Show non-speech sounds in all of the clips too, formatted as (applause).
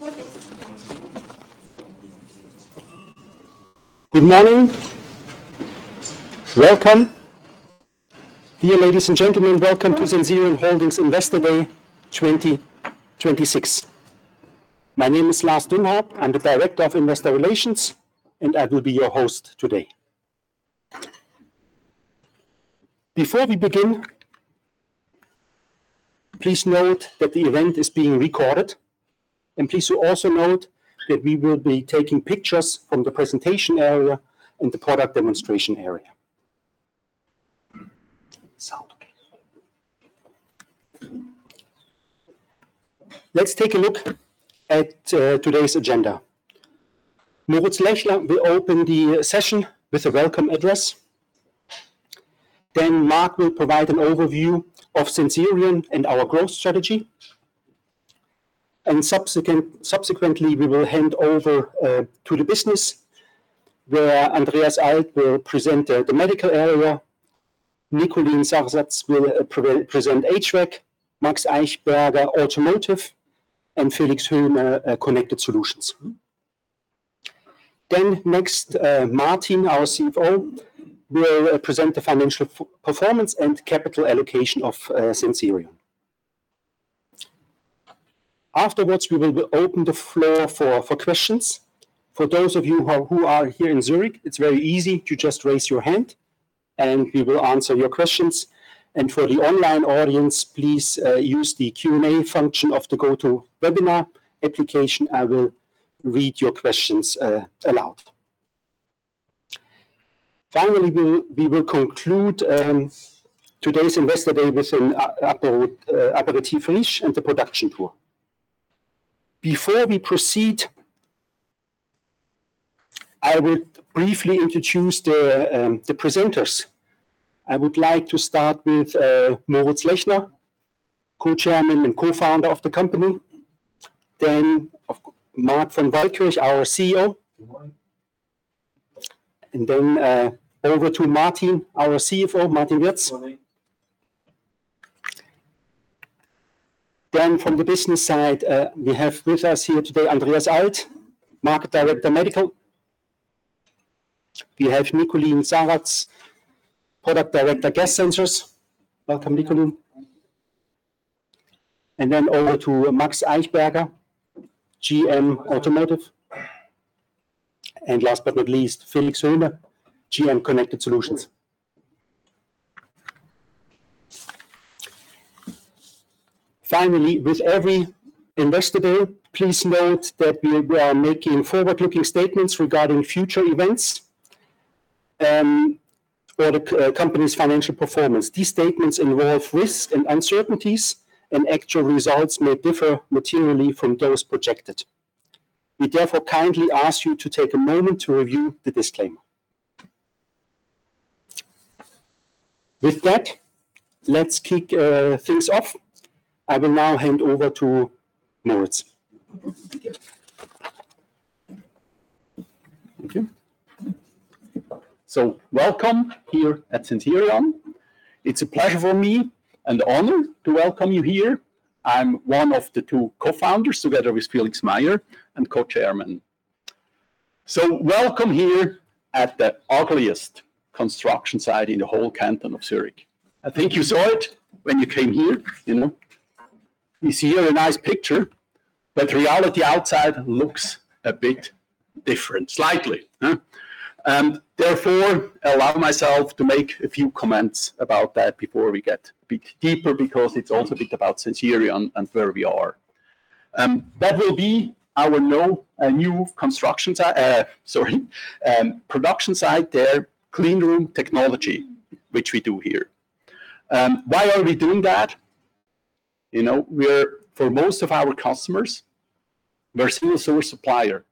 Good morning. Welcome. Dear ladies and gentlemen, welcome to Sensirion Holding Investor Day 2026. My name is Lars Dünnhaupt. I'm the Director of Investor Relations, and I will be your host today. Before we begin, please note that the event is being recorded, and please also note that we will be taking pictures from the presentation area and the product demonstration area. Let's take a look at today's agenda. Moritz Lechner will open the session with a welcome address. Marc will provide an overview of Sensirion and our growth strategy. Subsequently, we will hand over to the business, where Andreas Alt will present the Medical area, Niculin Saratz will present HVAC, Maximilian Eichberger, Automotive, and Felix Hoehne, Connected Solutions. Next, Martin, our CFO, will present the financial performance and capital allocation of Sensirion. Afterwards, we will open the floor for questions. For those of you who are here in Zurich, it's very easy to just raise your hand, and we will answer your questions. For the online audience, please use the Q&A function of the GoTo Webinar application. I will read your questions aloud. Finally, we will conclude today's Investor Day with an aperitif lunch and a production tour. Before we proceed, I will briefly introduce the presenters. I would like to start with Moritz Lechner, Co-Chairman and Co-Founder of the company, of course, Marc von Waldkirch, our CEO. Over to Martin, our CFO, Martin Wirz. Then from the business side, we have with us here today Andreas Alt, Market Director, Medical. We have Niculin Saratz, Product Director, Gas Sensors. Welcome, Niculin. Over to Maximilian Eichberger, GM Automotive. Last but not least, Felix Hoehne, GM Connected Solutions. Finally, with every Investor Day, please note that we are making forward-looking statements regarding future events. For the company's financial performance, these statements involve risks and uncertainties, and actual results may differ materially from those projected. We therefore kindly ask you to take a moment to review the disclaimer. With that, let's kick things off. I will now hand over to Moritz. Thank you. Welcome here at Sensirion. It's a pleasure for me and an honor to welcome you here. I'm one of the two Co-Founders, together with Felix Mayer, and Co-Chairman. Welcome here at the ugliest construction site in the whole Canton of Zurich. I think you saw it when you came here. You see here a nice picture, but reality outside looks a bit different. Slightly. Therefore, allow myself to make a few comments about that before we get a bit deeper, because it's also a bit about Sensirion and where we are. That will be our new production site there, clean room technology, which we do here. Why are we doing that? For most of our customers, we're a single-source supplier.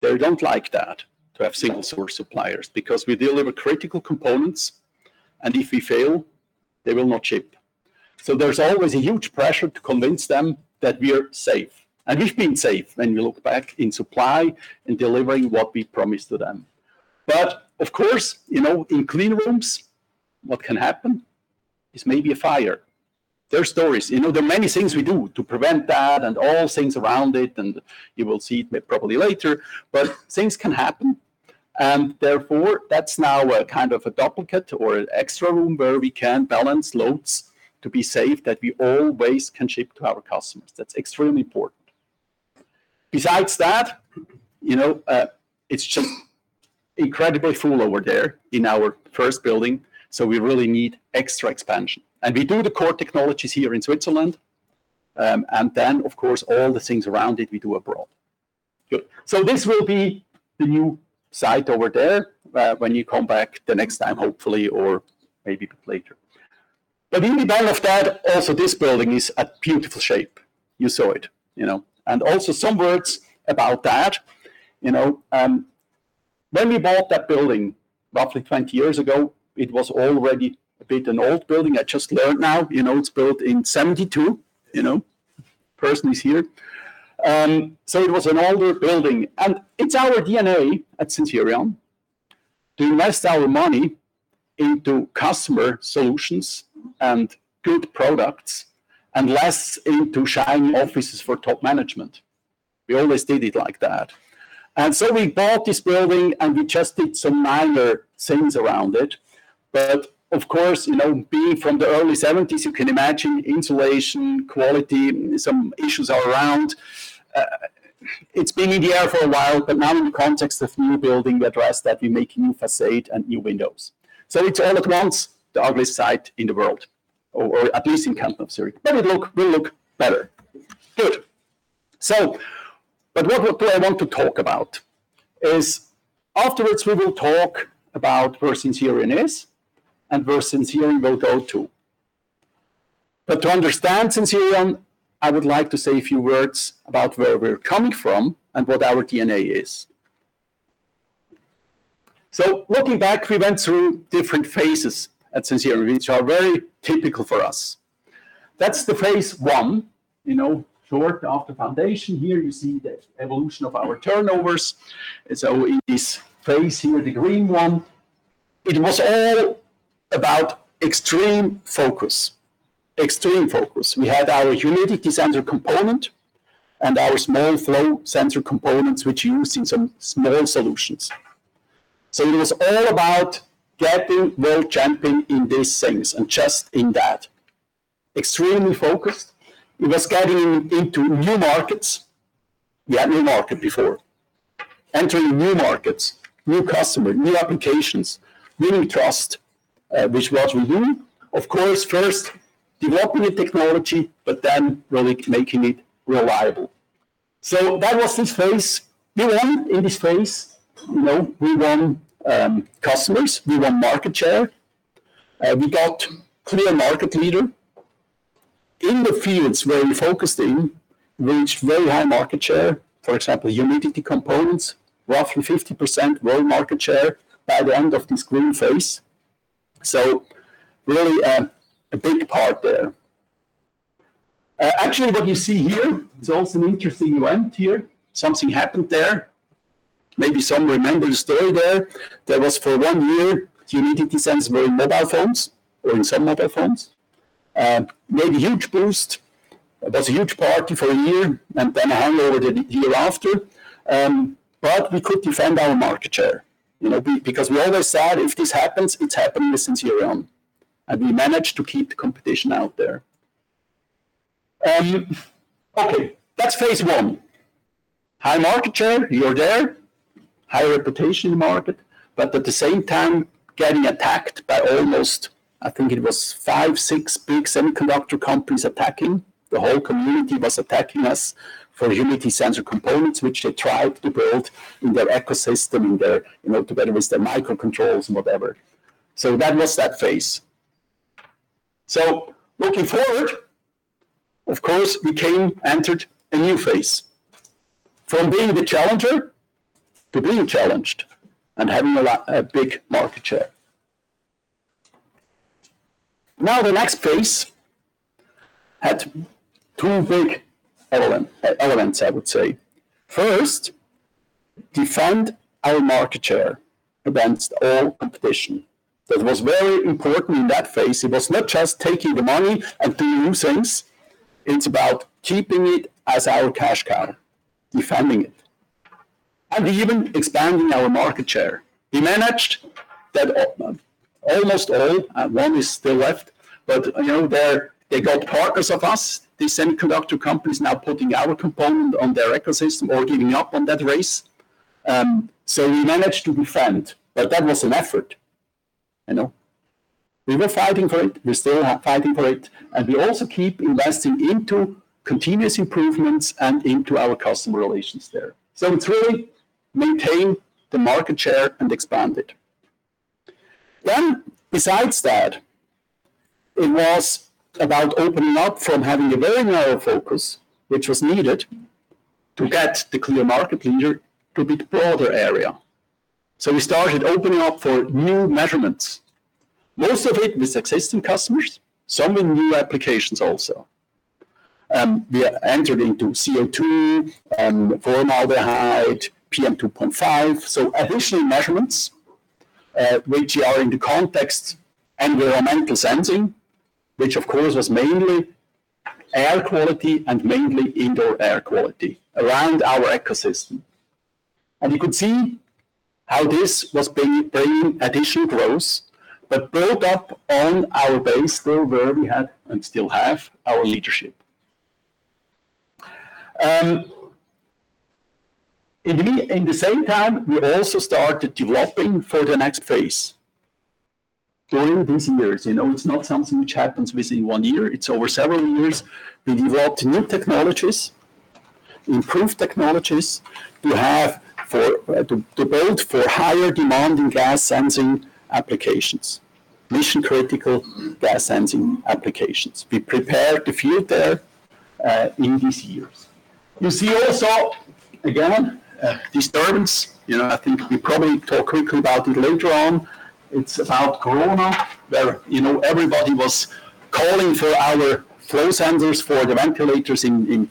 They don't like that, to have single-source suppliers, because we deliver critical components, and if we fail, they will not ship. There's always a huge pressure to convince them that we are safe. We've been safe, when you look back, in supply and delivering what we promised to them. Of course, in clean rooms, what can happen is maybe a fire. There are stories. There are many things we do to prevent that and all things around it, and you will see it probably later, but things can happen. Therefore, that's now a kind of a duplicate or extra room where we can balance loads to be safe, that we always can ship to our customers. That's extremely important. Besides that, it's just incredibly full over there in our first building, so we really need extra expansion. We do the core technologies here in Switzerland, and then, of course, all the things around it, we do abroad. Good. This will be the new site over there when you come back the next time, hopefully, or maybe later. Also, this building is a beautiful shape. You saw it. Also some words about that. When we bought that building roughly 20 years ago, it was already a bit an old building. I just learned now, it's built in 1972. It was an older building. It's our DNA at Sensirion to invest our money into customer solutions and good products and less into shiny offices for top management. We always did it like that. We bought this building, and we just did some minor things around it. Of course, being from the early 1970s, you can imagine insulation, quality, some issues are around. It's been in the air for a while, but now in the context of new building we address that we make new facade and new windows. It's all at once the ugliest site in the world, or at least in Canton of Zurich. It will look better. Good. What I want to talk about is afterwards we will talk about where Sensirion is and where Sensirion will go to. To understand Sensirion, I would like to say a few words about where we're coming from and what our DNA is. Looking back, we went through different phases at Sensirion, which are very typical for us. That's the phase one, short after foundation. Here you see the evolution of our turnovers. In this phase here, the green one, it was all about extreme focus. Extreme focus. We had our humidity sensor component and our small flow sensor components, which you use in some small solutions. It was all about getting world champion in these things, and just in that, extremely focused. It was getting into new markets. We had no market before. Entering new markets, new customers, new applications, winning trust, which was we do, of course, first developing the technology, but then really making it reliable. That was this phase. We won in this phase. We won customers, we won market share. We got clear market leader. In the fields where we focused in, reached very high market share. For example, humidity components, roughly 50% world market share by the end of this green phase. Really, a big part there. Actually, what you see here is also an interesting event here. Something happened there. Maybe some remember the story there. There was for one year, humidity sensors were in mobile phones or in some mobile phones. Made a huge boost. It was a huge party for a year, and then it hung over to the year after. We could defend our market share. Because we always said, if this happens, it's happening with Sensirion. We managed to keep the competition out there. Okay, that's phase one. High market share, we were there. High reputation in the market, but at the same time, getting attacked by almost, I think it was five, six big semiconductor companies attacking. The whole community was attacking us for humidity sensor components, which they tried to build in their ecosystem, together with their microcontrollers and whatever. That was that phase. Looking forward, of course, we entered a new phase. From being the challenger to being challenged and having a big market share. Now, the next phase had two big elements, I would say. First, defend our market share against all competition. That was very important in that phase. It was not just taking the money and doing new things. It's about keeping it as our cash cow, defending it, and even expanding our market share. We managed that almost all. One is still left, but they got partners of us, these semiconductor companies now putting our component on their ecosystem or giving up on that race. We managed to defend, but that was an effort. We were fighting for it, we're still fighting for it, and we also keep investing into continuous improvements and into our customer relations there. It's really maintain the market share and expand it. Besides that, it was about opening up from having a very narrow focus, which was needed to get the clear market leader to a bit broader area. We started opening up for new measurements, most of it with existing customers, some in new applications also. We entered into CO2, formaldehyde, PM2.5, so additional measurements, which are in the context of environmental sensing, which of course, was mainly air quality and mainly indoor air quality around our ecosystem. You could see how this was bringing additional growth but built up on our base where we had, and still have, our leadership. In the same time, we also started developing for the next phase. During these years, it's not something which happens within one year. It's over several years. We developed new technologies, improved technologies to build for higher demand in gas sensing applications, mission-critical gas sensing applications. We prepared the field there in these years. You see also, again, disturbance. I think we probably talk quickly about it later on. It's about corona, where everybody was calling for our flow sensors for the ventilators in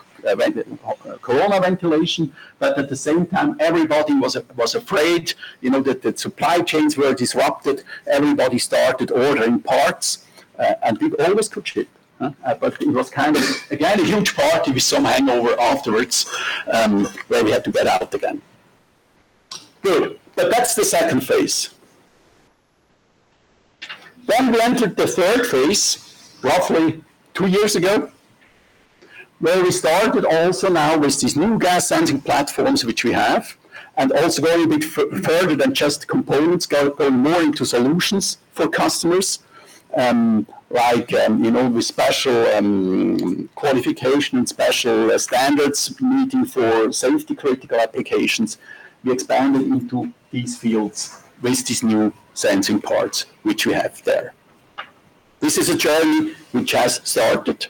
(inaudible) corona ventilation. At the same time, everybody was afraid that the supply chains were disrupted. Everybody started ordering parts, and we always could ship. It was kind of, again, a huge party with some hangover afterwards, where we had to get out again. Good. That's the second phase. We entered the third phase roughly two years ago, where we started also now with these new gas sensing platforms which we have, and also very a bit further than just components, going more into solutions for customers, like with special qualification and special standards needed for safety-critical applications. We expanded into these fields with these new sensing parts which we have there. This is a journey we just started.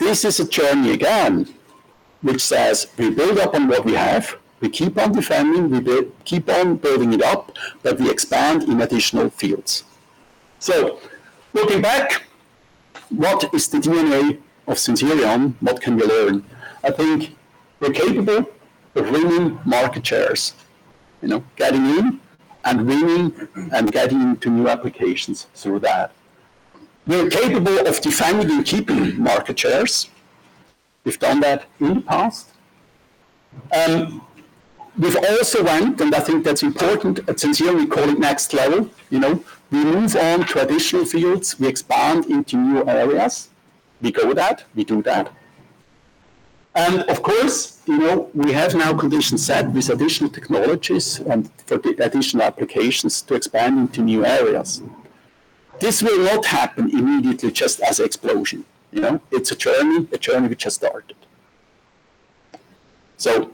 This is a journey, again, which says we build up on what we have. We keep on defending, we keep on building it up, but we expand in additional fields. Looking back, what is the DNA of Sensirion? What can we learn? I think we're capable of winning market shares. Getting in and winning and getting into new applications through that. We're capable of defending and keeping market shares. We've done that in the past. We've also went, and I think that's important, at Sensirion, we call it next level. We move on to additional fields. We expand into new areas. We go that, we do that. Of course, we have now condition set with additional technologies and for additional applications to expand into new areas. This will not happen immediately just as explosion. It's a journey which has started.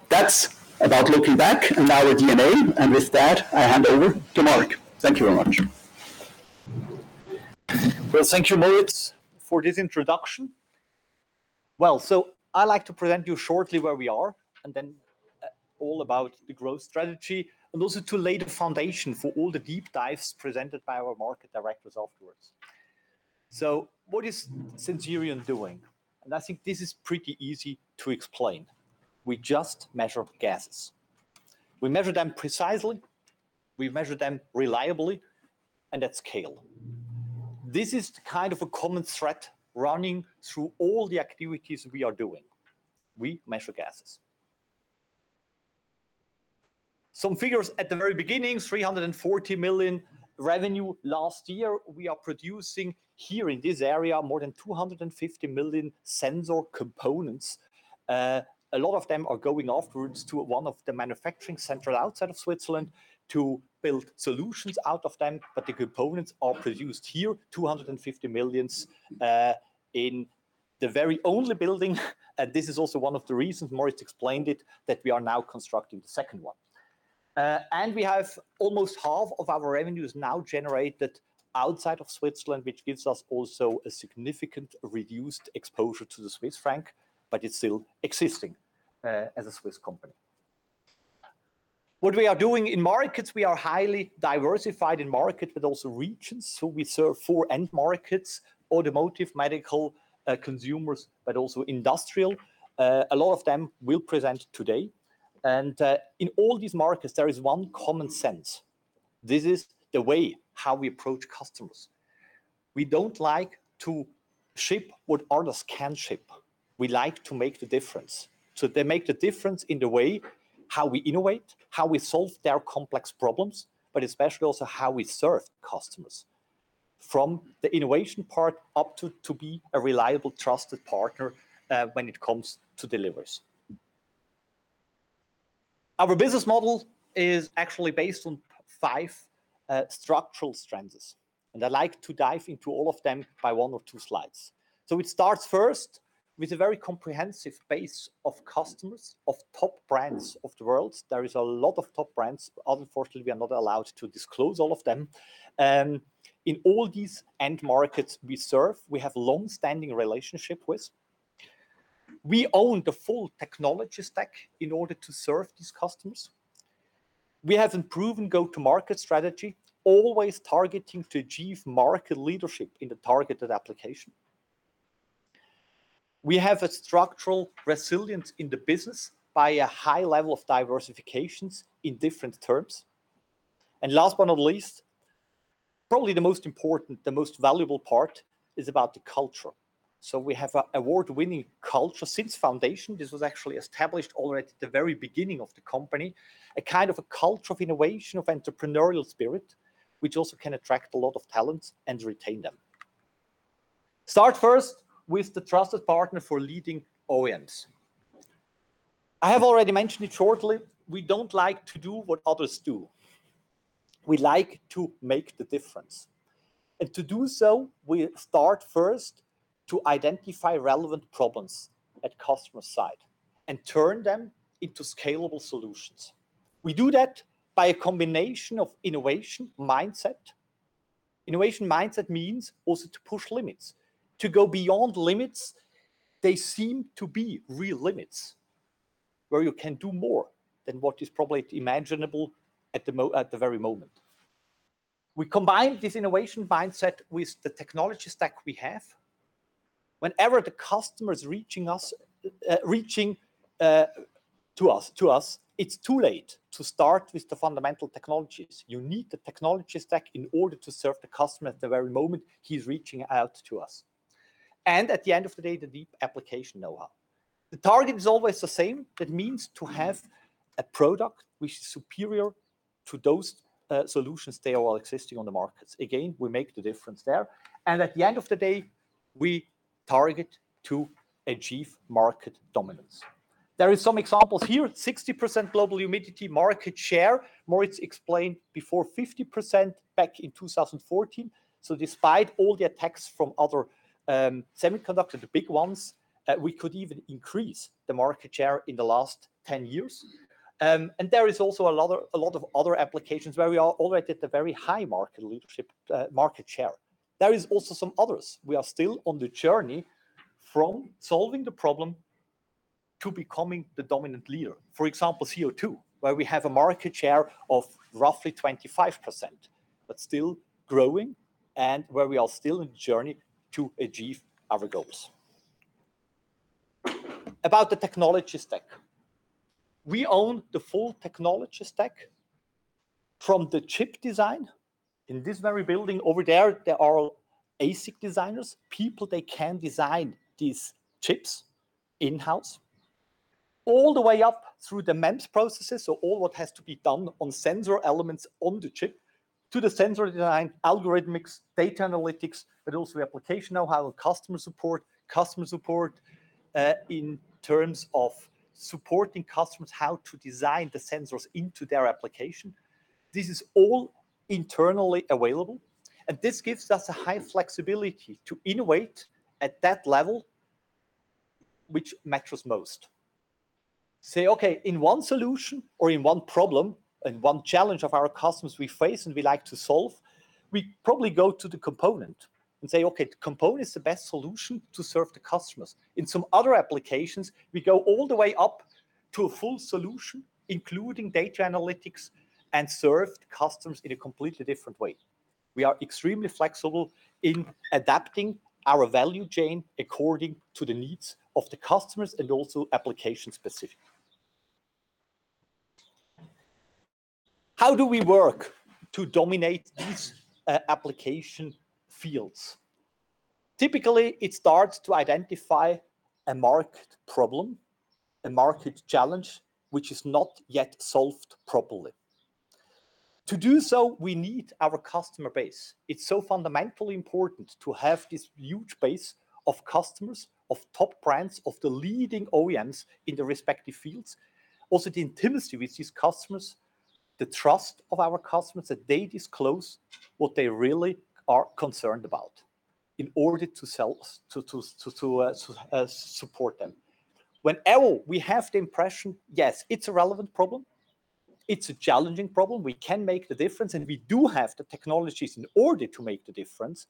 That's about looking back and our DNA, and with that, I hand over to Marc. Thank you very much. Well, thank you, Moritz, for this introduction. Well, I like to present you shortly where we are and then all about the growth strategy, and also to lay the foundation for all the deep dives presented by our market directors afterwards. What is Sensirion doing? I think this is pretty easy to explain. We just measure gases. We measure them precisely, we measure them reliably, and at scale. This is kind of a common thread running through all the activities we are doing. We measure gases. Some figures at the very beginning, 340 million revenue last year. We are producing here in this area more than 250 million sensor components. A lot of them are going afterwards to one of the manufacturing center outside of Switzerland to build solutions out of them, but the components are produced here, 250 million, in the very only building. This is also one of the reasons, Moritz explained it, that we are now constructing the second one. We have almost half of our revenues now generated outside of Switzerland, which gives us also a significant reduced exposure to the Swiss franc, but it's still existing as a Swiss company. What we are doing in markets, we are highly diversified in market, but also regions. We serve four end markets, Automotive, Medical, Consumers, but also Industrial. A lot of them will present today. In all these markets, there is one common sense. This is the way how we approach customers. We don't like to ship what others can ship. We like to make the difference. They make the difference in the way how we innovate, how we solve their complex problems, but especially also how we serve customers. From the innovation part up to be a reliable, trusted partner when it comes to deliveries. Our business model is actually based on five structural strands, and I'd like to dive into all of them by one or two slides. It starts first with a very comprehensive base of customers, of top brands of the world. There is a lot of top brands, but unfortunately, we are not allowed to disclose all of them. In all these end markets we serve, we have longstanding relationship with. We own the full technology stack in order to serve these customers. We have a proven go-to-market strategy, always targeting to achieve market leadership in the targeted application. We have a structural resilience in the business by a high level of diversifications in different terms. Last but not least, probably the most important, the most valuable part is about the culture. We have an award-winning culture since foundation. This was actually established already at the very beginning of the company, a kind of a culture of innovation, of entrepreneurial spirit, which also can attract a lot of talents and retain them. Start first with the trusted partner for leading OEMs. I have already mentioned it shortly. We don't like to do what others do. We like to make the difference. To do so, we start first to identify relevant problems at customer side and turn them into scalable solutions. We do that by a combination of innovation mindset. Innovation mindset means also to push limits, to go beyond limits. They seem to be real limits, where you can do more than what is probably imaginable at the very moment. We combine this innovation mindset with the technology stack we have. Whenever the customer is reaching to us, it's too late to start with the fundamental technologies. You need the technology stack in order to serve the customer at the very moment he's reaching out to us and, at the end of the day, the deep application know-how. The target is always the same. That means to have a product which is superior to those solutions they are all existing on the markets. Again, we make the difference there. At the end of the day, we target to achieve market dominance. There is some examples here, 60% global humidity market share. Moritz explained before 50% back in 2014. Despite all the attacks from other semiconductor, the big ones, we could even increase the market share in the last 10 years. There is also a lot of other applications where we are already at the very high market leadership, market share. There is also some others. We are still on the journey from solving the problem to becoming the dominant leader, for example, CO2, where we have a market share of roughly 25%, but still growing and where we are still in journey to achieve our goals. About the technology stack, we own the full technology stack from the chip design, in this very building over there are ASIC designers, people they can design these chips in-house, all the way up through the MEMS processes, so all what has to be done on sensor elements on the chip to the sensor design, algorithmics, data analytics, but also application know-how, customer support in terms of supporting customers, how to design the sensors into their application. This is all internally available, and this gives us a high flexibility to innovate at that level which matters most. Say, okay, in one solution or in one problem and one challenge of our customers we face and we like to solve, we probably go to the component and say, "Okay, the component is the best solution to serve the customers." In some other applications, we go all the way up to a full solution, including data analytics, and serve the customers in a completely different way. We are extremely flexible in adapting our value chain according to the needs of the customers and also application-specific. How do we work to dominate these application fields? Typically, it starts to identify a market problem, a market challenge, which is not yet solved properly. To do so, we need our customer base. It's so fundamentally important to have this huge base of customers, of top brands, of the leading OEMs in the respective fields. Also, the intimacy with these customers, the trust of our customers, that they disclose what they really are concerned about in order to sell, to support them. Whenever we have the impression, yes, it's a relevant problem, it's a challenging problem, we can make the difference, and we do have the technologies in order to make the difference,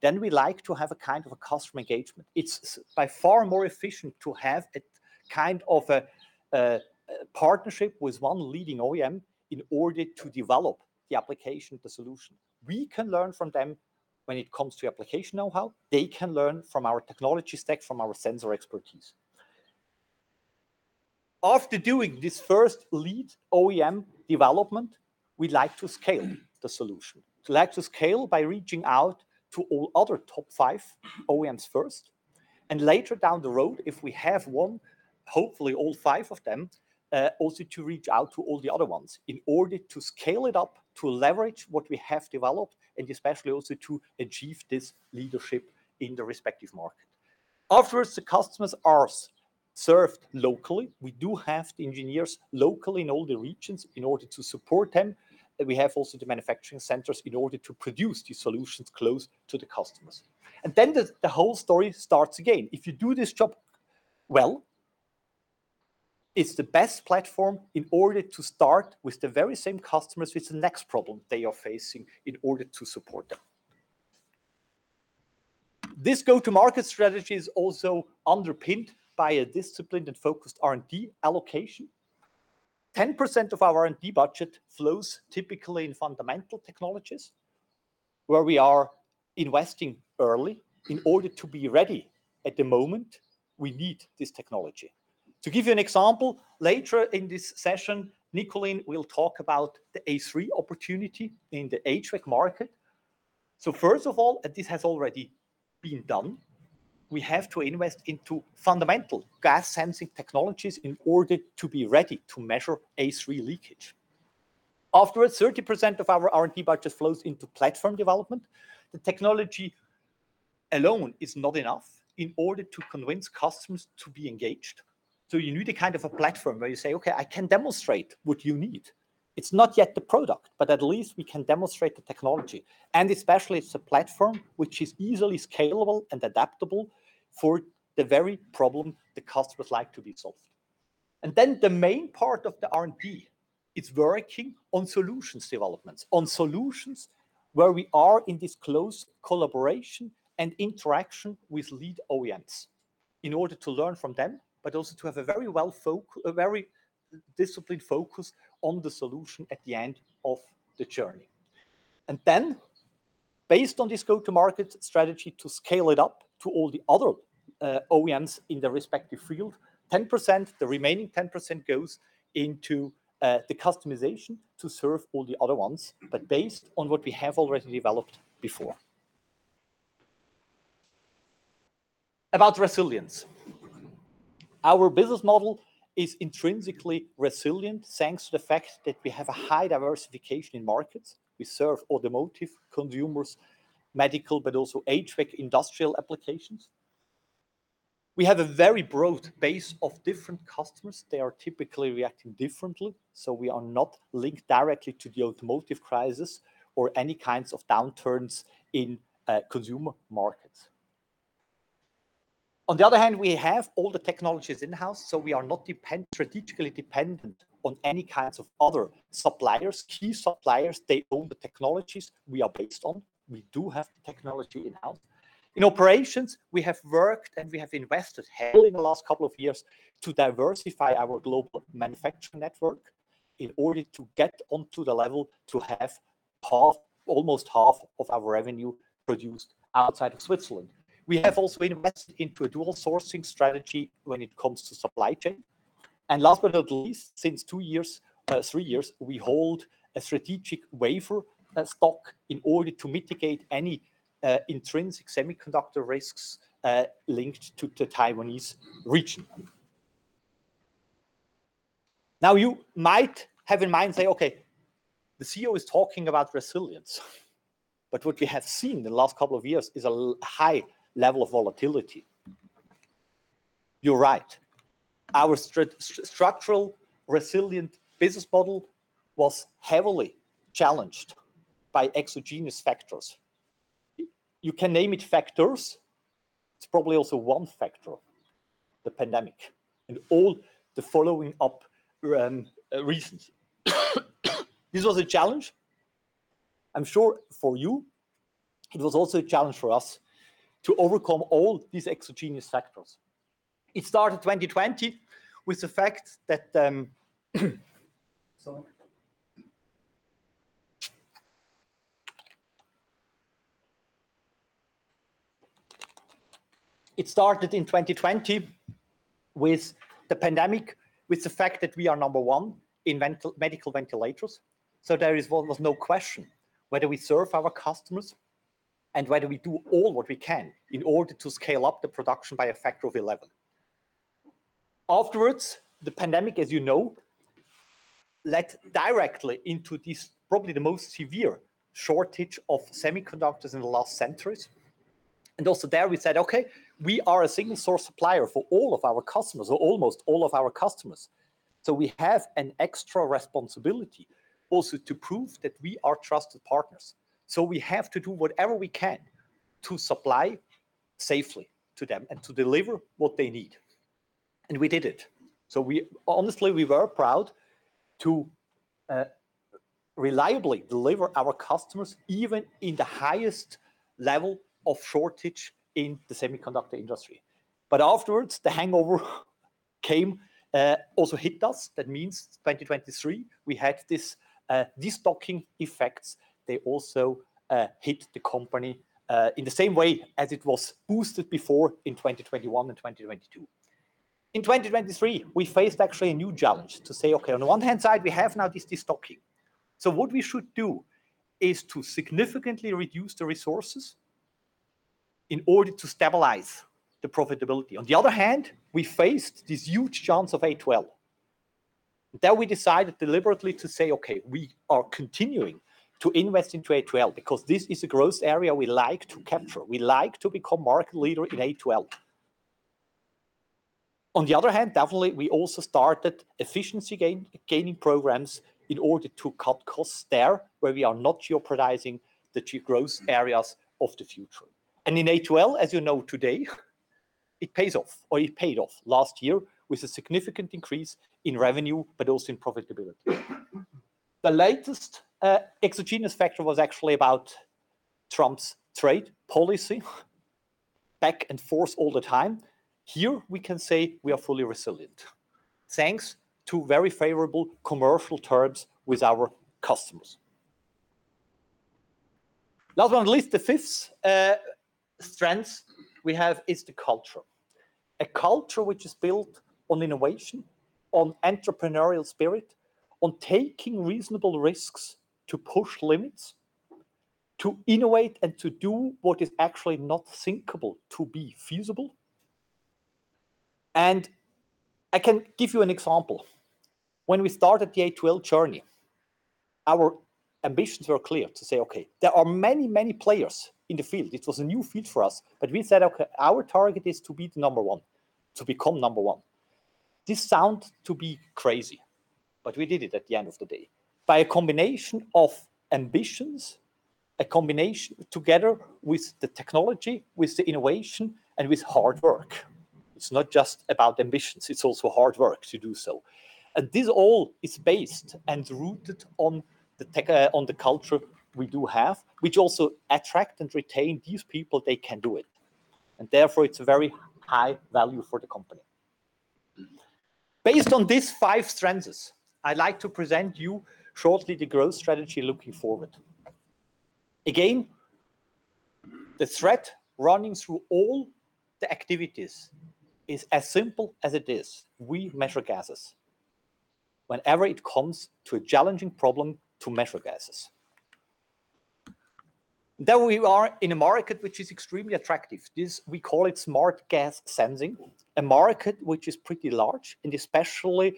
then we like to have a kind of a customer engagement. It's by far more efficient to have a kind of a partnership with one leading OEM in order to develop the application, the solution. We can learn from them when it comes to application know-how. They can learn from our technology stack, from our sensor expertise. After doing this first lead OEM development, we like to scale the solution, to scale by reaching out to all other top five OEMs first, and later down the road, if we have won, hopefully all five of them, also to reach out to all the other ones in order to scale it up, to leverage what we have developed, and especially also to achieve this leadership in the respective market. Of course, the customers are served locally. We do have the engineers locally in all the regions in order to support them, and we have also the manufacturing centers in order to produce these solutions close to the customers. The whole story starts again. If you do this job well, it's the best platform in order to start with the very same customers with the next problem they are facing in order to support them. This go-to-market strategy is also underpinned by a disciplined and focused R&D allocation. 10% of our R&D budget flows typically in fundamental technologies, where we are investing early in order to be ready at the moment we need this technology. To give you an example, later in this session, Niculin Saratz will talk about the A3 opportunity in the HVAC market. First of all, and this has already been done, we have to invest into fundamental gas-sensing technologies in order to be ready to measure A3 leakage. Afterwards, 30% of our R&D budget flows into platform development. The technology alone is not enough in order to convince customers to be engaged. You need a kind of a platform where you say, "Okay, I can demonstrate what you need." It's not yet the product, but at least we can demonstrate the technology, and especially it's a platform which is easily scalable and adaptable for the very problem the customers like to be solved. The main part of the R&D, it's working on solutions developments, on solutions where we are in this close collaboration and interaction with lead OEMs in order to learn from them, but also to have a very disciplined focus on the solution at the end of the journey. Based on this go-to-market strategy to scale it up to all the other OEMs in their respective field, 10%, the remaining 10% goes into the customization to serve all the other ones, but based on what we have already developed before. About resilience. Our business model is intrinsically resilient, thanks to the fact that we have a high diversification in markets. We serve automotive, consumers, medical, but also HVAC industrial applications. We have a very broad base of different customers. They are typically reacting differently, so we are not linked directly to the automotive crisis or any kinds of downturns in consumer markets. On the other hand, we have all the technologies in-house, so we are not strategically dependent on any kinds of other suppliers, key suppliers they own the technologies we are based on. We do have the technology in-house. In operations, we have worked and we have invested heavily in the last couple of years to diversify our global manufacturing network in order to get onto the level to have almost half of our revenue produced outside of Switzerland. We have also invested into a dual sourcing strategy when it comes to supply chain. Last but not least, since two years, three years, we hold a strategic wafer stock in order to mitigate any intrinsic semiconductor risks linked to the Taiwanese region. Now, you might have in mind, say, okay, the CEO is talking about resilience, but what we have seen in the last couple of years is a high level of volatility. You're right. Our structural resilient business model was heavily challenged by exogenous factors. You can name it factors. It's probably also one factor, the pandemic, and all the following up reasons. This was a challenge, I'm sure for you. It was also a challenge for us to overcome all these exogenous factors. It started 2020 with the fact that. Sorry. It started in 2020 with the pandemic, with the fact that we are number one in medical ventilators. There is almost no question whether we serve our customers, and whether we do all what we can in order to scale up the production by a factor of 11. Afterwards, the pandemic, as you know, led directly into this, probably the most severe shortage of semiconductors in the last centuries. Also there we said, okay, we are a single-source supplier for all of our customers, or almost all of our customers. We have an extra responsibility also to prove that we are trusted partners. We have to do whatever we can to supply safely to them and to deliver what they need. We did it. Honestly, we were proud to reliably deliver our customers, even in the highest level of shortage in the semiconductor industry. Afterwards, the hangover came, also hit us. That means 2023, we had these stocking effects. They also hit the company, in the same way as it was boosted before in 2021 and 2022. In 2023, we faced actually a new challenge to say, okay, on the one hand side, we have now this de-stocking. What we should do is to significantly reduce the resources in order to stabilize the profitability. On the other hand, we faced this huge chance of A2L. That we decided deliberately to say, okay, we are continuing to invest into A2L because this is a growth area we like to capture. We like to become market leader in A2L. On the other hand, definitely, we also started efficiency-gaining programs in order to cut costs there where we are not jeopardizing the two growth areas of the future. In A2L, as you know today, it pays off, or it paid off last year with a significant increase in revenue, but also in profitability. The latest exogenous factor was actually about Trump's trade policy, back and forth all the time. Here we can say we are fully resilient thanks to very favorable commercial terms with our customers. Last but not least, the fifth strength we have is the culture. A culture which is built on innovation, on entrepreneurial spirit, on taking reasonable risks to push limits, to innovate, and to do what is actually not thinkable to be feasible. I can give you an example. When we started the A2L journey, our ambitions were clear to say, okay, there are many players in the field. It was a new field for us. We said, okay, our target is to be the number one, to become number one. This sound to be crazy, but we did it at the end of the day by a combination of ambitions, together with the technology, with the innovation, and with hard work. It's not just about ambitions, it's also hard work to do so. This all is based and rooted on the culture we do have, which also attract and retain these people, they can do it. Therefore, it's a very high value for the company. Based on these five strengths, I like to present you shortly the growth strategy looking forward. Again, the thread running through all the activities is as simple as it is. We measure gases. Whenever it comes to a challenging problem, to measure gases. We are in a market which is extremely attractive. This, we call it smart gas sensing, a market which is pretty large and especially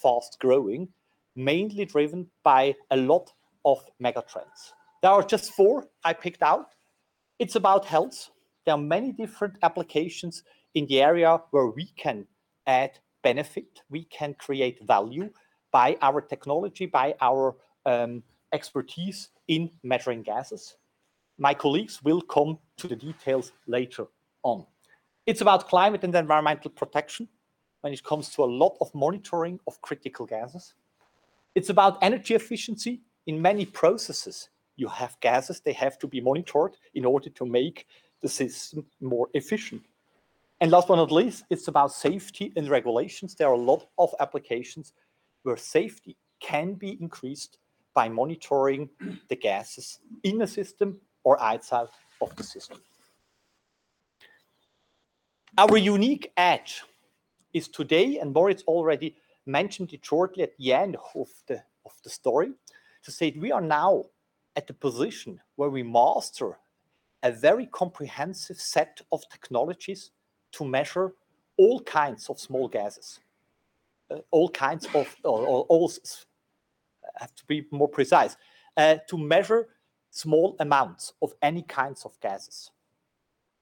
fast-growing, mainly driven by a lot of megatrends. There are just four I picked out. It's about health. There are many different applications in the area where we can add benefit. We can create value by our technology, by our expertise in measuring gases. My colleagues will come to the details later on. It's about climate and environmental protection when it comes to a lot of monitoring of critical gases. It's about energy efficiency. In many processes, you have gases. They have to be monitored in order to make the system more efficient. Last but not least, it's about safety and regulations. There are a lot of applications where safety can be increased by monitoring the gases in a system or outside of the system. Our unique edge is today, and Moritz already mentioned it shortly at the end of the story, to say we are now at the position where we master a very comprehensive set of technologies to measure all kinds of small gases. I have to be more precise, to measure small amounts of any kinds of gases,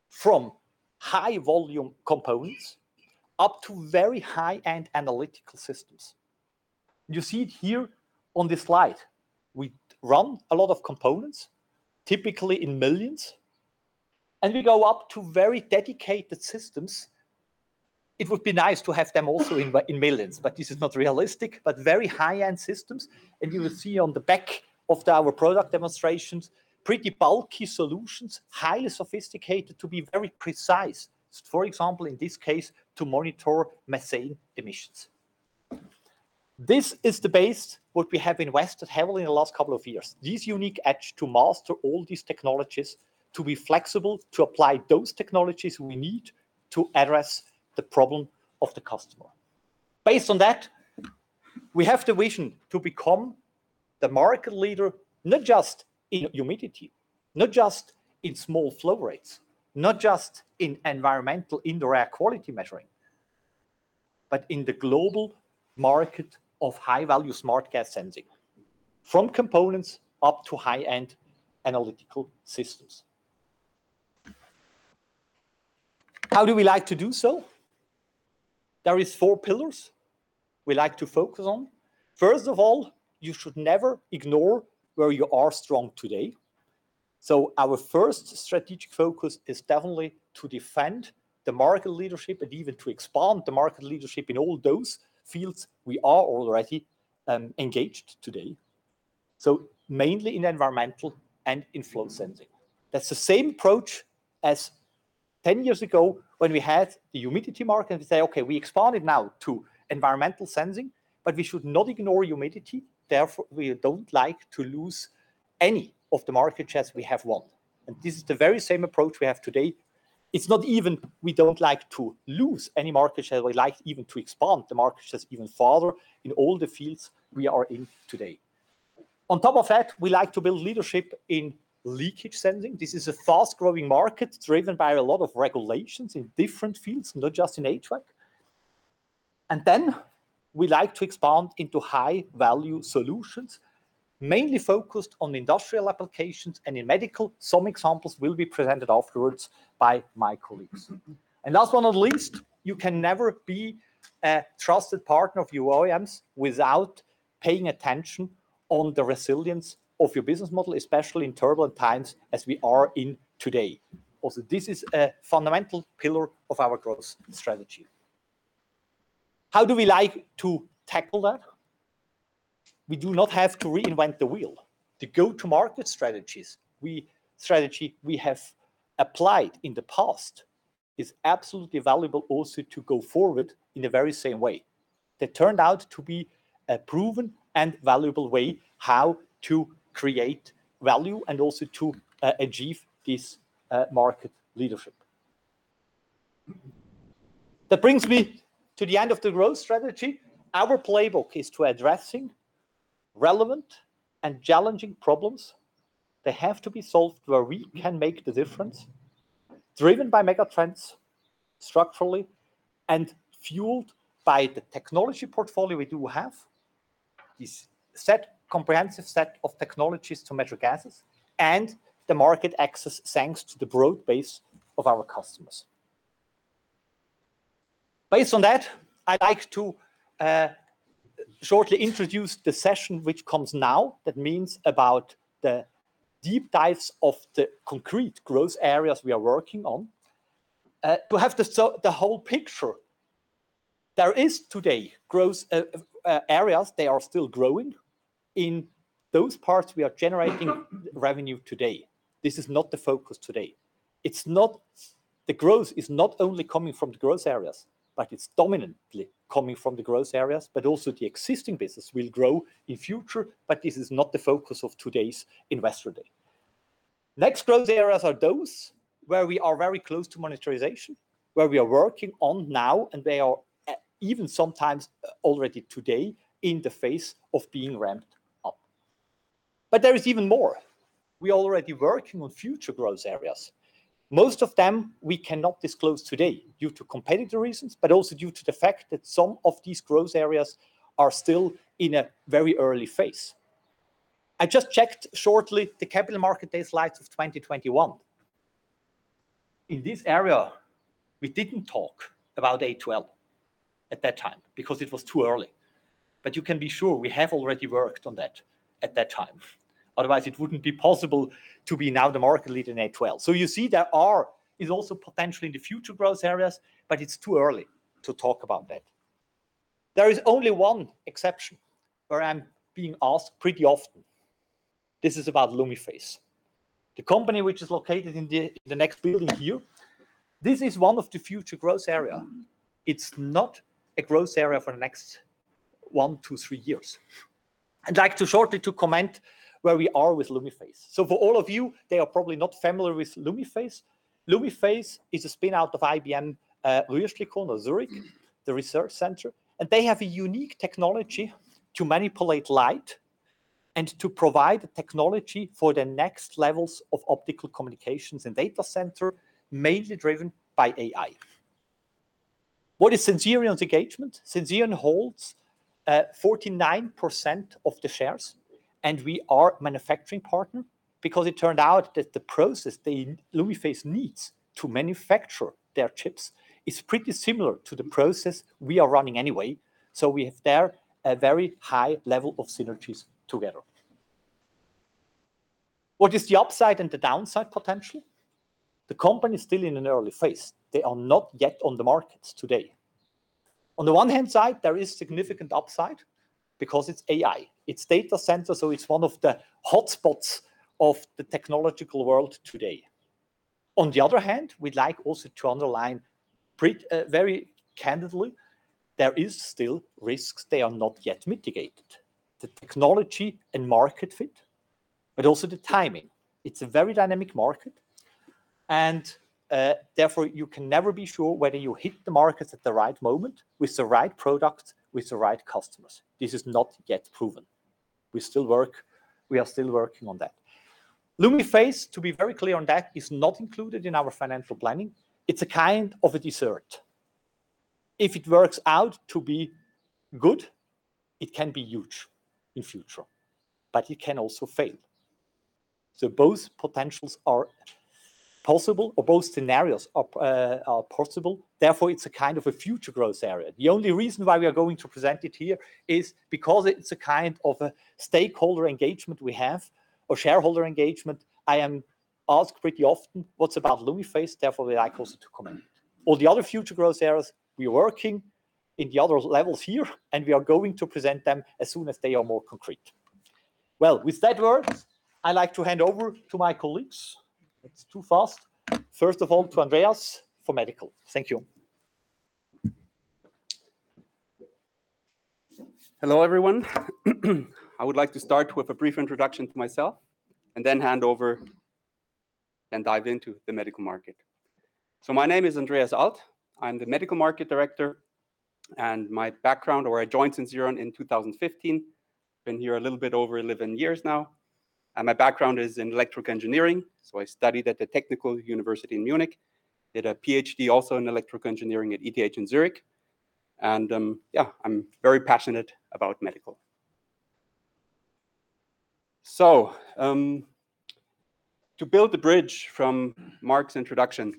from high-volume components up to very high-end analytical systems. You see it here on this slide. We run a lot of components, typically in millions, and we go up to very dedicated systems. It would be nice to have them also in millions, but this is not realistic. Very high-end systems, you will see on the back of our product demonstrations, pretty bulky solutions, highly sophisticated to be very precise, for example, in this case, to monitor methane emissions. This is the base, what we have invested heavily in the last couple of years, this unique edge to master all these technologies, to be flexible, to apply those technologies we need to address the problem of the customer. Based on that, we have the vision to become the market leader, not just in humidity, not just in small flow rates, not just in environmental indoor air quality measuring, but in the global market of high-value smart gas sensing, from components up to high-end analytical systems. How do we like to do so? There is four pillars we like to focus on. First of all, you should never ignore where you are strong today. Our first strategic focus is definitely to defend the market leadership and even to expand the market leadership in all those fields we are already engaged today, mainly in environmental and in flow sensing. That's the same approach as 10 years ago when we had the humidity market and we say, "Okay, we expand it now to environmental sensing, but we should not ignore humidity." Therefore, we don't like to lose any of the market shares we have won. This is the very same approach we have today. It's not even we don't like to lose any market share. We like even to expand the market shares even further in all the fields we are in today. On top of that, we like to build leadership in leakage sensing. This is a fast-growing market. It's driven by a lot of regulations in different fields, not just in HVAC. We like to expand into high-value solutions, mainly focused on industrial applications and in medical. Some examples will be presented afterwards by my colleagues. And last but not least, you can never be a trusted partner of your OEMs without paying attention on the resilience of your business model, especially in turbulent times as we are in today. Also, this is a fundamental pillar of our growth strategy. How do we like to tackle that? We do not have to reinvent the wheel. The go-to-market strategy we have applied in the past is absolutely valuable also to go forward in the very same way. That turned out to be a proven and valuable way how to create value and also to achieve this market leadership. That brings me to the end of the growth strategy. Our playbook is to addressing relevant and challenging problems that have to be solved where we can make the difference, driven by megatrends structurally, and fueled by the technology portfolio we do have, this comprehensive set of technologies to measure gases, and the market access, thanks to the broad base of our customers. Based on that, I'd like to shortly introduce the session which comes now. That means about the deep dives of the concrete growth areas we are working on. To have the whole picture, there is today growth areas. They are still growing. In those parts, we are generating revenue today. This is not the focus today. The growth is not only coming from the growth areas, but it's dominantly coming from the growth areas, but also the existing business will grow in future. This is not the focus of today's Investor Day. Next growth areas are those where we are very close to monetization, where we are working on now, and they are even sometimes already today in the phase of being ramped up. There is even more. We are already working on future growth areas. Most of them we cannot disclose today due to competitive reasons, but also due to the fact that some of these growth areas are still in a very early phase. I just checked shortly the Capital Markets Day slides of 2021. In this area, we didn't talk about A2L at that time because it was too early. You can be sure we have already worked on that at that time. Otherwise, it wouldn't be possible to be now the market lead in A2L. You see there is also potential in the future growth areas, but it's too early to talk about that. There is only one exception where I'm being asked pretty often. This is about Lumiphase. The company which is located in the next building here, this is one of the future growth area. It's not a growth area for the next one to three years. I'd like to shortly to comment where we are with Lumiphase. So for all of you, they are probably not familiar with Lumiphase. Lumiphase is a spin-out of IBM Research-Zürich, the research center, and they have a unique technology to manipulate light and to provide technology for the next levels of optical communications and data center, mainly driven by AI. What is Sensirion's engagement? Sensirion holds 49% of the shares, and we are manufacturing partner because it turned out that the process that Lumiphase needs to manufacture their chips is pretty similar to the process we are running anyway. We have there a very high level of synergies together. What is the upside and the downside potential? The company is still in an early phase. They are not yet on the markets today. On the one hand side, there is significant upside because it's AI. It's data center, so it's one of the hotspots of the technological world today. On the other hand, we'd like also to underline very candidly, there is still risks. They are not yet mitigated, the technology and market fit, but also the timing. It's a very dynamic market, and, therefore, you can never be sure whether you hit the markets at the right moment with the right product, with the right customers. This is not yet proven. We are still working on that. Lumiphase, to be very clear on that, is not included in our financial planning. It's a kind of a dessertIf it works out to be good, it can be huge in future, but it can also fail. So both potentials are possible, or both scenarios are possible. Therefore, it's a kind of a future growth area. The only reason why we are going to present it here is because it's a kind of a stakeholder engagement we have or shareholder engagement. I am asked pretty often what's about Lumiphase, therefore I cause it to come in. All the other future growth areas, we are working in the other levels here, and we are going to present them as soon as they are more concrete. Well, with that word, I like to hand over to my colleagues. It's too fast. First of all, to Andreas for medical. Thank you. Hello, everyone. I would like to start with a brief introduction to myself and then hand over and dive into the medical market. My name is Andreas Alt. I'm the Medical Market Director. I joined Sensirion in 2015. I have been here a little bit over 11 years now. My background is in electrical engineering. I studied at the Technical University of Munich, did a PhD also in electrical engineering at ETH Zurich. I'm very passionate about medical. To build the bridge from Marc's introduction,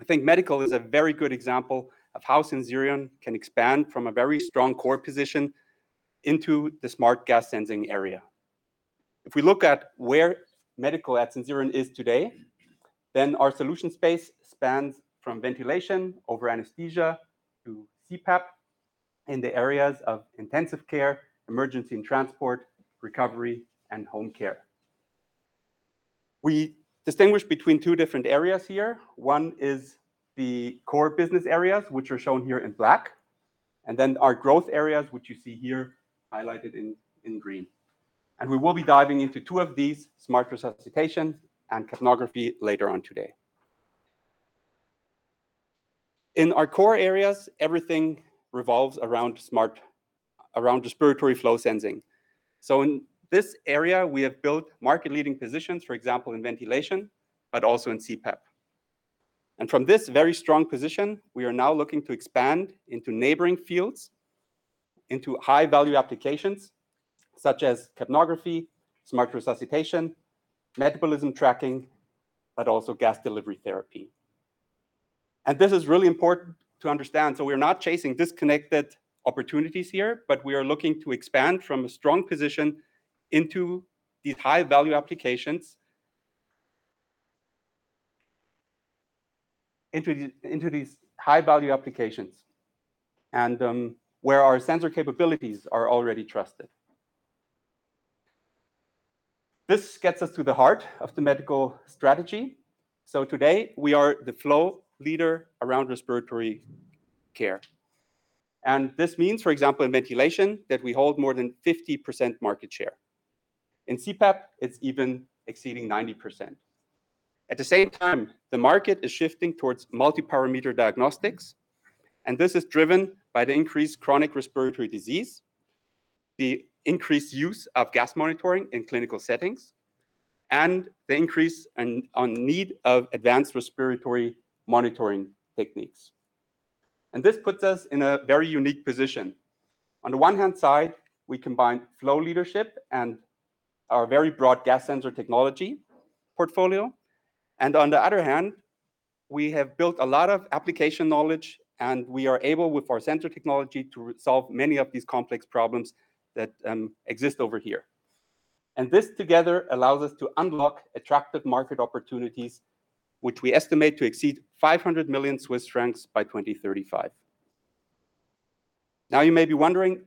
I think medical is a very good example of how Sensirion can expand from a very strong core position into the smart gas sensing area. If we look at where Medical at Sensirion is today, then our solution space spans from ventilation over anesthesia to CPAP in the areas of intensive care, emergency and transport, recovery, and home care. We distinguish between two different areas here. One is the core business areas, which are shown here in black, and then our growth areas, which you see here highlighted in green. We will be diving into two of these, smart resuscitation and capnography, later on today. In our core areas, everything revolves around respiratory flow sensing. In this area, we have built market-leading positions, for example, in ventilation, but also in CPAP. From this very strong position, we are now looking to expand into neighboring fields, into high-value applications such as capnography, smart resuscitation, metabolism tracking, but also gas delivery therapy. This is really important to understand. We're not chasing disconnected opportunities here, but we are looking to expand from a strong position into these high-value applications, and where our sensor capabilities are already trusted. This gets us to the heart of the medical strategy. Today, we are the flow leader around respiratory care. This means, for example, in ventilation, that we hold more than 50% market share. In CPAP, it's even exceeding 90%. At the same time, the market is shifting towards multi-parameter diagnostics, and this is driven by the increased chronic respiratory disease, the increased use of gas monitoring in clinical settings, and the increase on need of advanced respiratory monitoring techniques. This puts us in a very unique position. On the one-hand side, we combine flow leadership and our very broad gas sensor technology portfolio, and on the other hand, we have built a lot of application knowledge, and we are able, with our sensor technology, to solve many of these complex problems that exist over here. This together allows us to unlock attractive market opportunities, which we estimate to exceed 500 million Swiss francs by 2035. Now you may be wondering,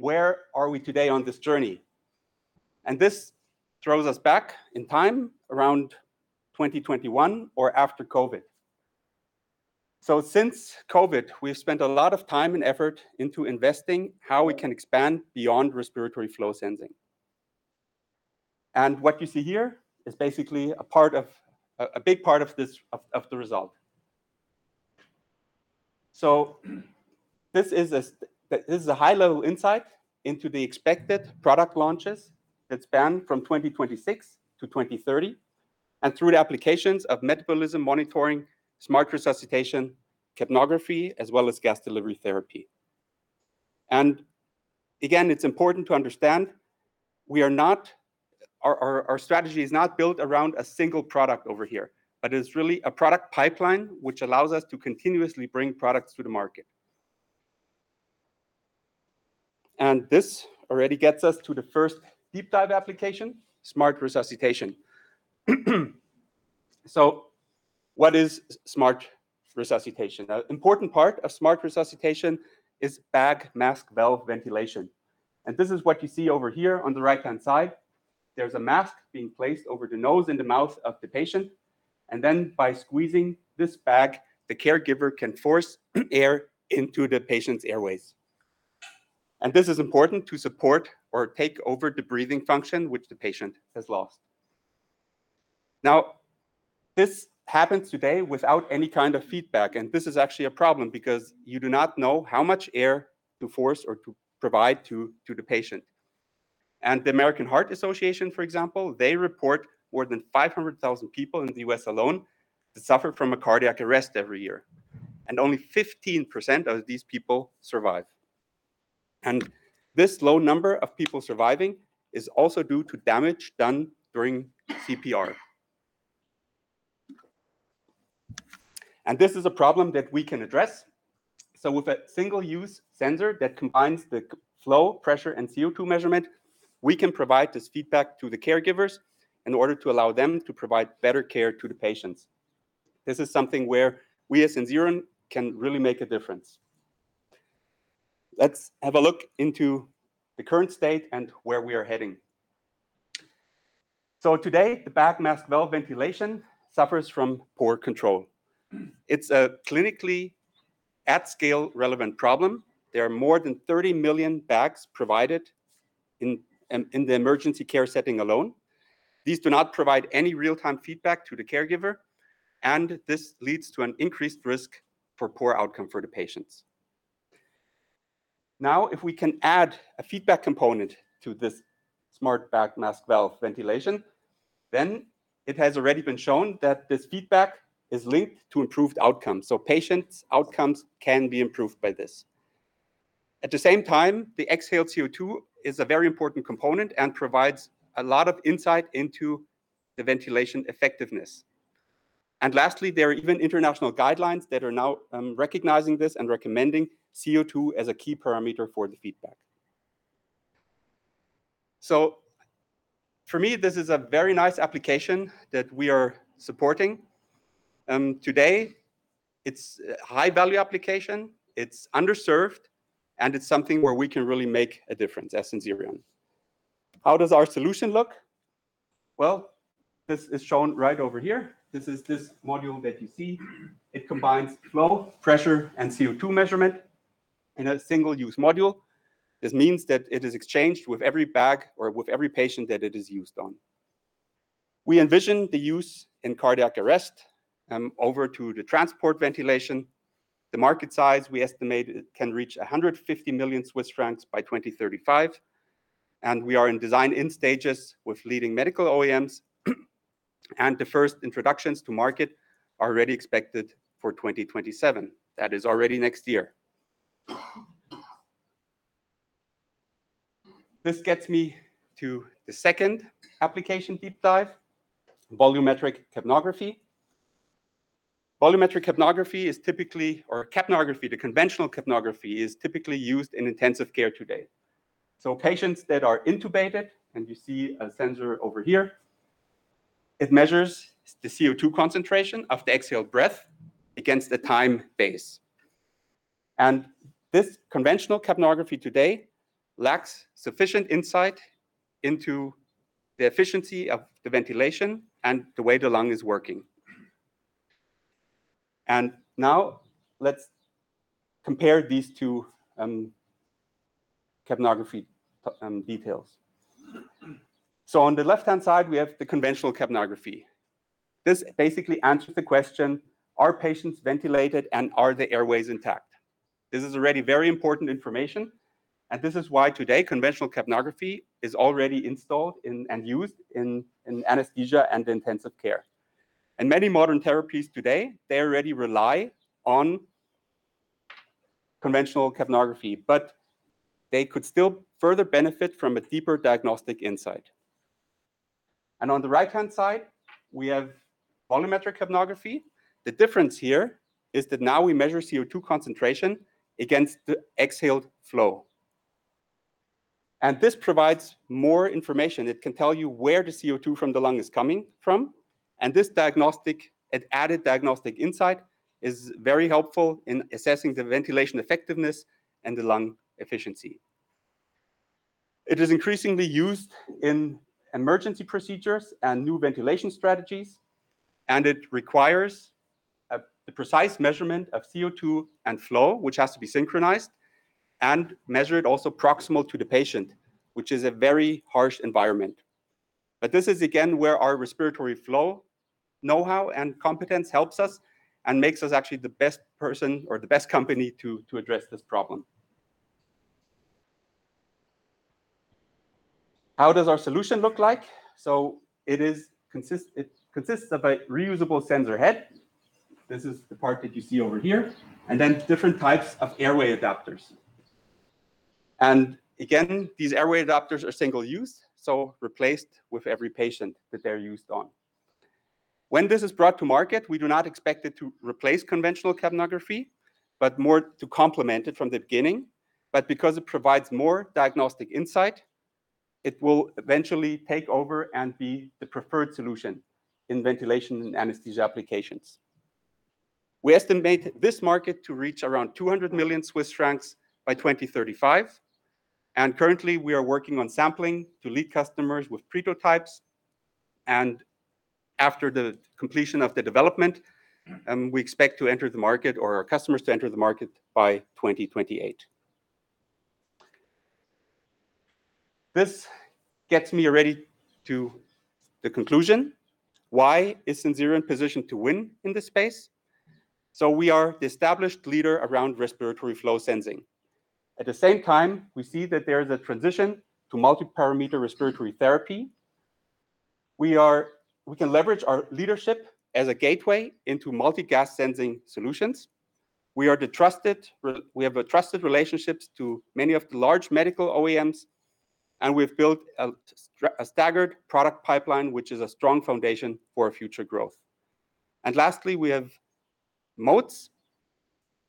where are we today on this journey? This throws us back in time around 2021 or after COVID. Since COVID, we've spent a lot of time and effort into investing how we can expand beyond respiratory flow sensing. What you see here is basically a big part of the result. This is a high-level insight into the expected product launches that span from 2026-2030, and through the applications of metabolism monitoring, smart resuscitation, capnography, as well as gas delivery therapy. Again, it's important to understand our strategy is not built around a single product over here, but is really a product pipeline which allows us to continuously bring products to the market. This already gets us to the first deep-dive application, smart resuscitation. What is smart resuscitation? An important part of smart resuscitation is bag-valve-mask ventilation. This is what you see over here on the right-hand side. There's a mask being placed over the nose and the mouth of the patient, and then by squeezing this bag, the caregiver can force air into the patient's airways. This is important to support or take over the breathing function which the patient has lost. Now, this happens today without any kind of feedback, and this is actually a problem because you do not know how much air to force or to provide to the patient. The American Heart Association, for example, they report more than 500,000 people in the U.S. alone that suffer from a cardiac arrest every year, and only 15% of these people survive. This low number of people surviving is also due to damage done during CPR. This is a problem that we can address. With a single-use sensor that combines the flow, pressure, and CO2 measurement, we can provide this feedback to the caregivers in order to allow them to provide better care to the patients. This is something where we as Sensirion can really make a difference. Let's have a look into the current state and where we are heading. Today, the bag-valve-mask ventilation suffers from poor control. It's a clinically at-scale relevant problem. There are more than 30 million bags provided in the emergency care setting alone. These do not provide any real-time feedback to the caregiver, and this leads to an increased risk for poor outcome for the patients. Now, if we can add a feedback component to this smart bag-valve-mask ventilation, then it has already been shown that this feedback is linked to improved outcomes. Patients' outcomes can be improved by this. At the same time, the exhaled CO2 is a very important component and provides a lot of insight into the ventilation effectiveness. Lastly, there are even international guidelines that are now recognizing this and recommending CO2 as a key parameter for the feedback. For me, this is a very nice application that we are supporting. Today, it's a high-value application, it's underserved, and it's something where we can really make a difference as Sensirion. How does our solution look? Well, this is shown right over here. This is this module that you see. It combines flow, pressure, and CO2 measurement in a single-use module. This means that it is exchanged with every bag or with every patient that it is used on. We envision the use in cardiac arrest over to the transport ventilation. The market size we estimate it can reach 150 million Swiss francs by 2035, and we are in design-in stages with leading medical OEMs, and the first introductions to market are already expected for 2027. That is already next year. This gets me to the second application deep dive, volumetric capnography. Capnography, the conventional capnography, is typically used in intensive care today. Patients that are intubated, and you see a sensor over here, it measures the CO2 concentration of the exhaled breath against the time base. This conventional capnography today lacks sufficient insight into the efficiency of the ventilation and the way the lung is working. Now let's compare these two capnography details. On the left-hand side, we have the conventional capnography. This basically answers the question, are patients ventilated and are the airways intact? This is already very important information, and this is why today conventional capnography is already installed and used in anesthesia and intensive care. Many modern therapies today, they already rely on conventional capnography, but they could still further benefit from a deeper diagnostic insight. On the right-hand side, we have volumetric capnography. The difference here is that now we measure CO2 concentration against the exhaled flow. This provides more information. It can tell you where the CO2 from the lung is coming from. This added diagnostic insight is very helpful in assessing the ventilation effectiveness and the lung efficiency. It is increasingly used in emergency procedures and new ventilation strategies, and it requires the precise measurement of CO2 and flow, which has to be synchronized and measured also proximal to the patient, which is a very harsh environment. This is again where our respiratory flow know-how and competence helps us and makes us actually the best person or the best company to address this problem. How does our solution look like? It consists of a reusable sensor head. This is the part that you see over here, different types of airway adapters. Again, these airway adapters are single-use, so replaced with every patient that they're used on. When this is brought to market, we do not expect it to replace conventional capnography, but more to complement it from the beginning. Because it provides more diagnostic insight, it will eventually take over and be the preferred solution in ventilation and anesthesia applications. We estimate this market to reach around 200 million Swiss francs by 2035, and currently, we are working on sampling to lead customers with prototypes. After the completion of the development, we expect to enter the market or our customers to enter the market by 2028. This gets me already to the conclusion. Why is Sensirion positioned to win in this space? We are the established leader around respiratory flow sensing. At the same time, we see that there is a transition to multi-parameter respiratory therapy. We can leverage our leadership as a gateway into multi-gas sensing solutions. We have trusted relationships to many of the large medical OEMs, and we've built a staggered product pipeline, which is a strong foundation for our future growth. Lastly, we have moats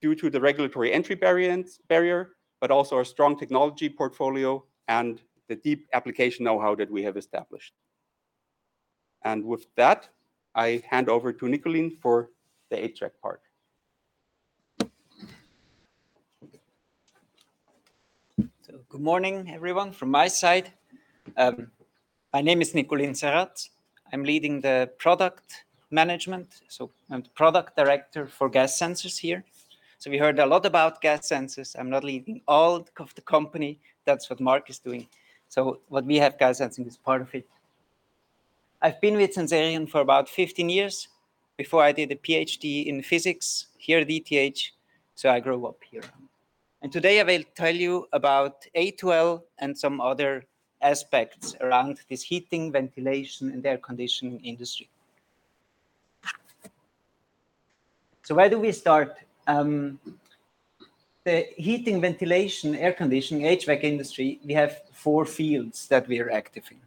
due to the regulatory entry barrier, but also our strong technology portfolio and the deep application know-how that we have established. With that, I hand over to Niculin for the HVAC part. Good morning everyone from my side. My name is Niculin Saratz. I'm leading the product management, so I'm Product Director for gas sensors here. We heard a lot about gas sensors. I'm not leading all of the company. That's what Marc is doing. What we have, gas sensing, is part of it. I've been with Sensirion for about 15 years. Before, I did a PhD in physics here at ETH, so I grew up here. Today I will tell you about A2L and some other aspects around this heating, ventilation, and air conditioning industry. Where do we start? The heating, ventilation, air conditioning, HVAC industry, we have four fields that we are active in.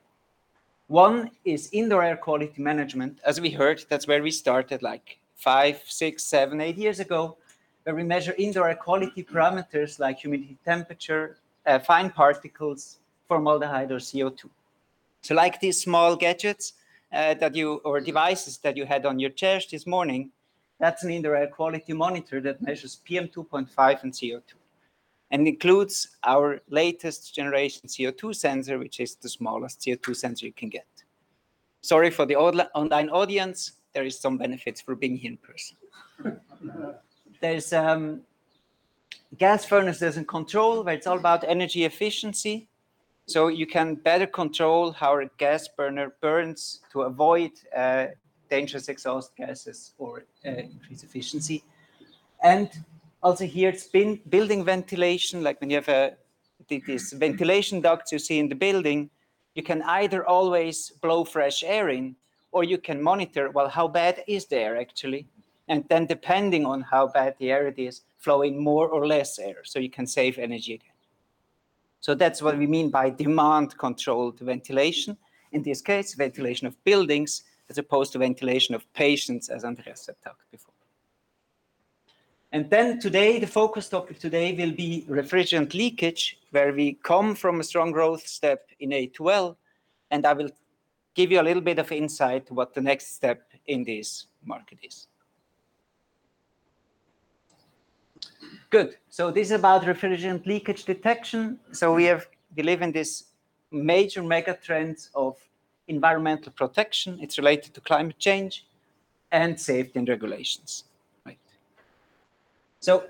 One is indoor air quality management. As we heard, that's where we started five, six, seven, eight years ago, where we measure indoor air quality parameters like humidity, temperature, fine particles, formaldehyde or CO2. Like these small gadgets or devices that you had on your chair this morning, that's an indoor air quality monitor that measures PM2.5 and CO2 and includes our latest generation CO2 sensor, which is the smallest CO2 sensor you can get. Sorry for the online audience. There is some benefits for being here in person. There's gas furnaces and control, where it's all about energy efficiency. You can better control how a gas burner burns to avoid dangerous exhaust gases or increase efficiency. Here, it's been building ventilation, like when you have these ventilation ducts you see in the building, you can either always blow fresh air in or you can monitor, well, how bad is the air actually, and then depending on how bad the air it is, flow in more or less air so you can save energy again. That's what we mean by demand controlled ventilation. In this case, ventilation of buildings as opposed to ventilation of patients, as Andreas had talked before. The focus topic today will be refrigerant leakage, where we come from a strong growth step in A2L, and I will give you a little bit of insight what the next step in this market is. Good. This is about refrigerant leakage detection. We live in this major megatrend of environmental protection. It's related to climate change and safety and regulations. Right.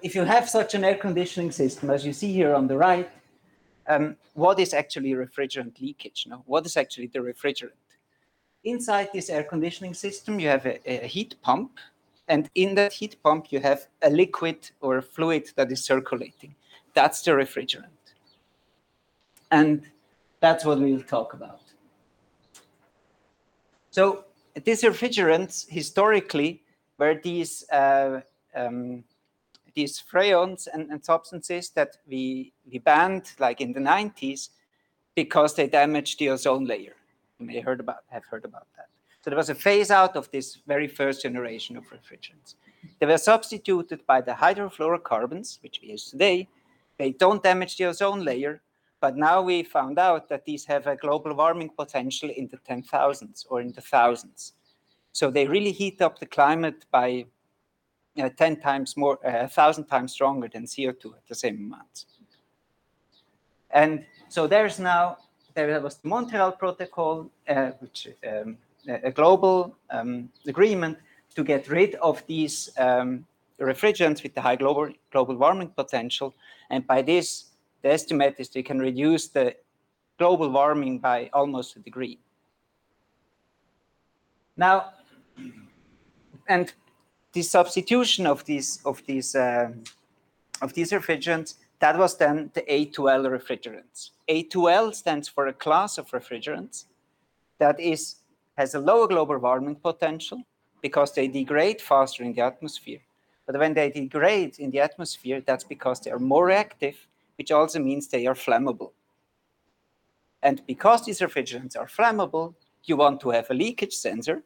If you have such an air conditioning system, as you see here on the right, what is actually refrigerant leakage? Now, what is actually the refrigerant? Inside this air conditioning system, you have a heat pump, and in that heat pump, you have a liquid or a fluid that is circulating. That's the refrigerant. That's what we will talk about. These refrigerants historically were these freons and substances that we banned in the 1990s because they damaged the ozone layer. You may have heard about that. There was a phase out of this very first generation of refrigerants. They were substituted by the hydrofluorocarbons, which we use today. They don't damage the ozone layer, but now we found out that these have a global warming potential in the 10,000s or in the 1,000s. They really heat up the climate by 1,000x stronger than CO2 at the same amount. There was the Montreal Protocol, which a global agreement to get rid of these refrigerants with the high global warming potential. By this, the estimate is they can reduce the global warming by almost a degree. The substitution of these refrigerants, that was then the A2L refrigerants. A2L stands for a class of refrigerants that has a lower global warming potential because they degrade faster in the atmosphere. When they degrade in the atmosphere, that's because they are more reactive, which also means they are flammable. Because these refrigerants are flammable, you want to have a leakage sensor,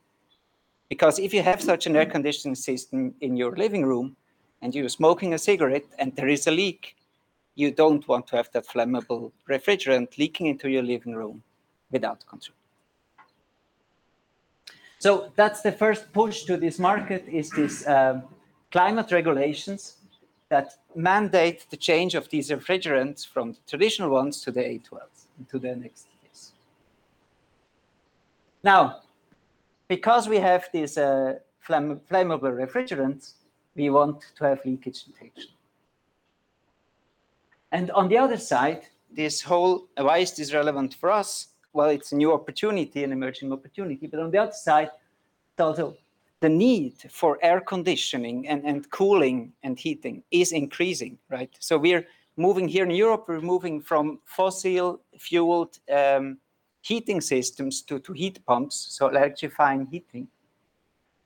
because if you have such an air conditioning system in your living room and you are smoking a cigarette and there is a leak, you don't want to have the flammable refrigerant leaking into your living room without control. That's the first push to this market is this climate regulations that mandate the change of these refrigerants from traditional ones to the A2Ls into the next years. Now because we have these flammable refrigerants, we want to have leakage detection. On the other side, this whole, why is this relevant for us? Well, it's a new opportunity, an emerging opportunity. On the other side, the need for air conditioning and cooling and heating is increasing, right? Here in Europe, we're moving from fossil-fueled heating systems to heat pumps, so electrifying heating.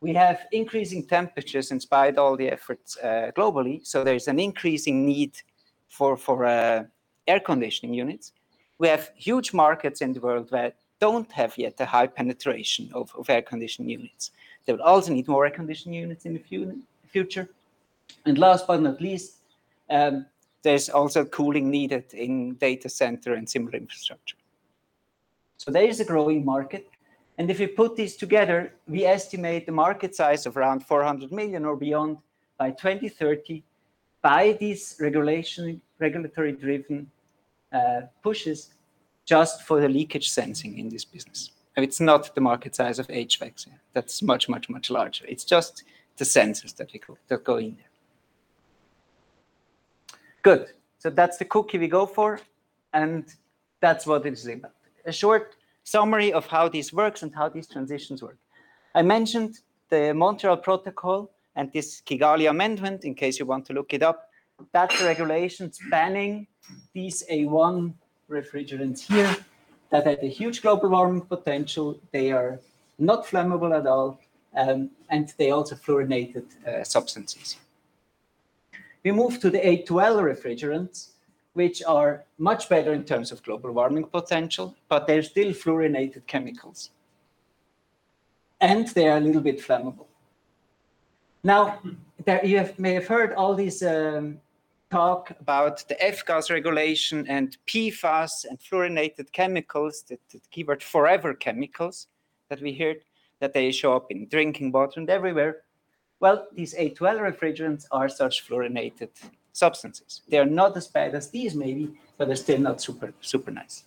We have increasing temperatures in spite of all the efforts globally, so there is an increasing need for air conditioning units. We have huge markets in the world that don't have yet the high penetration of air condition units. They will also need more air condition units in the future. Last but not least, there's also cooling needed in data center and similar infrastructure. There is a growing market, and if we put this together, we estimate the market size of around 400 million or beyond by 2030 by these regulatory-driven pushes just for the leakage sensing in this business. It's not the market size of HVAC. That's much, much, much larger. It's just the sensors that go in there. Good. That's the cookie we go for, and that's what it is about. A short summary of how this works and how these transitions work. I mentioned the Montreal Protocol and this Kigali Amendment, in case you want to look it up. That's the regulations banning these A1 refrigerants here that had a huge global warming potential. They are not flammable at all, and they're also fluorinated substances. We move to the A2L refrigerants, which are much better in terms of global warming potential, but they're still fluorinated chemicals and they are a little bit flammable. Now, you may have heard all this talk about the F-gas Regulation and PFAS and fluorinated chemicals, the keyword forever chemicals, that we heard that they show up in drinking water and everywhere. Well, these A2L refrigerants are such fluorinated substances. They're not as bad as these maybe, but they're still not super nice.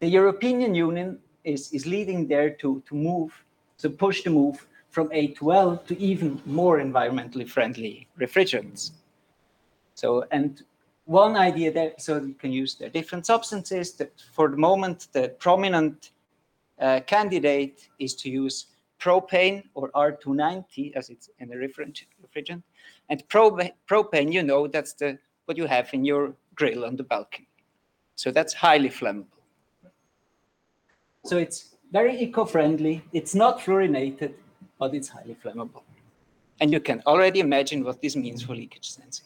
The European Union is leading there to push the move from A2L to even more environmentally friendly refrigerants. One idea there, so you can use the different substances, but for the moment, the prominent candidate is to use propane or R290 as it's in the refrigerant. Propane, you know that's what you have in your grill on the balcony. That's highly flammable. It's very eco-friendly. It's not fluorinated, but it's highly flammable. You can already imagine what this means for leakage sensing.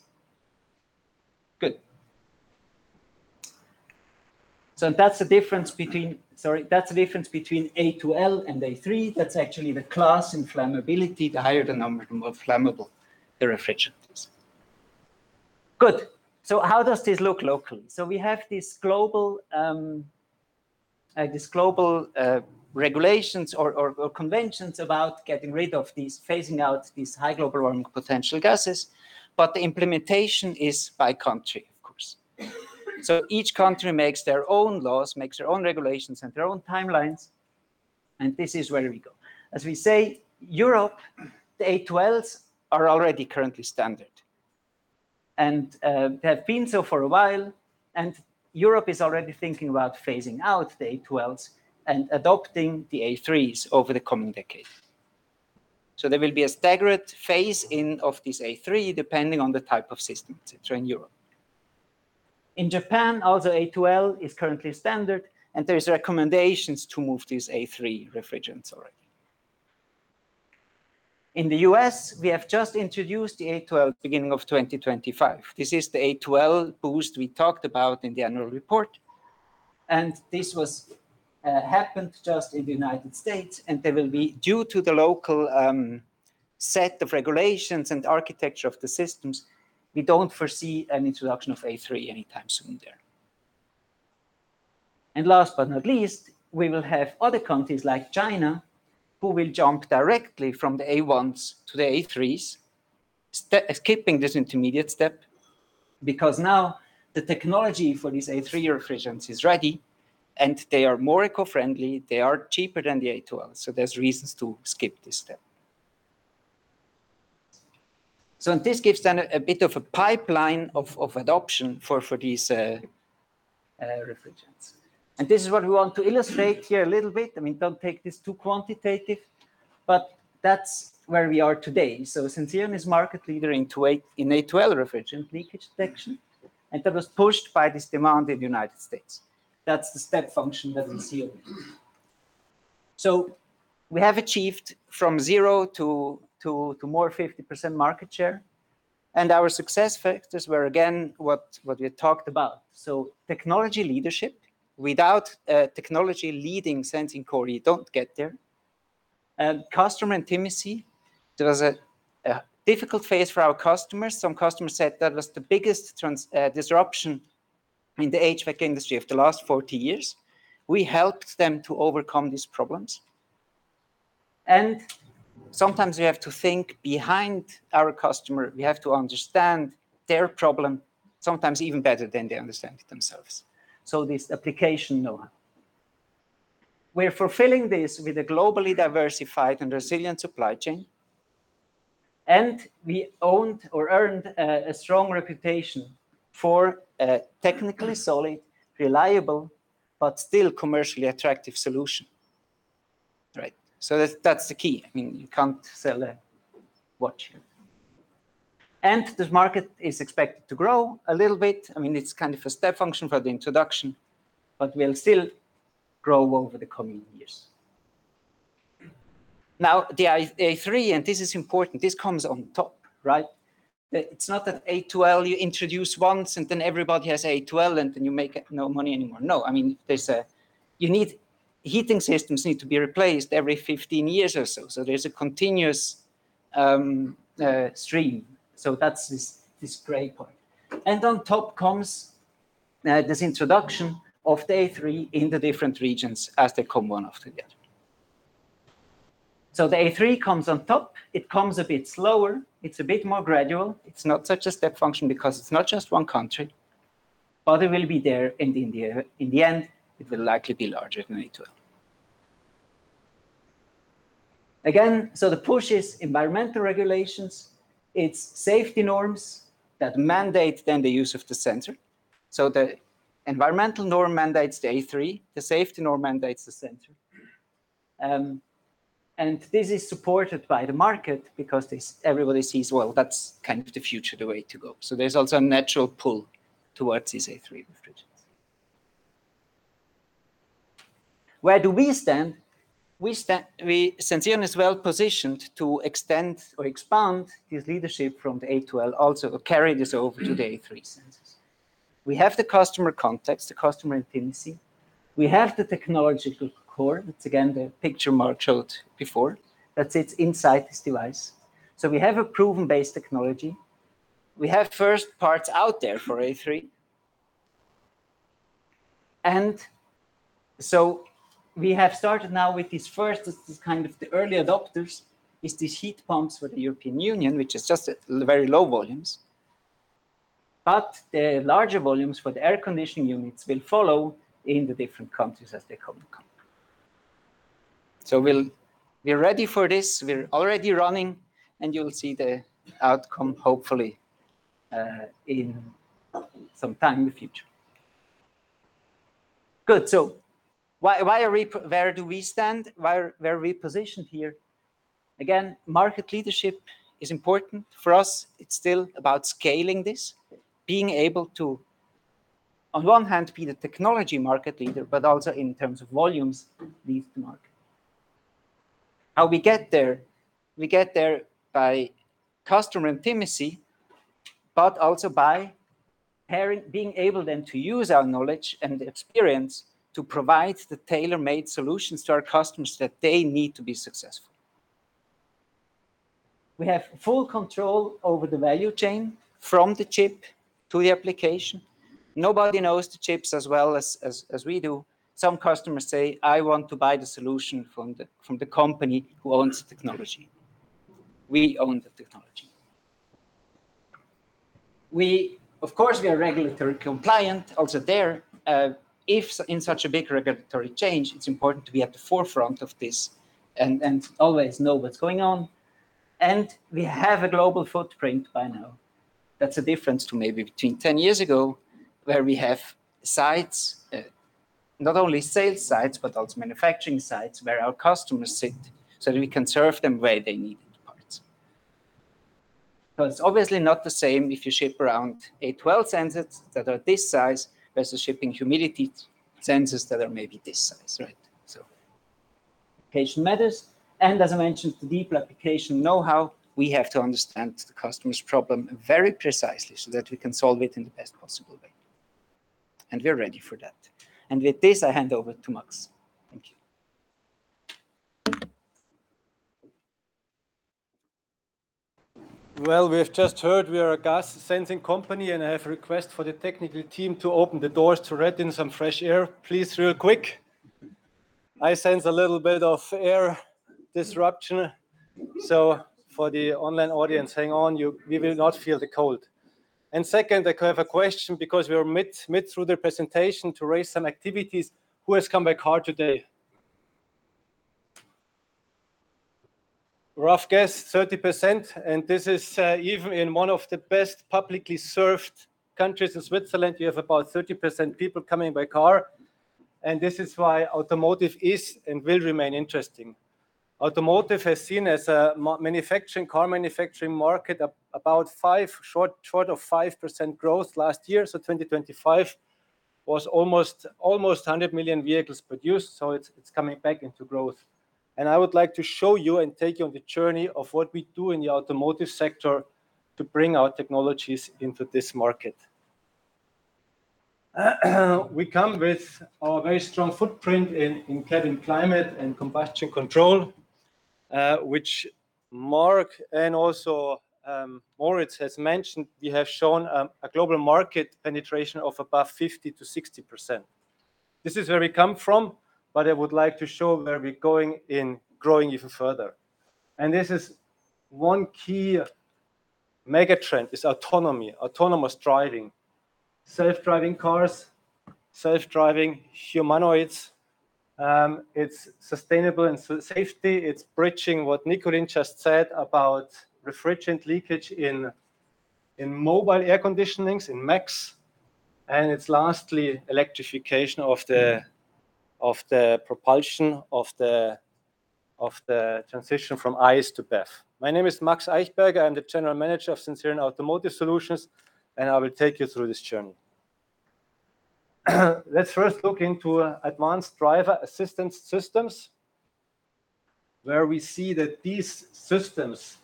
Good. That's the difference between A2L and A3. That's actually the class in flammability. The higher the number, the more flammable the refrigerant is. Good. How does this look locally? We have these global regulations or conventions about getting rid of these, phasing out these high global warming potential gases, but the implementation is by country, of course. Each country makes their own laws, makes their own regulations, and their own timelines, and this is where we go. As we say, Europe, the A2Ls are already currently standard and have been so for a while, and Europe is already thinking about phasing out the A2Ls and adopting the A3s over the coming decade. There will be a staggered phase in of this A3, depending on the type of system, et cetera, in Europe. In Japan, also A2L is currently standard, and there is recommendations to move these A3 refrigerants already. In the U.S., we have just introduced the A2L beginning of 2025. This is the A2L boost we talked about in the annual report, and this happened just in the United States, and they will be due to the local set of regulations and architecture of the systems. We don't foresee an introduction of A3 anytime soon there. Last but not least, we will have other countries like China, who will jump directly from the A1s to the A3s, skipping this intermediate step, because now the technology for these A3 refrigerants is ready and they are more eco-friendly. They are cheaper than the A2L, so there's reasons to skip this step. This gives then a bit of a pipeline of adoption for these refrigerants. This is what we want to illustrate here a little bit. Don't take this too quantitative, but that's where we are today. Sensirion is market leader in A2L refrigerant leakage detection, and that was pushed by this demand in the United States. That's the step function that Sensirion did. We have achieved from 0 to more 50% market share, and our success factors were, again, what we talked about. Technology leadership. Without technology leading sensing core, you don't get there. Customer intimacy. There was a difficult phase for our customers. Some customers said that was the biggest disruption in the HVAC industry of the last 40 years. We helped them to overcome these problems, and sometimes we have to think behind our customer. We have to understand their problem sometimes even better than they understand it themselves. This application know-how. We're fulfilling this with a globally diversified and resilient supply chain, and we owned or earned a strong reputation for a technically solid, reliable, but still commercially attractive solution. That's the key. You can't sell a watch. This market is expected to grow a little bit. It's kind of a step function for the introduction, but will still grow over the coming years. Now, the A3, and this is important, this comes on top. It's not that A2L you introduce once, and then everybody has A2L, and then you make no money anymore. No. Heating systems need to be replaced every 15 years or so. There's a continuous stream. That's this gray point. On top comes this introduction of the A3 in the different regions as they come one after the other. The A3 comes on top. It comes a bit slower, it's a bit more gradual. It's not such a step function because it's not just one country, but it will be there in the end. In the end, it will likely be larger than A2L. Again, the push is environmental regulations. It's safety norms that mandate then the use of the sensor. The environmental norm mandates the A3. The safety norm mandates the sensor. This is supported by the market because everybody sees, well, that's kind of the future, the way to go. There's also a natural pull towards these A3 refrigerants. Where do we stand? Sensirion is well positioned to extend or expand this leadership from the A2L also, or carry this over to the A3 sensors. We have the customer context, the customer intimacy. We have the technological core. It's, again, the picture Marc showed before. That sits inside this device. We have a proven base technology. We have first parts out there for A3. We have started now with this first, this is kind of the early adopters, is these heat pumps for the European Union, which is just at very low volumes. The larger volumes for the air conditioning units will follow in the different countries as they come. We're ready for this. We're already running, and you'll see the outcome hopefully in some time in the future. Good. Where do we stand? Where are we positioned here? Again, market leadership is important for us. It's still about scaling this, being able to, on one hand, be the technology market leader, but also in terms of volumes, lead the market. How we get there, we get there by customer intimacy, but also by being able then to use our knowledge and experience to provide the tailor-made solutions to our customers that they need to be successful. We have full control over the value chain from the chip to the application. Nobody knows the chips as well as we do. Some customers say, I want to buy the solution from the company who owns the technology. We own the technology. Of course, we are regulatory compliant also there. If in such a big regulatory change, it's important to be at the forefront of this and always know what's going on. We have a global footprint by now. That's a difference to maybe between 10 years ago, where we have sites, not only sales sites, but also manufacturing sites where our customers sit, so that we can serve them where they need the parts. It's obviously not the same if you ship around A2L sensors that are this size versus shipping humidity sensors that are maybe this size. Application matters. As I mentioned, the deep application know-how, we have to understand the customer's problem very precisely so that we can solve it in the best possible way. We're ready for that. With this, I hand over to Max. Thank you. Well, we have just heard we are a gas sensing company, and I have request for the technical team to open the doors to let in some fresh air, please, real quick. I sense a little bit of air disruption. For the online audience, hang on, you will not feel the cold. Second, I have a question because we are mid through the presentation to raise some activities. Who has come by car today? Rough guess, 30%, and this is even in one of the best publicly served countries, in Switzerland, you have about 30% people coming by car, and this is why automotive is and will remain interesting. Automotive has seen as a car manufacturing market about short of 5% growth last year, so 2025 was almost 100 million vehicles produced. It's coming back into growth. I would like to show you and take you on the journey of what we do in the automotive sector to bring our technologies into this market. We come with our very strong footprint in cabin climate and combustion control, which Marc and also Moritz has mentioned. We have shown a global market penetration of above 50%-60%. This is where we come from, but I would like to show where we're going in growing even further. This is one key megatrend is autonomy. Autonomous driving, self-driving cars, self-driving humanoids. It's sustainable and safety. It's bridging what Niculin just said about refrigerant leakage in mobile air conditionings, in MACs, and it's lastly, electrification of the propulsion of the transition from ICE to BEV. My name is Max Eichberger. I'm the General Manager of Sensirion Automotive Solutions, and I will take you through this journey. Let's first look into advanced driver assistance systems, where we see that these systems,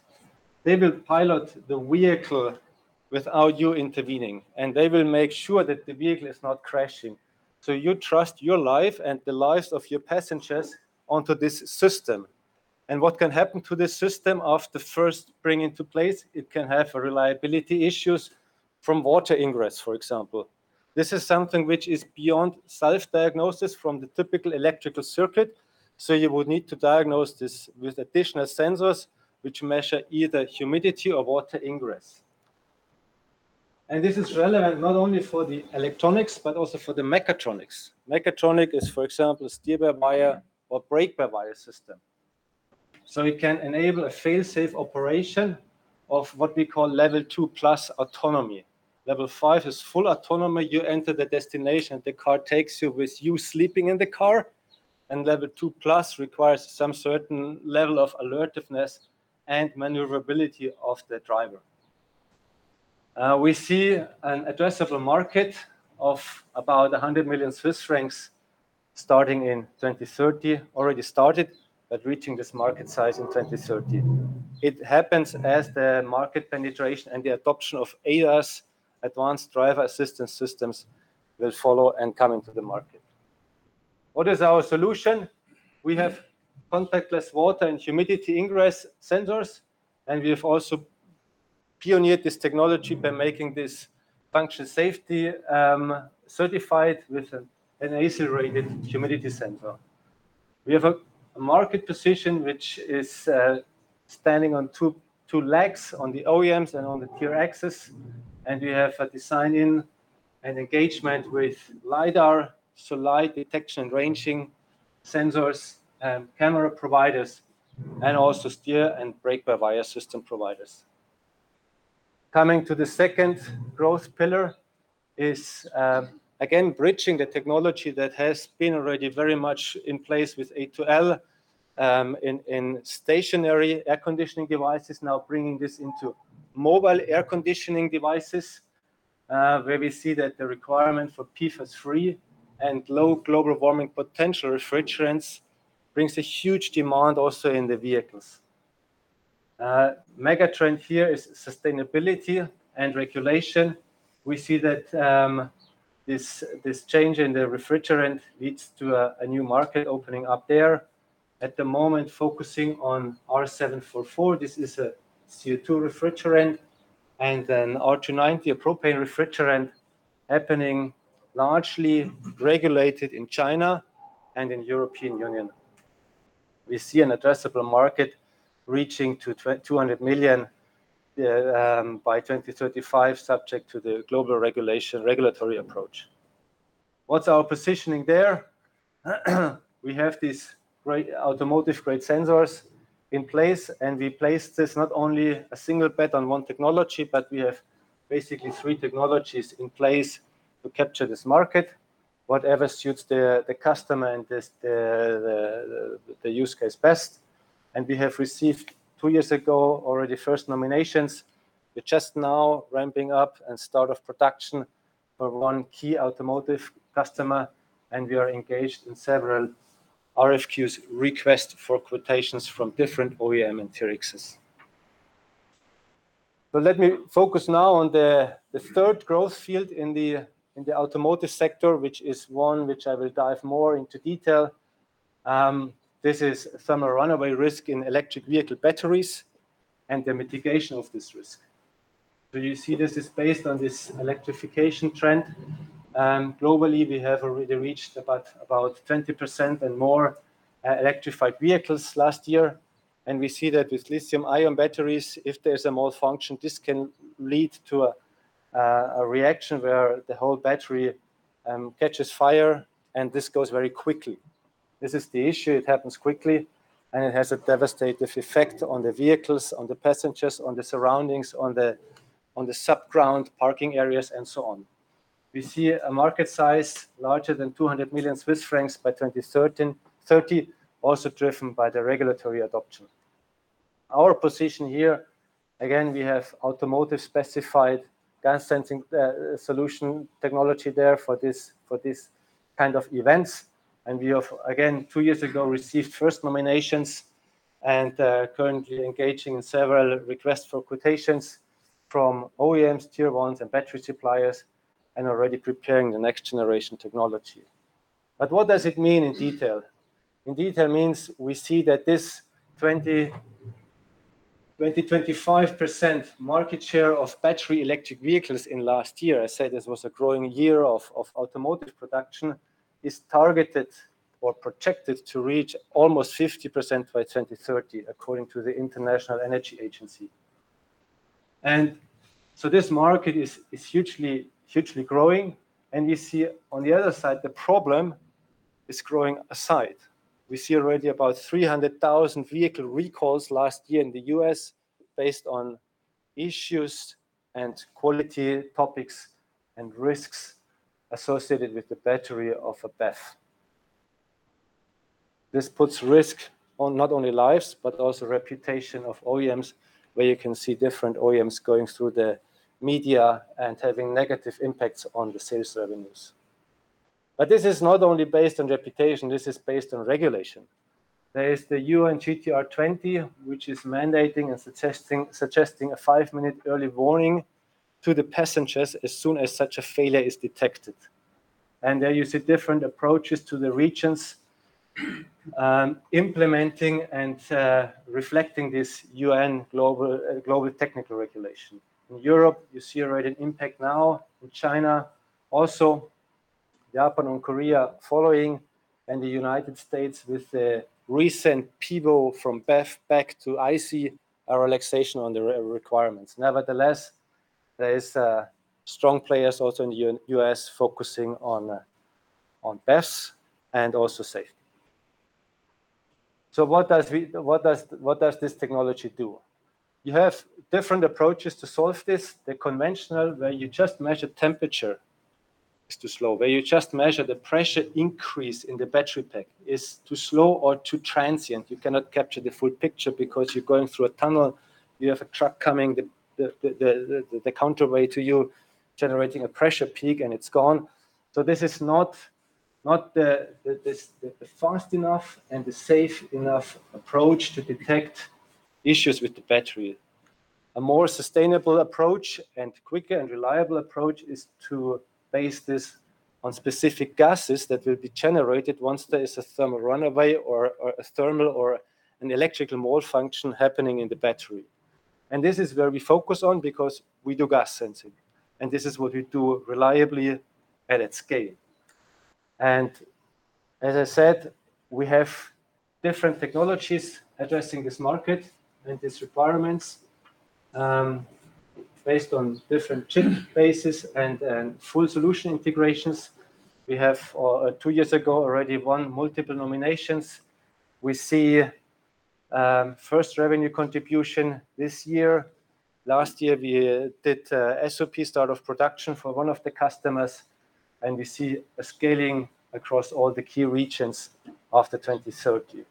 they will pilot the vehicle without you intervening, and they will make sure that the vehicle is not crashing. You trust your life and the lives of your passengers onto this system. What can happen to this system after first bring into place, it can have reliability issues from water ingress, for example. This is something which is beyond self-diagnosis from the typical electrical circuit, so you would need to diagnose this with additional sensors, which measure either humidity or water ingress. This is relevant not only for the electronics, but also for the mechatronics. Mechatronic is, for example, steer-by-wire or brake-by-wire system. It can enable a fail-safe operation of what we call Level 2+ autonomy. Level 5 is full autonomy. You enter the destination, the car takes you with you sleeping in the car. Level 2+ requires some certain level of alertness and maneuverability of the driver. We see an addressable market of about 100 million Swiss francs starting in 2030, already started, but reaching this market size in 2030. It happens as the market penetration and the adoption of ADAS, advanced driver assistance systems, will follow and come into the market. What is our solution? We have contactless water and humidity ingress sensors, and we have also pioneered this technology by making this function safety certified with an ISO-rated humidity sensor. We have a market position which is standing on two legs, on the OEMs and on the Tier 1s, and we have a design-in and engagement with LiDAR, so light detection ranging sensors and camera providers, and also steer- and brake-by-wire system providers. Coming to the second growth pillar is, again, bridging the technology that has been already very much in place with A2L, in stationary air conditioning devices. Now bringing this into mobile air conditioning devices, where we see that the requirement for PFAS-free and low global warming potential refrigerants brings a huge demand also in the vehicles. Megatrend here is sustainability and regulation. We see that this change in the refrigerant leads to a new market opening up there. At the moment, focusing on R744. This is a CO2 refrigerant, and then R290, a propane refrigerant, happening largely regulated in China and in European Union. We see an addressable market reaching to 200 million by 2035, subject to the global regulatory approach. What's our positioning there? We have these automotive-grade sensors in place, and we place this not only a single bet on one technology, but we have basically three technologies in place to capture this market. Whatever suits the customer and the use case best. And we have received two years ago, already first nominations. We're just now ramping up and start of production for one key automotive customer, and we are engaged in several RFQs, request for quotations, from different OEM and tier Xs. So let me focus now on the third growth field in the automotive sector, which is one which I will dive more into detail. This is thermal runaway risk in electric vehicle batteries, and the mitigation of this risk. So you see this is based on this electrification trend. Globally, we have already reached about 20% and more electrified vehicles last year, and we see that with lithium-ion batteries, if there's a malfunction, this can lead to a reaction where the whole battery catches fire, and this goes very quickly. This is the issue. It happens quickly, and it has a devastating effect on the vehicles, on the passengers, on the surroundings, on the sub-ground parking areas, and so on. We see a market size larger than 200 million Swiss francs by 2030, also driven by the regulatory adoption. Our position here, again, we have automotive-specified gas sensing solution technology there for these kind of events. We have, again, two years ago, received first nominations and currently engaging in several requests for quotations from OEMs, Tier 1s, and battery suppliers, and already preparing the next-generation technology. What does it mean in detail? In detail means we see that this 20%-25% market share of battery electric vehicles in last year, I said this was a growing year of automotive production, is targeted or projected to reach almost 50% by 2030, according to the International Energy Agency. This market is hugely growing. You see on the other side, the problem is growing alongside. We see already about 300,000 vehicle recalls last year in the U.S. based on issues and quality topics and risks associated with the battery of a BEV. This puts risk on not only lives, but also reputation of OEMs, where you can see different OEMs going through the media and having negative impacts on the sales revenues. This is not only based on reputation, this is based on regulation. There is the UN GTR 20, which is mandating and suggesting a five-minute early warning to the passengers as soon as such a failure is detected. There you see different approaches to the regions, implementing and reflecting this UN global technical regulation. In Europe, you see already an impact now, in China also, Japan and Korea following, and the United States with the recent pivot from BEV back to ICE, a relaxation on the requirements. Nevertheless, there is strong players also in the U.S. focusing on BEVs and also safety. What does this technology do? You have different approaches to solve this. The conventional, where you just measure temperature, is too slow, where you just measure the pressure increase in the battery pack is too slow or too transient. You cannot capture the full picture because you're going through a tunnel, you have a truck coming, the counterway to you generating a pressure peak, and it's gone. This is not fast enough and a safe enough approach to detect issues with the battery. A more sustainable approach and quicker and reliable approach is to base this on specific gases that will be generated once there is a thermal runaway or a thermal or an electrical malfunction happening in the battery. This is where we focus on because we do gas sensing, and this is what we do reliably and at scale. As I said, we have different technologies addressing this market and these requirements, based on different chip bases and full solution integrations. We have, two years ago, already won multiple nominations. We see first revenue contribution this year. Last year, we did a SOP, start of production, for one of the customers, and we see a scaling across all the key regions after 2030.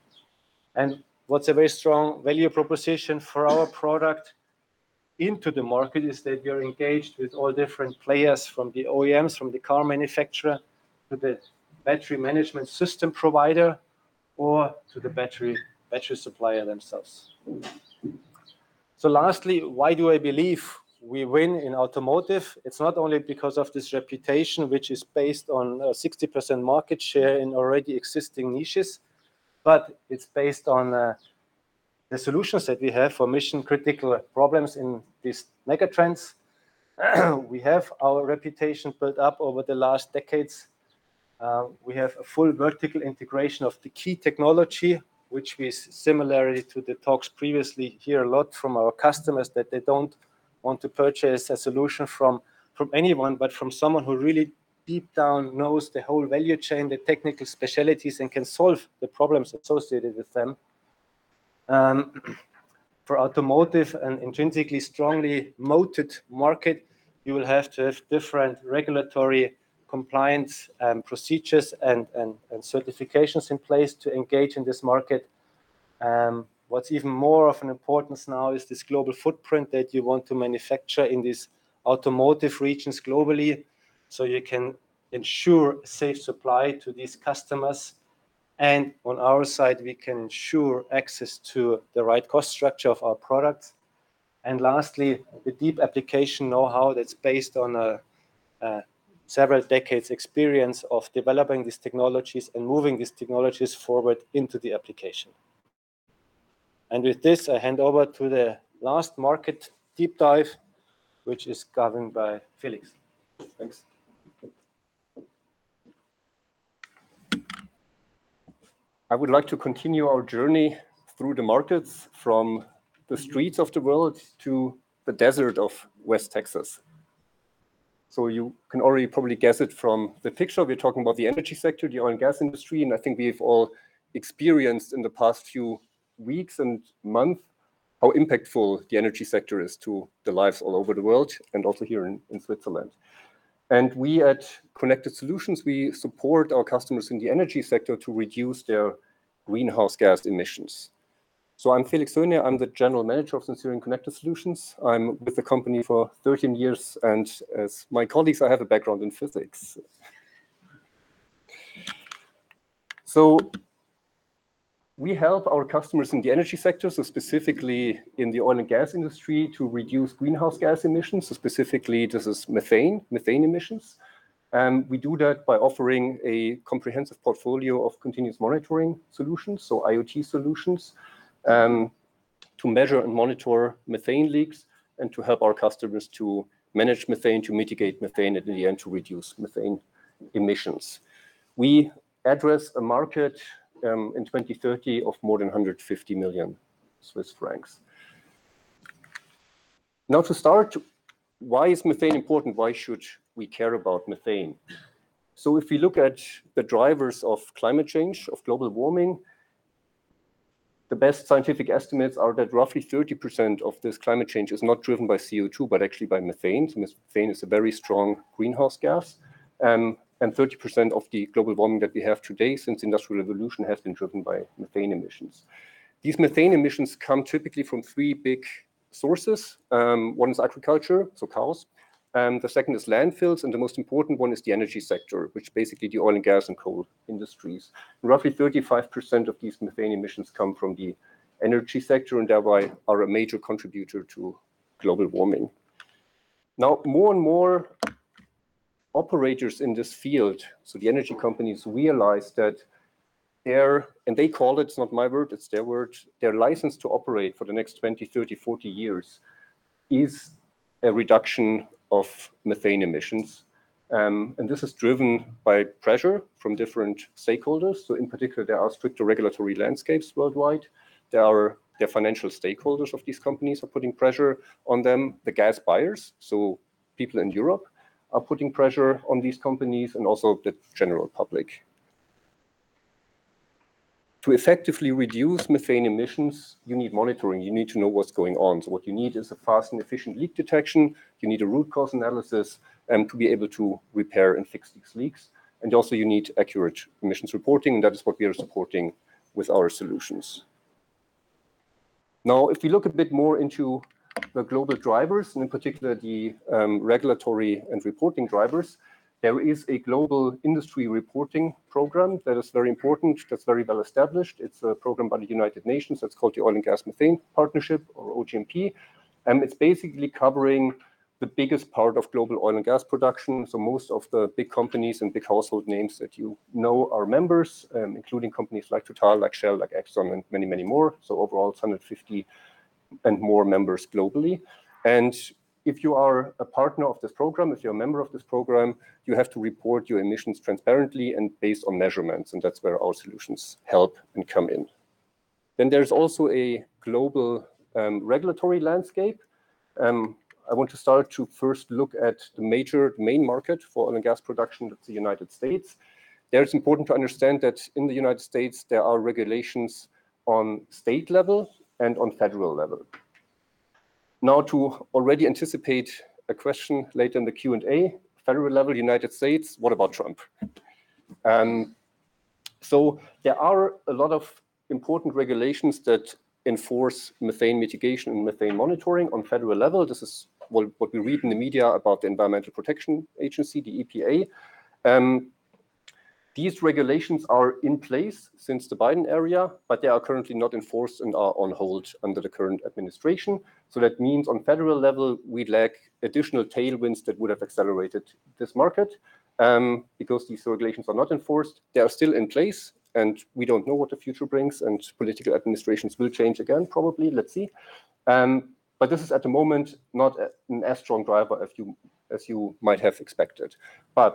What's a very strong value proposition for our product into the market is that we are engaged with all different players from the OEMs, from the car manufacturer, to the battery management system provider, or to the battery supplier themselves. Lastly, why do I believe we win in automotive? It's not only because of this reputation, which is based on a 60% market share in already existing niches, but it's based on the solutions that we have for mission-critical problems in these megatrends. We have our reputation built up over the last decades. We have a full vertical integration of the key technology. Similarly to the talks previously, we hear a lot from our customers that they don't want to purchase a solution from anyone, but from someone who really deep down knows the whole value chain, the technical specialties, and can solve the problems associated with them. For automotive, an intrinsically strongly moated market, you will have to have different regulatory compliance procedures and certifications in place to engage in this market. What's even more of an importance now is this global footprint that you want to manufacture in these automotive regions globally, so you can ensure safe supply to these customers. On our side, we can ensure access to the right cost structure of our products. Lastly, the deep application know-how that's based on several decades experience of developing these technologies and moving these technologies forward into the application. With this, I hand over to the last market deep dive, which is governed by Felix. Thanks. I would like to continue our journey through the markets, from the streets of the world to the desert of West Texas. You can already probably guess it from the picture. We're talking about the energy sector, the oil and gas industry, and I think we've all experienced in the past few weeks and month how impactful the energy sector is to the lives all over the world and also here in Switzerland. We at Connected Solutions, we support our customers in the energy sector to reduce their greenhouse gas emissions. I'm Felix Hoehne. I'm the General Manager of Sensirion Connected Solutions. I'm with the company for 13 years, and as my colleagues, I have a background in physics. We help our customers in the energy sector, so specifically in the oil and gas industry, to reduce greenhouse gas emissions. Specifically, this is methane emissions. We do that by offering a comprehensive portfolio of continuous monitoring solutions, so IoT solutions, to measure and monitor methane leaks and to help our customers to manage methane, to mitigate methane, and in the end, to reduce methane emissions. We address a market in 2030 of more than 150 million Swiss francs. Now to start, why is methane important? Why should we care about methane? If we look at the drivers of climate change, of global warming, the best scientific estimates are that roughly 30% of this climate change is not driven by CO2, but actually by methane, because methane is a very strong greenhouse gas. 30% of the global warming that we have today, since Industrial Revolution, has been driven by methane emissions. These methane emissions come typically from three big sources. One is agriculture, so cows. The second is landfills, and the most important one is the energy sector, which basically the oil and gas and coal industries. Roughly 35% of these methane emissions come from the energy sector, and thereby, are a major contributor to global warming. Now, more and more operators in this field, so the energy companies, realize that their, and they call it's not my word, it's their word, their license to operate for the next 20, 30, 40 years, is a reduction of methane emissions. This is driven by pressure from different stakeholders. In particular, there are stricter regulatory landscapes worldwide. Their financial stakeholders of these companies are putting pressure on them. The gas buyers, so people in Europe, are putting pressure on these companies, and also the general public. To effectively reduce methane emissions, you need monitoring. You need to know what's going on. What you need is a fast and efficient leak detection. You need a root cause analysis, and to be able to repair and fix these leaks. You need accurate emissions reporting, and that is what we are supporting with our solutions. Now, if you look a bit more into the global drivers, and in particular the regulatory and reporting drivers, there is a global industry reporting program that is very important, that's very well established. It's a program by the United Nations that's called the Oil and Gas Methane Partnership, or OGMP, and it's basically covering the biggest part of global oil and gas production. Most of the big companies and big household names that you know are members, including companies like TotalEnergies, like Shell, like ExxonMobil, and many, many more. Overall, it's 150 and more members globally. If you are a partner of this program, if you're a member of this program, you have to report your emissions transparently and based on measurements, and that's where our solutions help and come in. There's also a global regulatory landscape. I want to start to first look at the main market for oil and gas production. That's the United States. There, it's important to understand that in the United States, there are regulations on state level and on federal level. Now, to already anticipate a question later in the Q&A, federal level, United States, what about Trump? There are a lot of important regulations that enforce methane mitigation and methane monitoring on federal level. This is what we read in the media about the Environmental Protection Agency, the EPA. These regulations are in place since the Biden era, but they are currently not enforced and are on hold under the current administration. That means on federal level, we lack additional tailwinds that would have accelerated this market, because these regulations are not enforced. They are still in place, and we don't know what the future brings, and political administrations will change again, probably. Let's see. This is, at the moment, not as strong driver as you might have expected.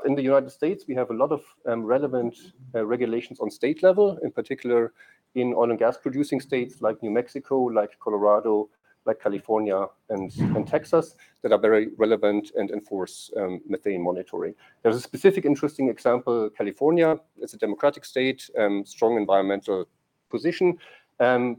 In the United States, we have a lot of relevant regulations on state level, in particular in oil and gas-producing states like New Mexico, like Colorado, like California, and Texas, that are very relevant and enforce methane monitoring. There's a specific interesting example. California is a Democratic state, strong environmental position. They're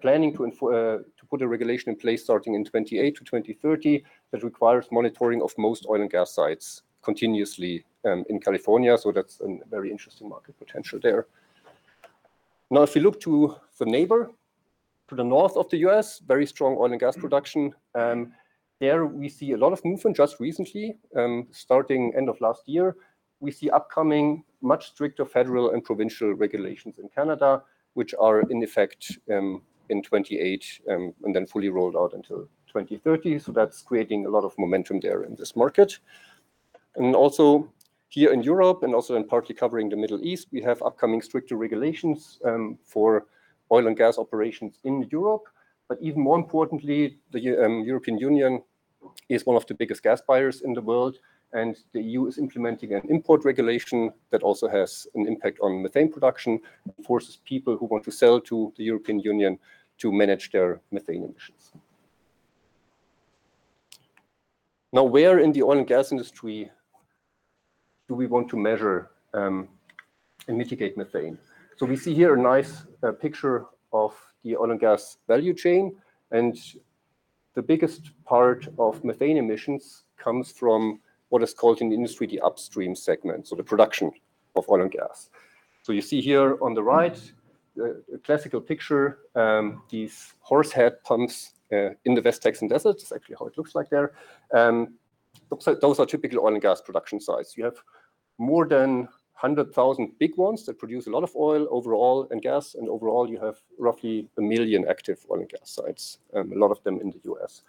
planning to put a regulation in place starting in 2028-2030 that requires monitoring of most oil and gas sites continuously in California, so that's a very interesting market potential there. Now, if you look to the neighbor to the north of the U.S., very strong oil and gas production, there, we see a lot of movement just recently. Starting end of last year, we see upcoming much stricter federal and provincial regulations in Canada, which are in effect in 2028, and then fully rolled out until 2030, so that's creating a lot of momentum there in this market. Also here in Europe, and also in partly covering the Middle East, we have upcoming stricter regulations for oil and gas operations in Europe. Even more importantly, the European Union is one of the biggest gas buyers in the world, and the EU is implementing an import regulation that also has an impact on methane production, and forces people who want to sell to the European Union to manage their methane emissions. Now, where in the oil and gas industry do we want to measure and mitigate methane? We see here a nice picture of the oil and gas value chain, and the biggest part of methane emissions comes from what is called in the industry, the upstream segment, so the production of oil and gas. You see here on the right, a classical picture, these horsehead pumps in the West Texas desert. It's actually how it looks like there. Those are typical oil and gas production sites. You have more than 100,000 big ones that produce a lot of oil overall and gas, and overall, you have roughly 1 million active oil and gas sites, a lot of them in the U.S.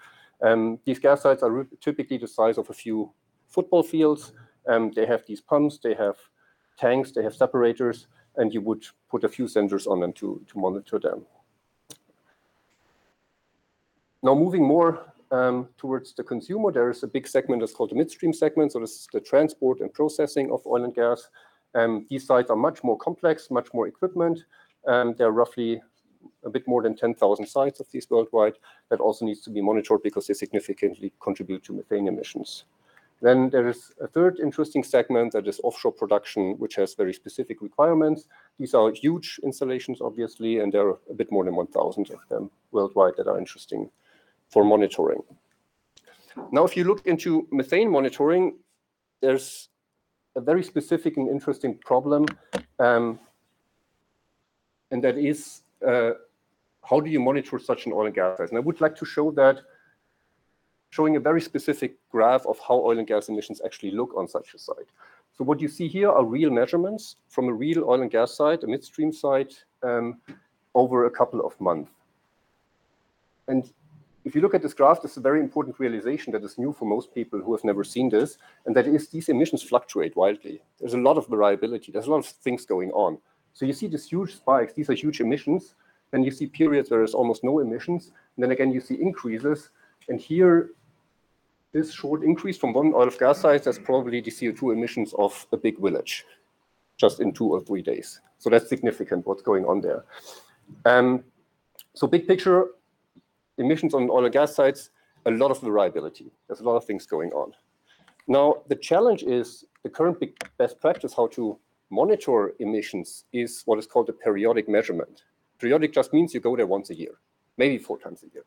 These gas sites are typically the size of a few football fields. They have these pumps. They have tanks, they have separators, and you would put a few sensors on them to monitor them. Now, moving more towards the consumer, there is a big segment that's called the midstream segment. This is the transport and processing of oil and gas. These sites are much more complex, much more equipment, and there are roughly a bit more than 10,000 sites of these worldwide that also needs to be monitored because they significantly contribute to methane emissions. There is a third interesting segment that is offshore production, which has very specific requirements. These are huge installations, obviously, and there are a bit more than 1,000 of them worldwide that are interesting for monitoring. Now, if you look into methane monitoring, there's a very specific and interesting problem, and that is, how do you monitor such an oil and gas site? I would like to show that, showing a very specific graph of how oil and gas emissions actually look on such a site. What you see here are real measurements from a real oil and gas site, a midstream site, over a couple of months. If you look at this graph, this is a very important realization that is new for most people who have never seen this, and that is these emissions fluctuate wildly. There's a lot of variability. There's a lot of things going on. You see these huge spikes, these are huge emissions, then you see periods where there's almost no emissions, and then again you see increases. Here, this short increase from one oil and gas site has probably the CO2 emissions of a big village just in two or three days. That's significant what's going on there. Big picture, emissions on oil and gas sites, a lot of variability. There's a lot of things going on. Now, the challenge is the current best practice how to monitor emissions is what is called a periodic measurement. Periodic just means you go there once a year, maybe four times a year.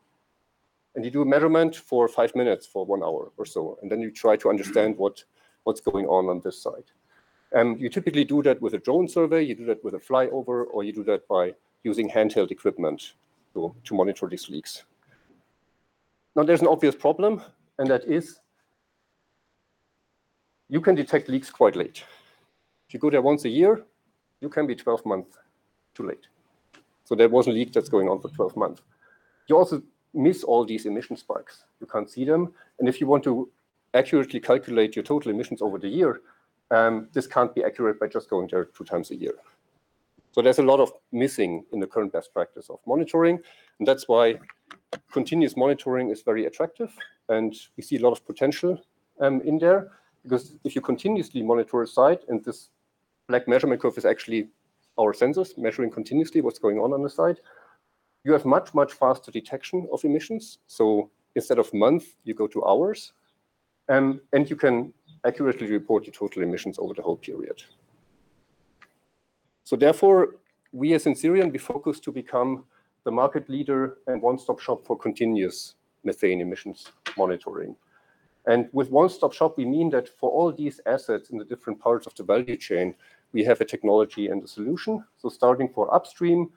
You do a measurement for five minutes for one hour or so, and then you try to understand what's going on on this site. You typically do that with a drone survey, you do that with a flyover, or you do that by using handheld equipment to monitor these leaks. Now, there's an obvious problem, and that is you can detect leaks quite late. If you go there once a year, you can be 12 months too late. There was a leak that's going on for 12 months. You also miss all these emission spikes. You can't see them. If you want to accurately calculate your total emissions over the year, this can't be accurate by just going there two times a year. There's a lot of missing in the current best practice of monitoring, and that's why continuous monitoring is very attractive, and we see a lot of potential in there, because if you continuously monitor a site, and this black measurement curve is actually our sensors measuring continuously what's going on on the site, you have much, much faster detection of emissions. Instead of months, you go to hours, and you can accurately report your total emissions over the whole period. Therefore, we as Sensirion, we focus to become the market leader and one-stop shop for continuous methane emissions monitoring. With one-stop shop, we mean that for all these assets in the different parts of the value chain, we have a technology and a solution. Starting for upstream,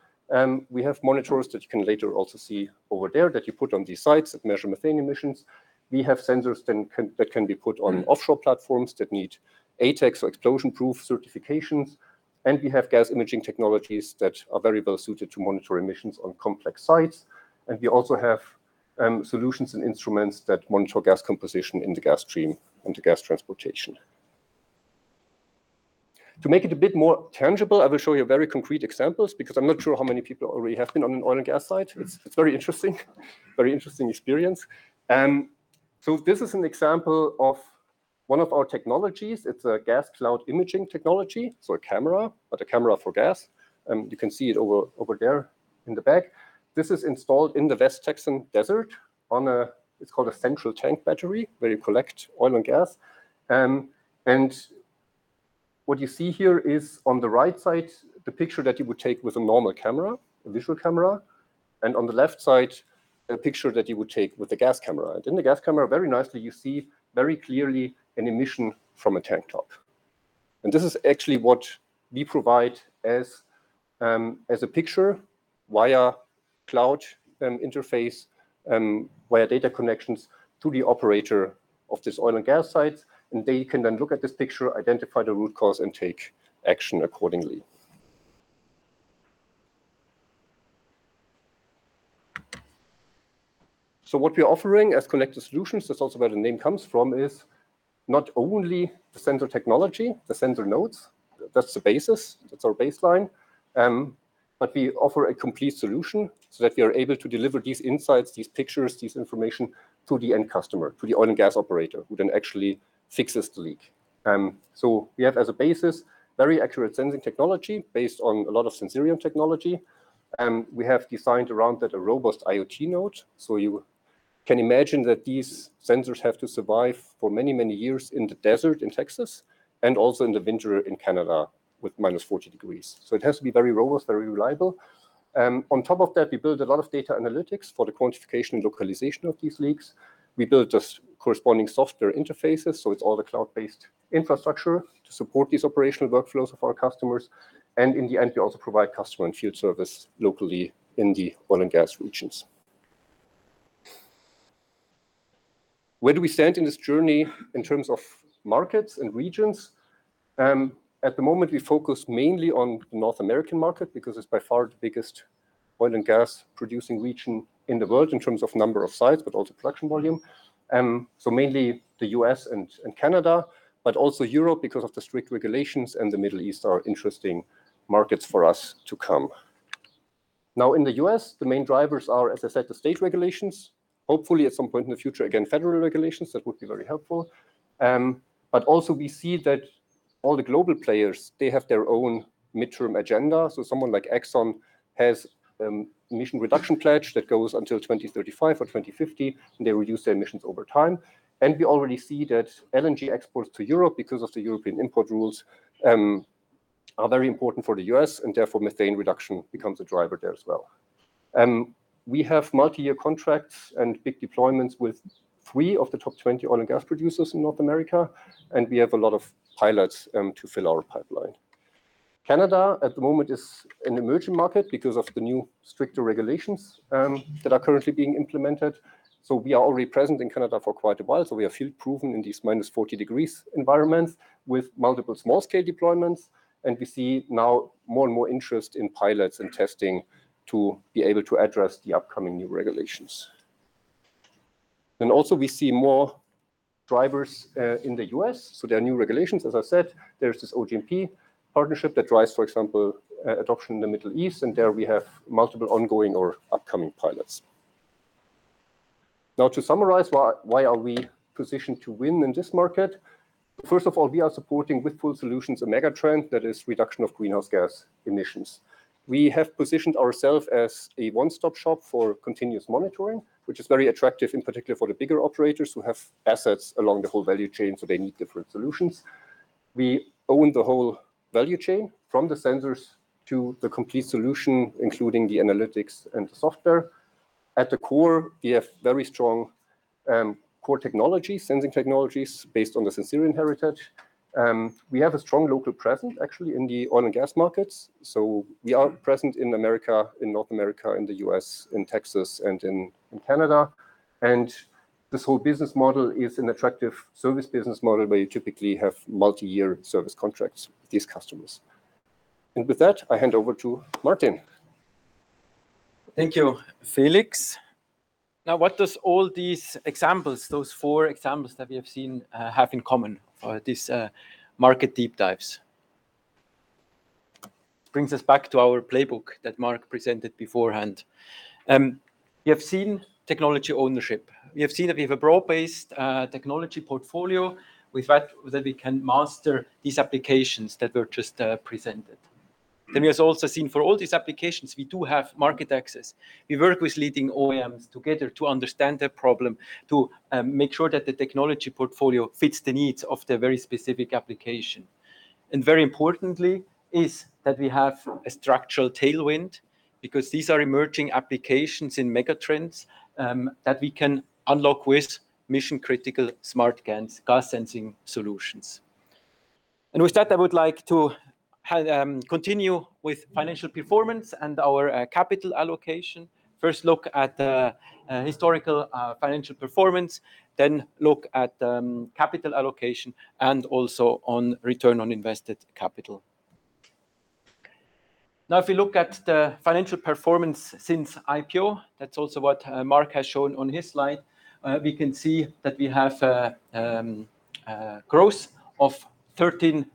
we have monitors that you can later also see over there that you put on these sites that measure methane emissions. We have sensors that can be put on offshore platforms that need ATEX or explosion-proof certifications, and we have gas imaging technologies that are very well suited to monitor emissions on complex sites. We also have solutions and instruments that monitor gas composition in the gas stream and the gas transportation. To make it a bit more tangible, I will show you very concrete examples because I'm not sure how many people already have been on an oil and gas site. It's very interesting, very interesting experience. This is an example of one of our technologies. It's a gas cloud imaging technology, so a camera, but a camera for gas. You can see it over there in the back. This is installed in the West Texas desert on a, it's called a central tank battery, where you collect oil and gas. And what you see here is on the right side, the picture that you would take with a normal camera, a visual camera, and on the left side, a picture that you would take with a gas camera. And in the gas camera, very nicely, you see very clearly an emission from a tank top. And this is actually what we provide as a picture via cloud interface, via data connections to the operator of this oil and gas site. And they can then look at this picture, identify the root cause, and take action accordingly. So what we're offering as connected solutions, that's also where the name comes from, is not only the sensor technology, the sensor nodes. That's the basis, that's our baseline. We offer a complete solution so that we are able to deliver these insights, these pictures, this information to the end customer, to the oil and gas operator, who then actually fixes the leak. We have as a basis, very accurate sensing technology based on a lot of Sensirion technology. We have designed around that a robust IoT node. You can imagine that these sensors have to survive for many years in the desert in Texas and also in the winter in Canada with -40 degrees. It has to be very robust, very reliable. On top of that, we build a lot of data analytics for the quantification and localization of these leaks. We build the corresponding software interfaces, so it's all the cloud-based infrastructure to support these operational workflows of our customers. In the end, we also provide customer and field service locally in the oil and gas regions. Where do we stand in this journey in terms of markets and regions? At the moment, we focus mainly on the North American market because it's by far the biggest oil and gas producing region in the world in terms of number of sites, but also production volume. Mainly the U.S. and Canada, but also Europe because of the strict regulations, and the Middle East are interesting markets for us to come. Now in the U.S., the main drivers are, as I said, the state regulations. Hopefully, at some point in the future, again, federal regulations, that would be very helpful. Also we see that all the global players, they have their own midterm agenda. Someone like ExxonMobil has an emission reduction pledge that goes until 2035 or 2050, and they reduce their emissions over time. We already see that LNG exports to Europe, because of the European import rules, are very important for the U.S., and therefore methane reduction becomes a driver there as well. We have multi-year contracts and big deployments with three of the top 20 oil and gas producers in North America, and we have a lot of pilots to fill our pipeline. Canada, at the moment, is an emerging market because of the new, stricter regulations that are currently being implemented. We are already present in Canada for quite a while. We are field-proven in these minus 40 degrees environments with multiple small-scale deployments, and we see now more and more interest in pilots and testing to be able to address the upcoming new regulations. We see more drivers in the U.S. There are new regulations, as I said. There's this OGMP partnership that drives, for example, adoption in the Middle East, and there we have multiple ongoing or upcoming pilots. Now to summarize, why are we positioned to win in this market? First of all, we are supporting with full solutions, a megatrend that is reduction of greenhouse gas emissions. We have positioned ourselves as a one-stop shop for continuous monitoring, which is very attractive, in particular for the bigger operators who have assets along the whole value chain, so they need different solutions. We own the whole value chain from the sensors to the complete solution, including the analytics and the software. At the core, we have very strong core technologies, sensing technologies based on the Sensirion heritage. We have a strong local presence, actually, in the oil and gas markets. We are present in America, in North America, in the U.S., in Texas, and in Canada. This whole business model is an attractive service business model where you typically have multi-year service contracts with these customers. With that, I hand over to Martin. Thank you, Felix. Now, what does all these examples, those four examples that we have seen, have in common for these market deep dives? Brings us back to our playbook that Marc presented beforehand. We have seen technology ownership. We have seen that we have a broad-based technology portfolio with that we can master these applications that were just presented. We have also seen for all these applications, we do have market access. We work with leading OEMs together to understand their problem, to make sure that the technology portfolio fits the needs of their very specific application. Very importantly, is that we have a structural tailwind because these are emerging applications in megatrends that we can unlock with mission-critical, smart gas sensing solutions. With that, I would like to continue with financial performance and our capital allocation. First, look at the historical financial performance, then look at capital allocation, and also on return on invested capital. Now, if you look at the financial performance since IPO, that's also what Marc has shown on his slide. We can see that we have growth of 13%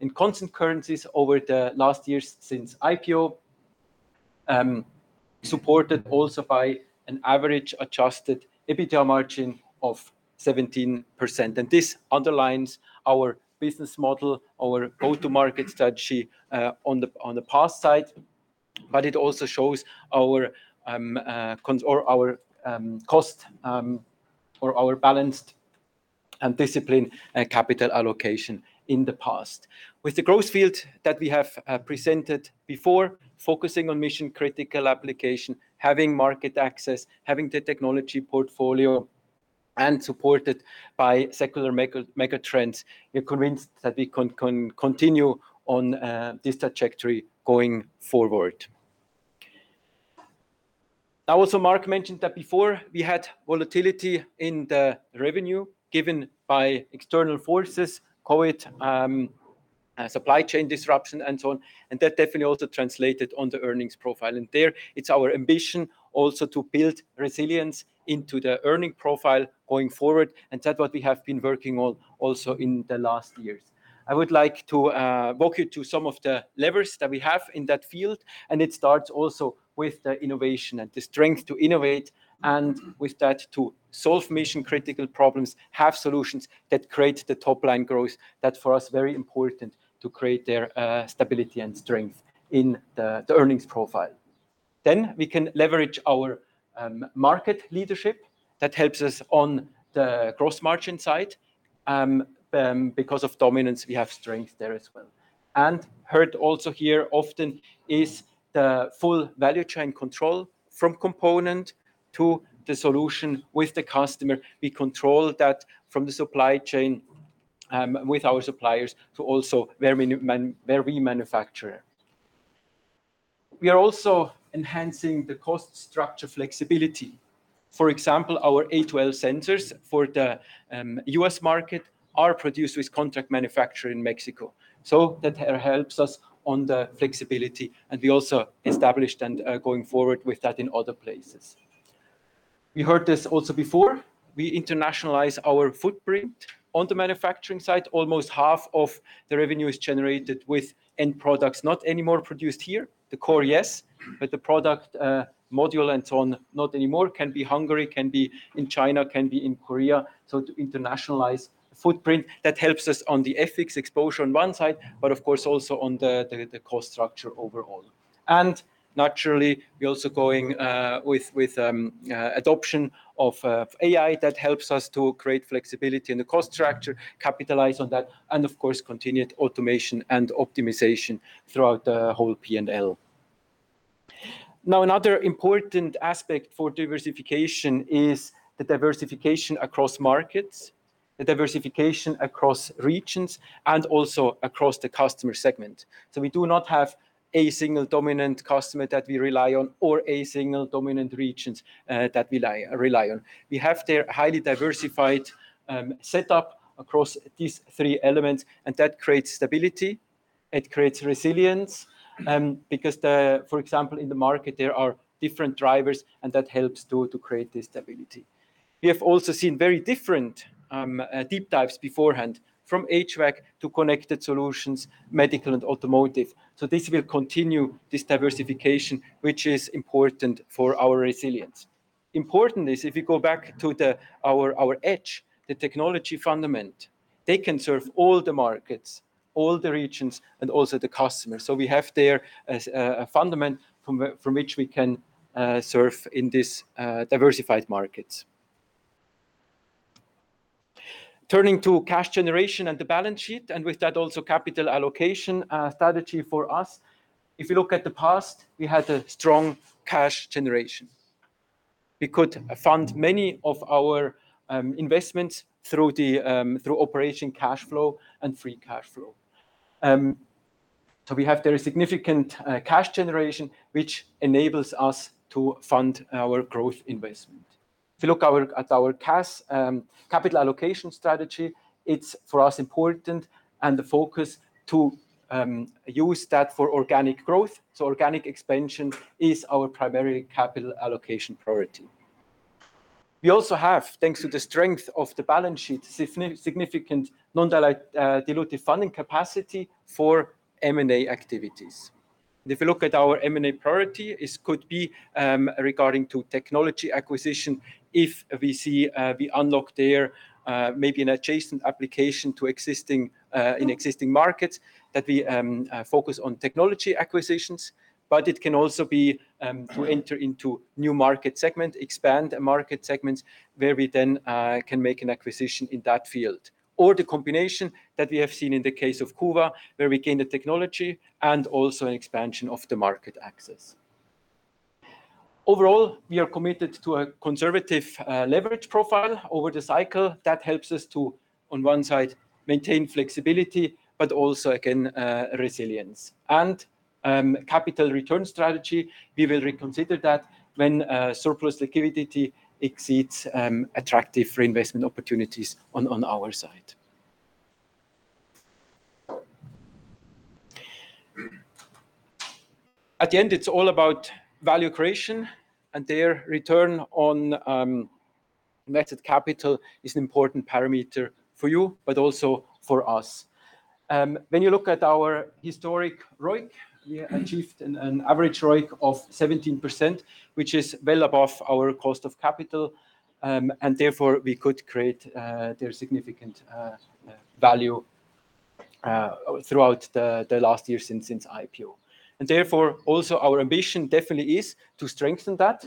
in constant currencies over the last years since IPO, supported also by an average adjusted EBITDA margin of 17%. This underlines our business model, our go-to-market strategy on the product side, but it also shows our balanced and disciplined capital allocation in the past. With the growth field that we have presented before, focusing on mission-critical application, having market access, having the technology portfolio, and supported by secular megatrends, we are convinced that we can continue on this trajectory going forward. Now, also, Marc mentioned that before we had volatility in the revenue given by external forces, COVID, supply chain disruption, and so on, and that definitely also translated on the earnings profile. There it's our ambition also to build resilience into the earning profile going forward, and that's what we have been working on also in the last years. I would like to walk you through some of the levers that we have in that field, and it starts also with the innovation and the strength to innovate, and with that, to solve mission-critical problems, have solutions that create the top-line growth that for us, very important to create that stability and strength in the earnings profile. We can leverage our market leadership that helps us on the gross margin side. Because of dominance, we have strength there as well. Heard also here often is the full value chain control from component to the solution with the customer. We control that from the supply chain with our suppliers to also where we manufacture. We are also enhancing the cost structure flexibility. For example, our A2L sensors for the U.S. market are produced with contract manufacture in Mexico. That helps us on the flexibility, and we also established and are going forward with that in other places. We heard this also before. We internationalize our footprint. On the manufacturing side, almost half of the revenue is generated with end products not anymore produced here. The core, yes, but the product module and so on, not anymore. Can be Hungary, can be in China, can be in Korea. To internationalize footprint, that helps us on the FX exposure on one side, but of course also on the cost structure overall. Naturally, we're also going with adoption of AI that helps us to create flexibility in the cost structure, capitalize on that, and of course, continued automation and optimization throughout the whole P&L. Now, another important aspect for diversification is the diversification across markets, the diversification across regions, and also across the customer segment. We do not have a single dominant customer that we rely on or a single dominant region that we rely on. We have there highly diversified setup across these three elements, and that creates stability. It creates resilience, because for example, in the market, there are different drivers, and that helps too to create the stability. We have also seen very different deep dives beforehand, from HVAC to Connected Solutions, Medical, and Automotive. This will continue this diversification, which is important for our resilience. Important is if you go back to our edge, the technology fundament, they can serve all the markets, all the regions, and also the customers. We have there a fundament from which we can serve in this diversified markets. Turning to cash generation and the balance sheet, and with that, also capital allocation strategy for us. If you look at the past, we had a strong cash generation. We could fund many of our investments through operation cash flow and free cash flow. We have there a significant cash generation, which enables us to fund our growth investment. If you look at our CAS, capital allocation strategy, it's for us important and the focus to use that for organic growth. Organic expansion is our primary capital allocation priority. We also have, thanks to the strength of the balance sheet, significant non-dilutive funding capacity for M&A activities. If you look at our M&A priority, it could be regarding to technology acquisition if we see we unlock there maybe an adjacent application in existing markets, that we focus on technology acquisitions, but it can also be to enter into new market segment, expand a market segment where we then can make an acquisition in that field, or the combination that we have seen in the case of Kuva, where we gain the technology and also an expansion of the market access. Overall, we are committed to a conservative leverage profile over the cycle that helps us to, on one side, maintain flexibility, but also, again, resilience. Capital return strategy, we will reconsider that when surplus liquidity exceeds attractive reinvestment opportunities on our side. At the end, it's all about value creation, and the return on invested capital is an important parameter for you, but also for us. When you look at our historic ROIC, we achieved an average ROIC of 17%, which is well above our cost of capital, and therefore we could create there significant value throughout the last year since IPO. Therefore, also our ambition definitely is to strengthen that.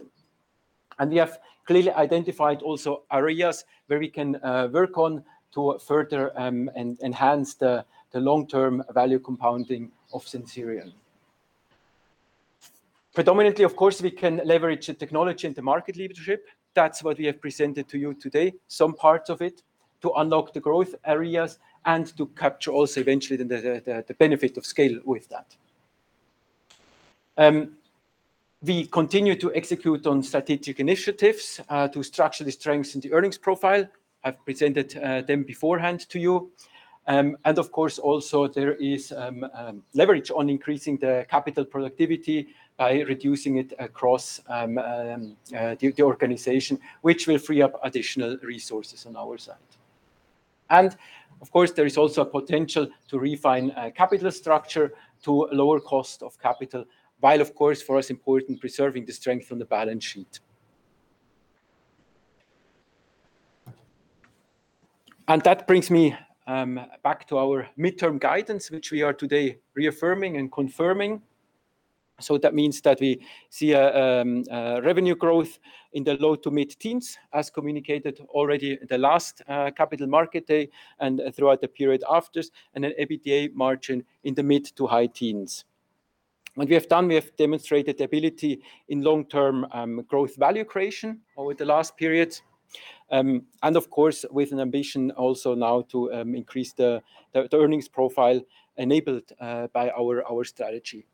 We have clearly identified also areas where we can work on to further enhance the long-term value compounding of Sensirion. Predominantly, of course, we can leverage the technology and the market leadership. That's what we have presented to you today, some parts of it, to unlock the growth areas and to capture also eventually the benefit of scale with that. We continue to execute on strategic initiatives to structure the strengths in the earnings profile. I've presented them beforehand to you. Of course, also there is leverage on increasing the capital productivity by reducing it across the organization, which will free up additional resources on our side. Of course, there is also a potential to refine capital structure to lower cost of capital, while of course, for us important preserving the strength on the balance sheet. That brings me back to our midterm guidance, which we are today reaffirming and confirming. That means that we see a revenue growth in the low- to mid-teens, as communicated already the last Capital Markets Day and throughout the period after, and an EBITDA margin in the mid- to high-teens. What we have done, we have demonstrated ability in long-term growth value creation over the last period. Of course, with an ambition also now to increase the earnings profile enabled by our strategy.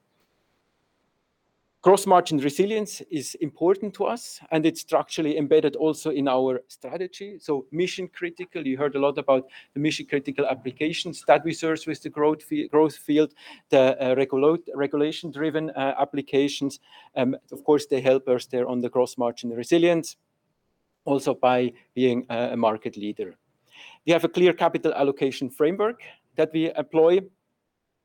Gross margin resilience is important to us, and it's structurally embedded also in our strategy. Mission-critical, you heard a lot about the mission-critical applications that we serve with the growth field, the regulation-driven applications. Of course, they help us there on the gross margin resilience also by being a market leader. We have a clear capital allocation framework that we employ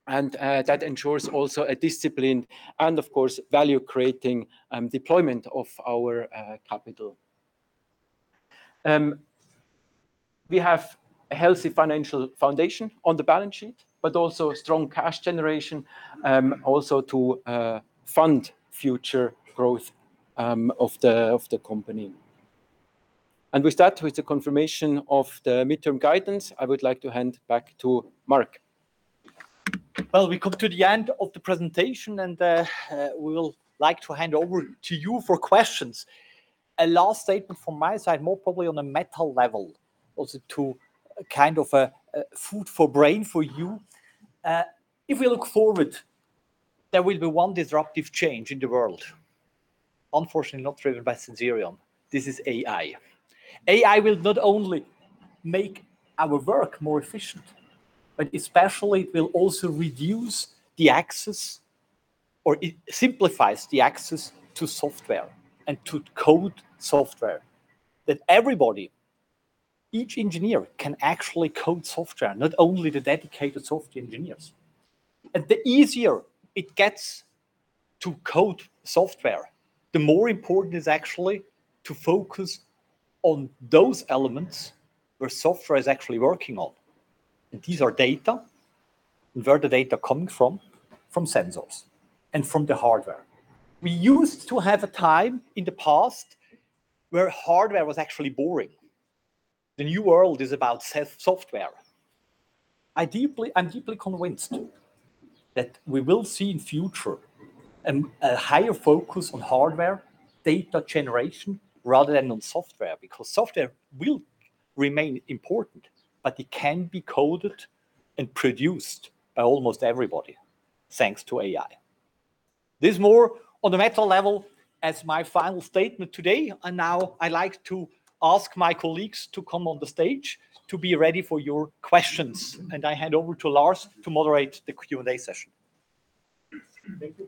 and that ensures also a disciplined and, of course, value-creating deployment of our capital. We have a healthy financial foundation on the balance sheet, but also a strong cash generation, also to fund future growth of the company. With that, with the confirmation of the midterm guidance, I would like to hand back to Marc. Well, we come to the end of the presentation, and we will like to hand over to you for questions. A last statement from my side, more probably on a meta level, also to kind of a food for brain for you. If we look forward, there will be one disruptive change in the world, unfortunately not driven by Sensirion. This is AI. AI will not only make our work more efficient, but especially it will also reduce the access, or it simplifies the access to software and to code software that everybody, each engineer, can actually code software, not only the dedicated software engineers. The easier it gets to code software, the more important is actually to focus on those elements where software is actually working on. These are data, and where the data coming from? From sensors and from the hardware. We used to have a time in the past where hardware was actually boring. The new world is about software. I'm deeply convinced that we will see in future a higher focus on hardware data generation rather than on software, because software will remain important, but it can be coded and produced by almost everybody, thanks to AI. This more on a meta level as my final statement today. Now I like to ask my colleagues to come on the stage to be ready for your questions. I hand over to Lars to moderate the Q&A session. Thank you,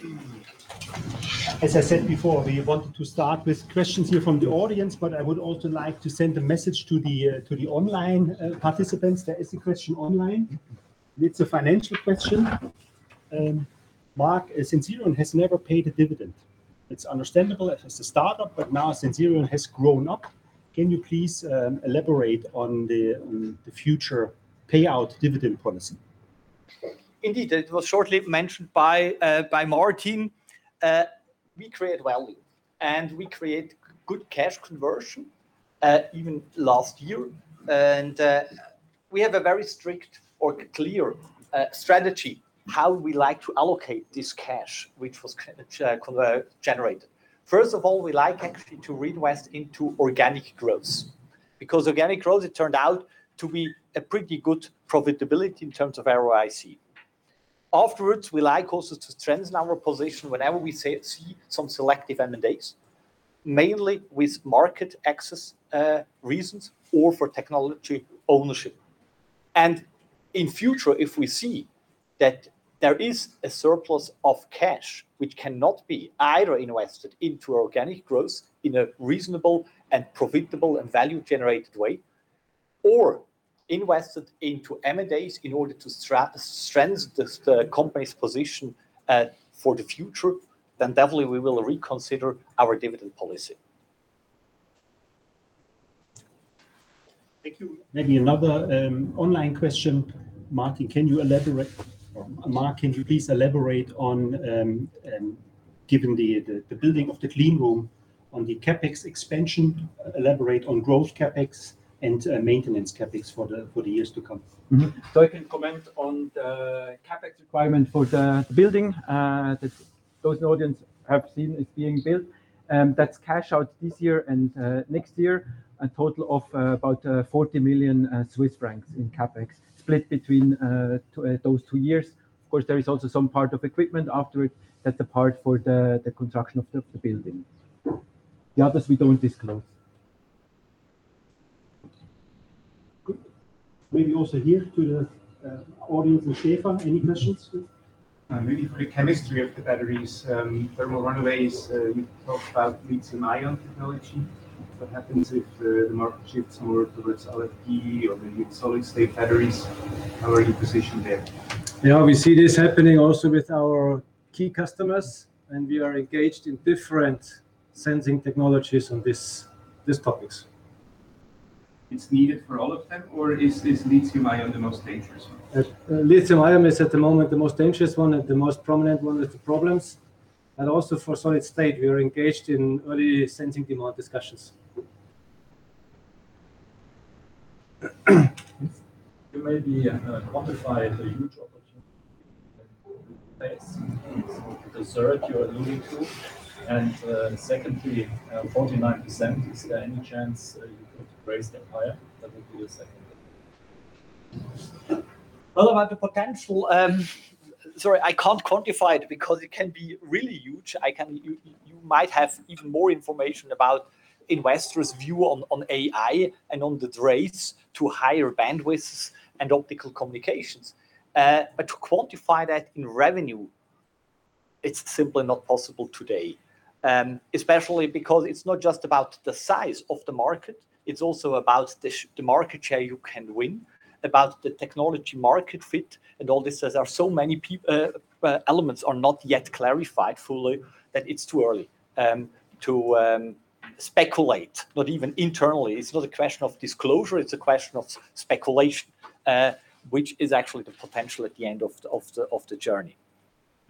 Marc. As I said before, we wanted to start with questions here from the audience, but I would also like to send a message to the online participants. There is a question online. It's a financial question. Marc, Sensirion has never paid a dividend. It's understandable as a startup, but now Sensirion has grown up. Can you please elaborate on the future payout dividend policy? Indeed. It was shortly mentioned by Martin. We create value, and we create good cash conversion, even last year. We have a very strict or clear strategy how we like to allocate this cash, which was generated. First of all, we like actually to reinvest into organic growth, because organic growth, it turned out to be a pretty good profitability in terms of ROIC. Afterwards, we like also to strengthen our position whenever we see some selective M&As, mainly with market access reasons or for technology ownership. In future, if we see that there is a surplus of cash which cannot be either invested into organic growth in a reasonable and profitable and value-generated way, or invested into M&As in order to strengthen the company's position for the future, then definitely we will reconsider our dividend policy. Thank you. Maybe another online question. Marc, can you please elaborate on, given the building of the clean room on the CapEx expansion, elaborate on growth CapEx and maintenance CapEx for the years to come? I can comment on the CapEx requirement for the building that those in the audience have seen is being built. That's cash out this year and next year, a total of about 40 million Swiss francs in CapEx split between those two years. Of course, there is also some part of equipment afterwards that's the part for the construction of the building. The others we don't disclose. Good. Maybe also here to the audience and Stefan, any questions? Maybe for the chemistry of the batteries, thermal runaways, you talked about lithium-ion technology. What happens if the market shifts more towards LFP or the solid-state batteries? How are you positioned there? Yeah, we see this happening also with our key customers, and we are engaged in different sensing technologies on these topics. It's needed for all of them, or is lithium-ion the most dangerous one? Lithium-ion is at the moment the most dangerous one and the most prominent one with the problems. Also for solid-state, we are engaged in early sensing demand discussions. you maybe quantify the huge opportunity with the surge you're alluding to? Secondly, 49%, is there any chance you could raise that higher? That would be the second one. Well, about the potential, sorry, I can't quantify it because it can be really huge. You might have even more information about investors' view on AI and on the rates to higher bandwidths and optical communications. To quantify that in revenue, it's simply not possible today, especially because it's not just about the size of the market, it's also about the market share you can win, about the technology market fit, and all this. There are so many elements are not yet clarified fully that it's too early to speculate, not even internally. It's not a question of disclosure. It's a question of speculation, which is actually the potential at the end of the journey.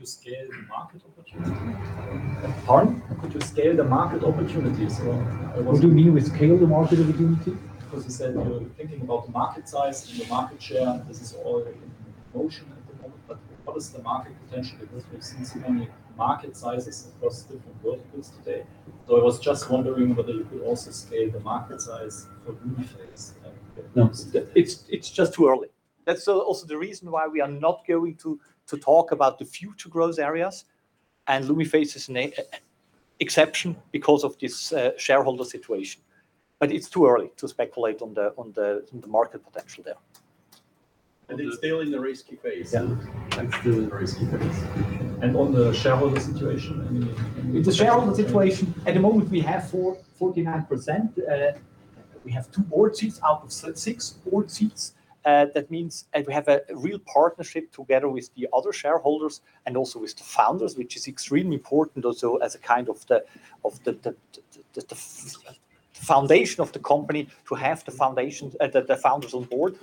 Could you scale the market opportunity? Pardon? Could you scale the market opportunities? What do you mean with scale the market opportunity? Because you said you're thinking about the market size and the market share, and this is all in motion at the moment, what is the market potential? Because we've seen so many market sizes across different verticals today, I was just wondering whether you could also scale the market size for Lumiphase. No. It's just too early. That's also the reason why we are not going to talk about the future growth areas, and Lumiphase is an exception because of this shareholder situation. It's too early to speculate on the market potential there. It's still in the risky phase. Yeah. It's still in the risky phase. On the shareholder situation, I mean. With the shareholder situation, at the moment, we have 49%. We have two board seats out of six board seats. That means we have a real partnership together with the other shareholders and also with the founders, which is extremely important also as a kind of the foundation of the company to have the founders on board.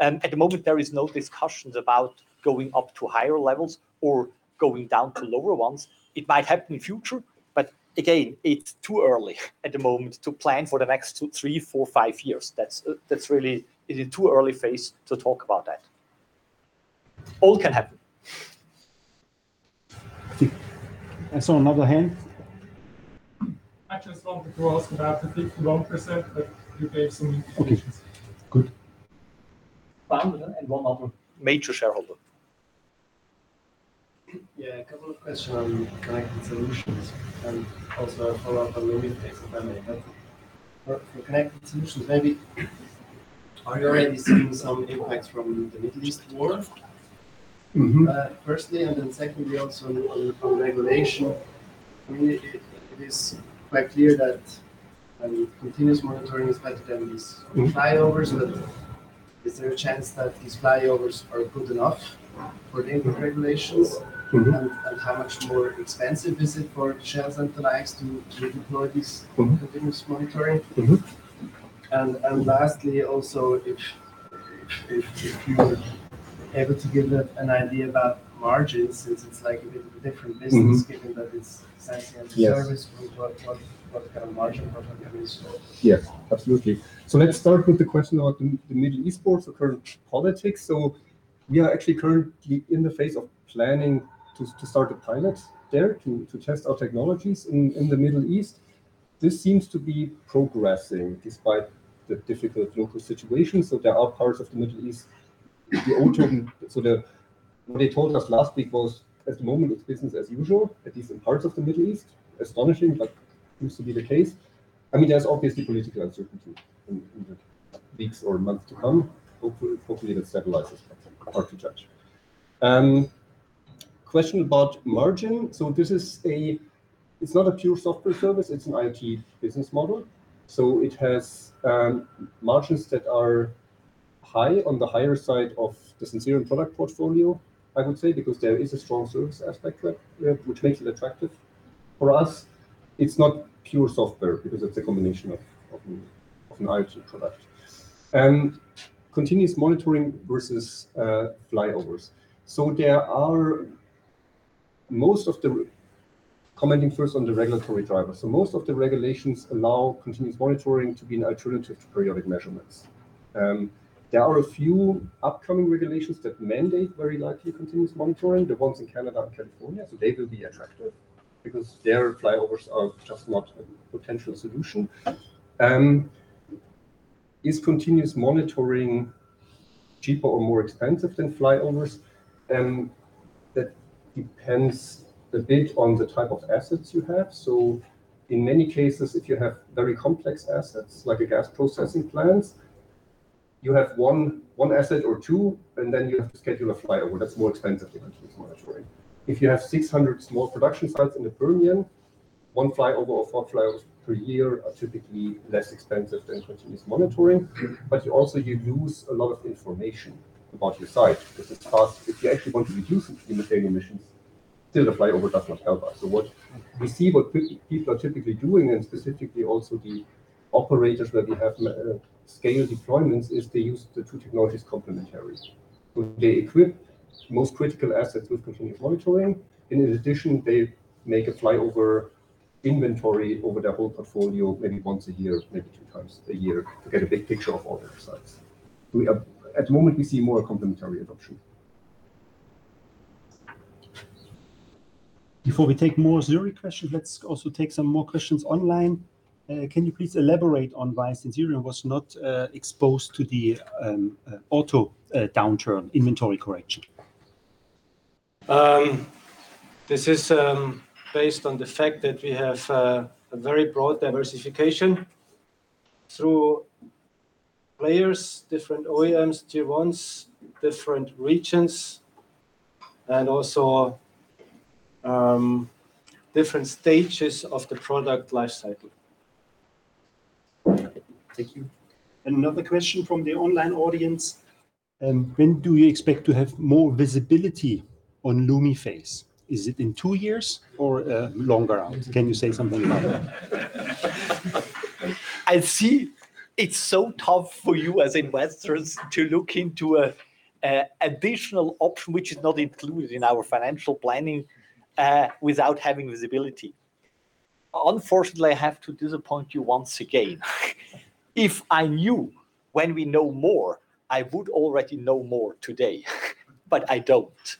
At the moment, there is no discussions about going up to higher levels or going down to lower ones. It might happen in future, but again, it's too early at the moment to plan for the next two, three, four, five years. It's in too early phase to talk about that. All can happen. I think I saw another hand. I just wanted to ask about the 51%, but you gave some indications. Okay, good. One other major shareholder. Yeah, a couple of questions on Connected Solutions and also a follow-up on Lumiphase if I may. For Connected Solutions, maybe are you already seeing some impacts from the Middle East war? Firstly, and then secondly, also on regulation, for me, it is quite clear that continuous monitoring is better than these flyovers, but is there a chance that these flyovers are good enough for the regulations? How much more expensive is it for Shell and TotalEnergies to deploy this continuous monitoring? Lastly, also if you were able to give an idea about margins, since it's like a bit of a different business? Given that it's sensing as a service. What kind of margin profile can we expect? Yes, absolutely. Let's start with the question about the Middle East wars or current politics. We are actually currently in the phase of planning to start a pilot there to test our technologies in the Middle East. This seems to be progressing despite the difficult local situation. There are parts of the Middle East what they told us last week was at the moment, it's business as usual, at least in parts of the Middle East. Astonishing, but seems to be the case. There's obviously political uncertainty in the weeks or months to come. Hopefully, that stabilizes. Hard to judge. Question about margin. It's not a pure software service. It's an IT business model. It has margins that are high, on the higher side of the Sensirion product portfolio, I would say, because there is a strong service aspect there, which makes it attractive. For us, it's not pure software because it's a combination of an IT product. Continuous monitoring versus flyovers. Commenting first on the regulatory drivers, most of the regulations allow continuous monitoring to be an alternative to periodic measurements. There are a few upcoming regulations that mandate very likely continuous monitoring, the ones in Canada and California. They will be attractive because their flyovers are just not a potential solution. Is continuous monitoring cheaper or more expensive than flyovers? That depends a bit on the type of assets you have. In many cases, if you have very complex assets, like a gas processing plant, you have one asset or two, and then you have to schedule a flyover. That's more expensive than continuous monitoring. If you have 600 small production sites in the Permian, one flyover or four flyovers per year are typically less expensive than continuous monitoring. Also you lose a lot of information about your site because it's hard. If you actually want to reduce methane emissions, still the flyover does not help us. What we see what people are typically doing, and specifically also the operators where we have scale deployments, is they use the two technologies complementary. They equip most critical assets with continuous monitoring. In addition, they make a flyover inventory over their whole portfolio maybe once a year, maybe two times a year, to get a big picture of all their sites. At the moment, we see more complementary adoption. Before we take more Zurich questions, let's also take some more questions online. Can you please elaborate on why Sensirion was not exposed to the auto downturn inventory correction? This is based on the fact that we have a very broad diversification through players, different OEMs, Tier 1s, different regions, and also different stages of the product life cycle. Thank you. Another question from the online audience. When do you expect to have more visibility on Lumiphase? Is it in two years or longer out? Can you say something about that? I see it's so tough for you as investors to look into an additional option which is not included in our financial planning without having visibility. Unfortunately, I have to disappoint you once again. If I knew when we know more, I would already know more today, but I don't.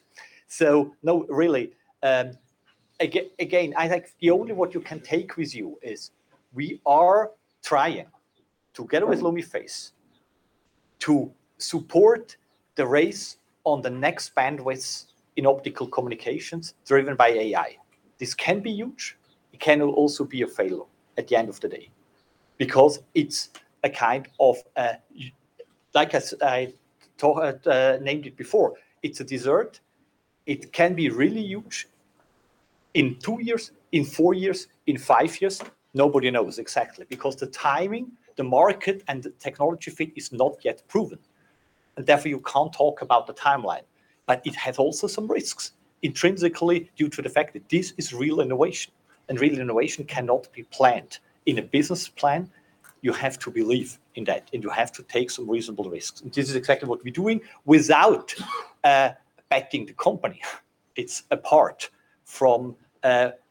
No, really. Again, I think the only what you can take with you is we are trying together with Lumiphase to support the race on the next bandwidth in optical communications driven by AI. This can be huge. It can also be a failure at the end of the day. Because it's a kind of, like I named it before, it's a desert. It can be really huge in two years, in four years, in five years. Nobody knows exactly because the timing, the market, and the technology fit is not yet proven, and therefore you can't talk about the timeline. It has also some risks intrinsically due to the fact that this is real innovation, and real innovation cannot be planned in a business plan. You have to believe in that, and you have to take some reasonable risks. This is exactly what we're doing without affecting the company. It's apart from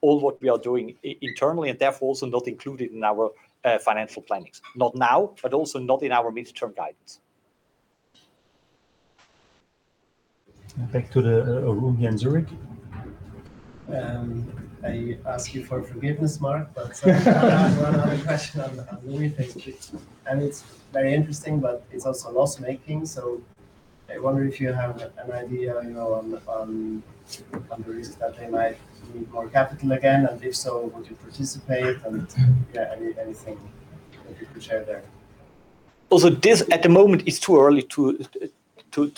all what we are doing internally and therefore also not included in our financial plannings, not now, but also not in our midterm guidance. Back to the room here in Zurich. I ask you for forgiveness, Marc, but I have one other question on Lumiphase please. It's very interesting, but it's also loss-making, so I wonder if you have an idea on the risk that they might need more capital again, and if so, would you participate and yeah, anything that you could share there. Also, this at the moment is too early to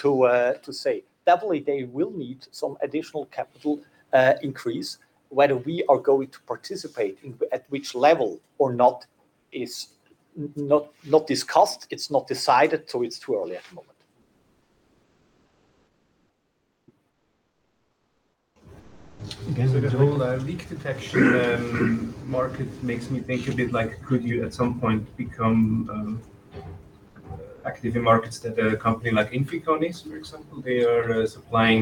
say. Definitely, they will need some additional capital increase. Whether we are going to participate at which level or not is not discussed. It's not decided, so it's too early at the moment. Again at the back. The whole leak detection market makes me think a bit like could you at some point become active in markets that a company like INFICON is, for example? They are supplying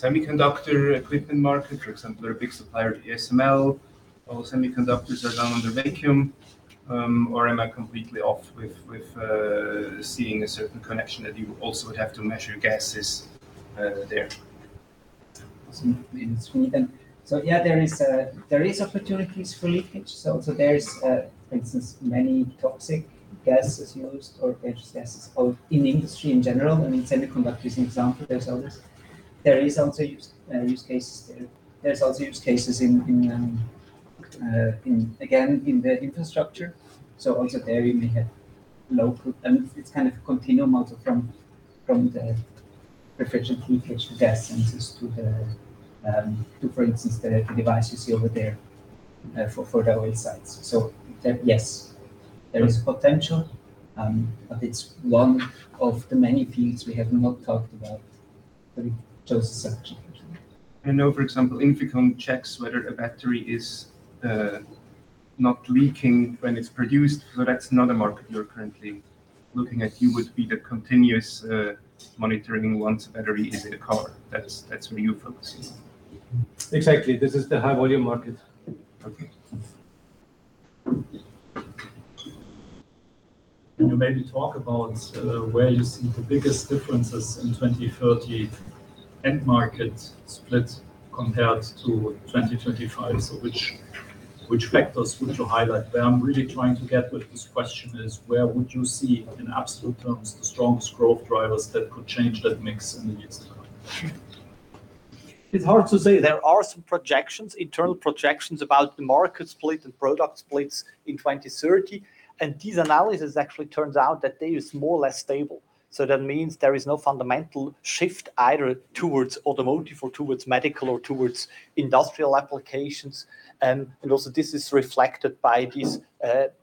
semiconductor equipment market, for example, a big supplier to ASML. All semiconductors are done under vacuum. Am I completely off with seeing a certain connection that you also would have to measure gases there? Also in Sweden. Yeah, there is opportunities for leakage. There is, for instance, many toxic gases used or etch gases, both in industry in general and in semiconductors example. There's others. There's also use cases, again, in the infrastructure, so also there you may have local. It's kind of a continuum also from the refrigeration leakage gas sensors to the, for instance, the device you see over there for the oil sites. Yes, there is potential, but it's one of the many fields we have not talked about, but it's just such. I know, for example, INFICON checks whether a battery is not leaking when it's produced, so that's not a market you're currently looking at. You would be the continuous monitoring once a battery is in a car. That's where you're focusing. Exactly. This is the high-volume market. Okay. Can you maybe talk about where you see the biggest differences in 2030 end market split compared to 2025? Which factors would you highlight? Where I'm really trying to get with this question is where would you see in absolute terms the strongest growth drivers that could change that mix in the years to come? It's hard to say. There are some projections, internal projections about the market split and product splits in 2030. And these analysis actually turns out that they is more or less stable. So that means there is no fundamental shift either towards automotive or towards medical or towards industrial applications. And also this is reflected by this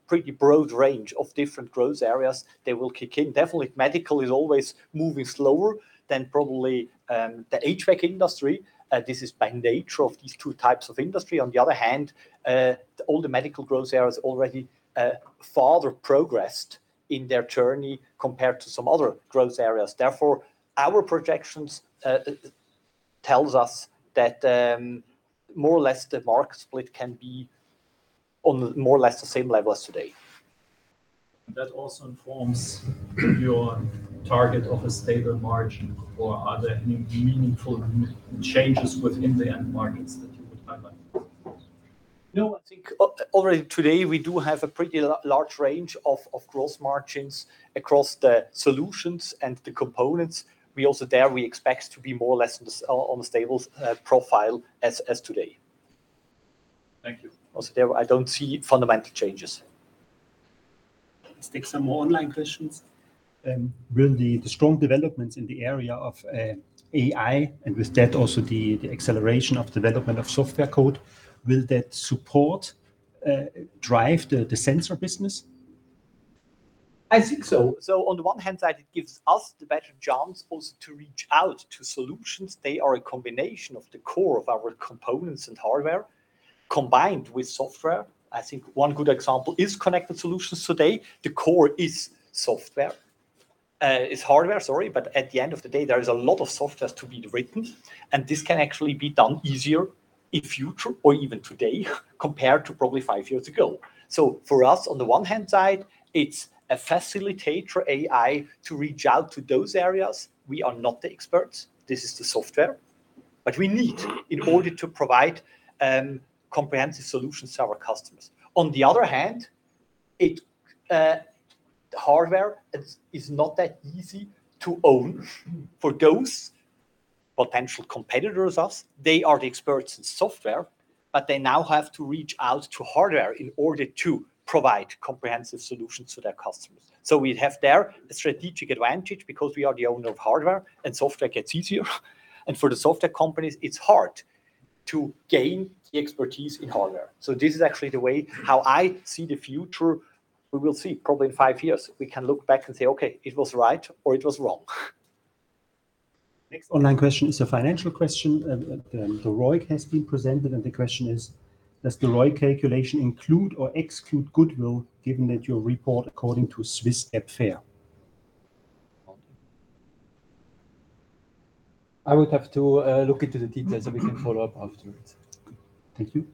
pretty broad range of different growth areas that will kick in. Definitely medical is always moving slower than probably the HVAC industry. This is by nature of these two types of industry. On the other hand, all the medical growth areas already farther progressed in their journey compared to some other growth areas. Therefore, our projections tells us that more or less the market split can be on more or less the same level as today. That also informs your target of a stable margin, or are there any meaningful changes within the end markets that you would highlight? No. I think already today we do have a pretty large range of gross margins across the solutions and the components. We expect to be more or less on the stable profile as today. Thank you. Also there I don't see fundamental changes. Let's take some more online questions. Will the strong developments in the area of AI and with that also the acceleration of development of software code, will that support drive the sensor business? I think so. On the one hand side, it gives us the better chance also to reach out to solutions. They are a combination of the core of our components and hardware, combined with software. I think one good example is Connected Solutions today. The core is hardware, sorry, but at the end of the day, there is a lot of software to be written, and this can actually be done easier in future or even today compared to probably five years ago. For us, on the one hand side, it's a facilitator AI to reach out to those areas. We are not the experts, this is the software we need in order to provide comprehensive solutions to our customers. On the other hand, hardware is not that easy to own for those potential competitors of us. They are the experts in software, but they now have to reach out to hardware in order to provide comprehensive solutions to their customers. We have there a strategic advantage because we are the owner of hardware, and software gets easier. For the software companies, it's hard to gain the expertise in hardware. This is actually the way how I see the future. We will see. Probably in five years, we can look back and say, "Okay, it was right or it was wrong. Next online question is a financial question. The ROIC has been presented and the question is, does the ROIC calculation include or exclude goodwill given that you report according to Swiss GAAP FER? I would have to look into the details and we can follow up afterwards. Thank you.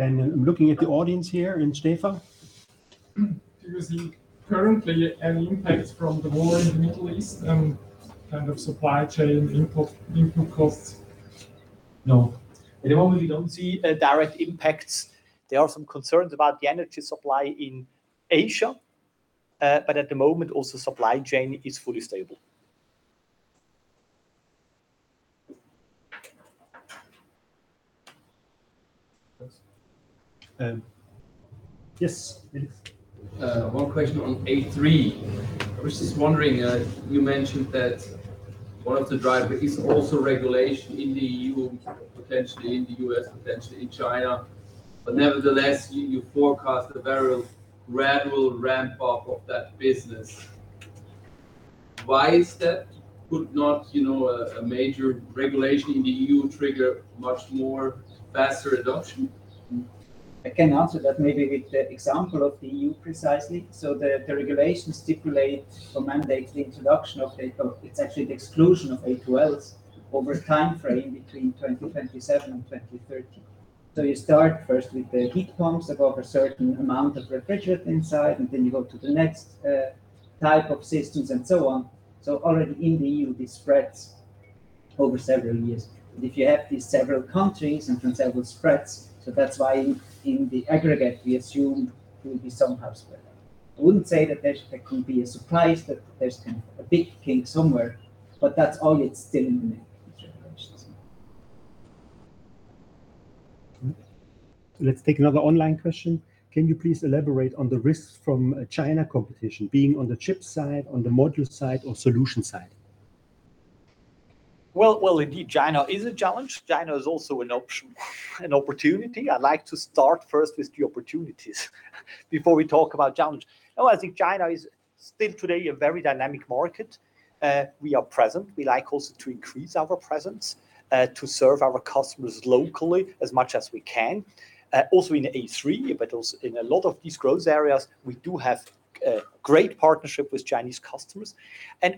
I'm looking at the audience here and Stefan? Do you see currently an impact from the war in the Middle East and kind of supply chain input costs? No. At the moment, we don't see direct impacts. There are some concerns about the energy supply in Asia. At the moment, also supply chain is fully stable. Yes. One question on A3. I was just wondering, you mentioned that one of the driver is also regulation in the E.U., potentially in the U.S., potentially in China. Nevertheless, you forecast a very gradual ramp up of that business. Why is that? Could not a major regulation in the E.U. trigger much more faster adoption? I can answer that maybe with the example of the EU precisely. So the regulations stipulate or mandate the introduction of, it's actually the exclusion of A2Ls over time frame between 2027 and 2030. So you start first with the heat pumps above a certain amount of refrigerant inside, and then you go to the next type of systems and so on. So already in the EU, this spreads over several years. If you have these several countries and transferable spreads, so that's why in the aggregate, we assume it will be somehow spread out. I wouldn't say that there could be a surprise that there's kind of a big thing somewhere, but that's all it's still in the generations. Let's take another online question. Can you please elaborate on the risks from China competition being on the chip side, on the module side, or solution side? Well, indeed, China is a challenge. China is also an option, an opportunity. I'd like to start first with the opportunities before we talk about challenge. Now, I think China is still today a very dynamic market. We are present. We like also to increase our presence, to serve our customers locally as much as we can. Also in A3, but also in a lot of these growth areas, we do have great partnership with Chinese customers.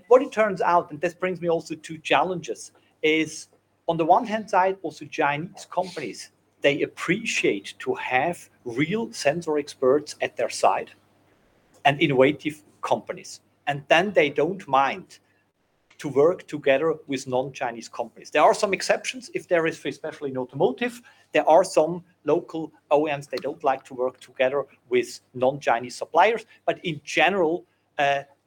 What it turns out, and this brings me also to challenges, is on the one hand side, also Chinese companies, they appreciate to have real sensor experts at their side and innovative companies. They don't mind to work together with non-Chinese companies. There are some exceptions. If there is, especially in automotive, there are some local OEMs, they don't like to work together with non-Chinese suppliers. In general,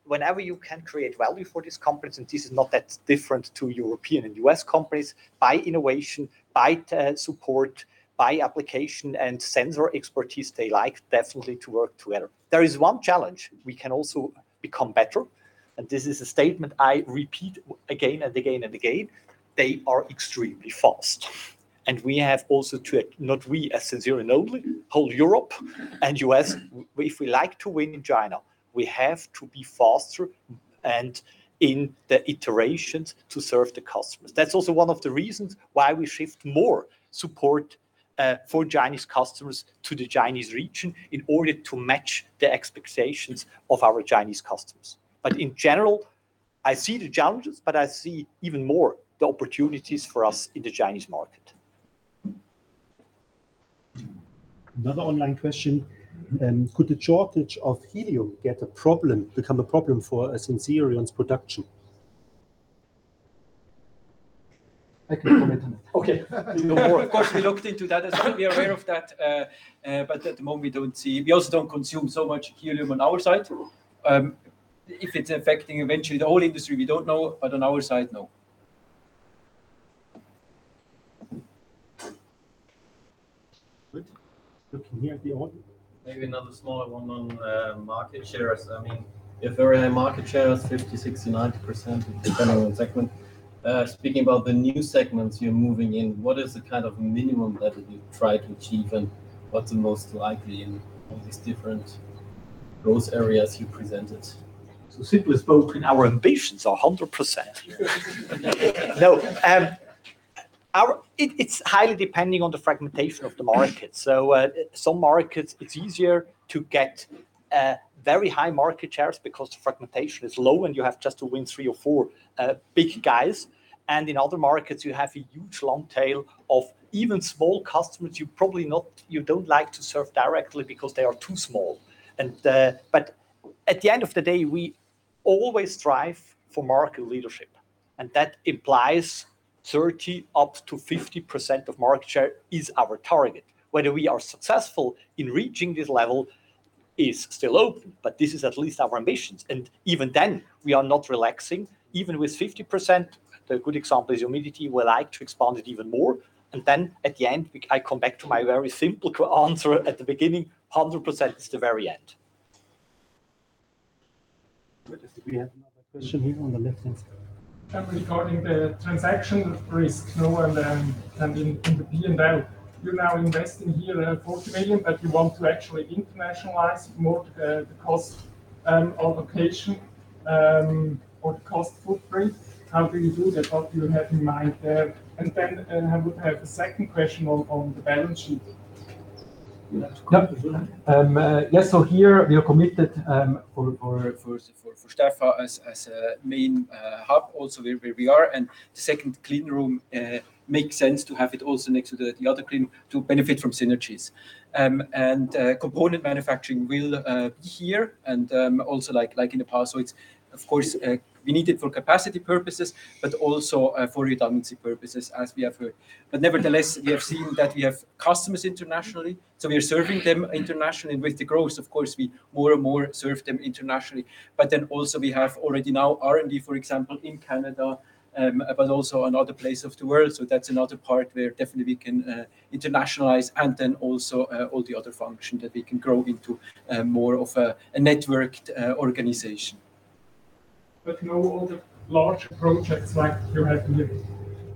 whenever you can create value for these companies, and this is not that different to European and U.S. companies, by innovation, by support, by application and sensor expertise, they like definitely to work together. There is one challenge. We can also become better, and this is a statement I repeat again and again and again. They are extremely fast. We have also to, not we as Sensirion only, whole Europe and U.S., if we like to win in China, we have to be faster and in the iterations to serve the customers. That's also one of the reasons why we shift more support for Chinese customers to the Chinese region in order to match the expectations of our Chinese customers. In general, I see the challenges, but I see even more the opportunities for us in the Chinese market. Another online question. Could the shortage of helium become a problem for Sensirion's production? I can comment on that. Okay. Of course, we looked into that as well. We are aware of that, but at the moment, we don't see. We also don't consume so much helium on our side. If it's affecting eventually the whole industry, we don't know. On our side, no. Good. Looking here at the audience. Maybe another small one on market shares. If there are any market shares, 50%, 60%, 90%, it depends on segment. Speaking about the new segments you're moving in, what is the kind of minimum that you try to achieve, and what's the most likely in all these different growth areas you presented? Simply spoken, our ambitions are 100%. No. It's highly depending on the fragmentation of the market. Some markets, it's easier to get very high market shares because the fragmentation is low, and you have just to win three or four big guys. In other markets, you have a huge long tail of even small customers you don't like to serve directly because they are too small. At the end of the day, we always strive for market leadership, and that implies 30%-50% of market share is our target. Whether we are successful in reaching this level is still open, but this is at least our ambitions. Even then, we are not relaxing. Even with 50%, the good example is humidity, we like to expand it even more. At the end, I come back to my very simple answer at the beginning, 100% is the very end. Just we have another question here on the left-hand side. Regarding the transaction risk, lower than in the P&L, you're now investing here 40 million, but you want to actually internationalize more the cost allocation, or the cost footprint. How do you do that? What do you have in mind there? I would have a second question on the balance sheet. Yeah. Here we are committed for Stäfa as a main hub, also where we are, and the second clean room makes sense to have it also next to the other clean to benefit from synergies. Component manufacturing will be here and also like in the past, so of course, we need it for capacity purposes, but also for redundancy purposes as we have heard. Nevertheless, we have seen that we have customers internationally. We are serving them internationally, and with the growth, of course, we more and more serve them internationally. Also we have already now R&D, for example, in Canada, but also another place of the world. That's another part where definitely we can internationalize and then also all the other functions that we can grow into more of a networked organization. No other large projects like you have the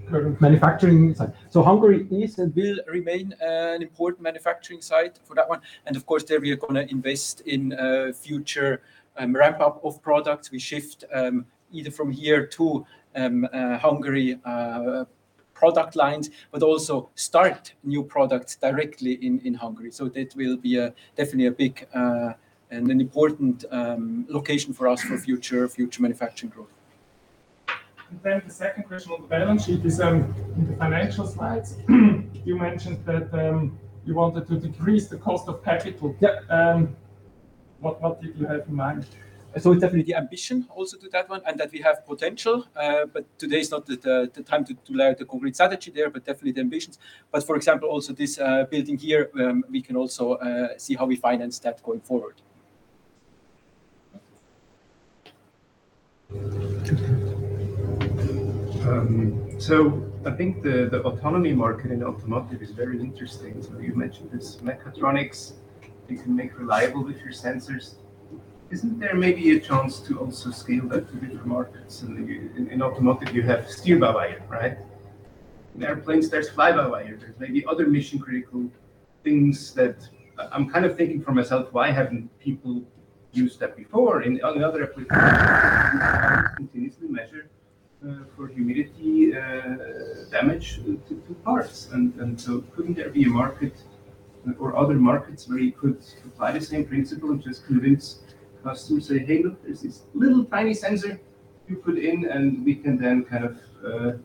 current. Manufacturing side, Hungary is and will remain an important manufacturing site for that one. Of course, there we are going to invest in future ramp-up of products. We shift either from here to Hungary product lines, but also start new products directly in Hungary. That will be definitely a big and an important location for us for future manufacturing growth. The second question on the balance sheet is in the financial slides. You mentioned that you wanted to decrease the cost of capital. Yeah. What did you have in mind? Definitely the ambition also to that one, and that we have potential. Today is not the time to lay out the complete strategy there, but definitely the ambitions. For example, also this building here, we can also see how we finance that going forward. I think the autonomy market in automotive is very interesting. You mentioned this mechatronics you can make reliable with your sensors. Isn't there maybe a chance to also scale that to different markets? In automotive, you have steer-by-wire, right? In airplanes, there's fly-by-wire. There's maybe other mission-critical things that I'm kind of thinking for myself. Why haven't people used that before in other applications, continuously measure for humidity damage to parts? Couldn't there be a market or other markets where you could apply the same principle and just convince customers, say, hey, look, there's this little tiny sensor you put in, and we can then kind of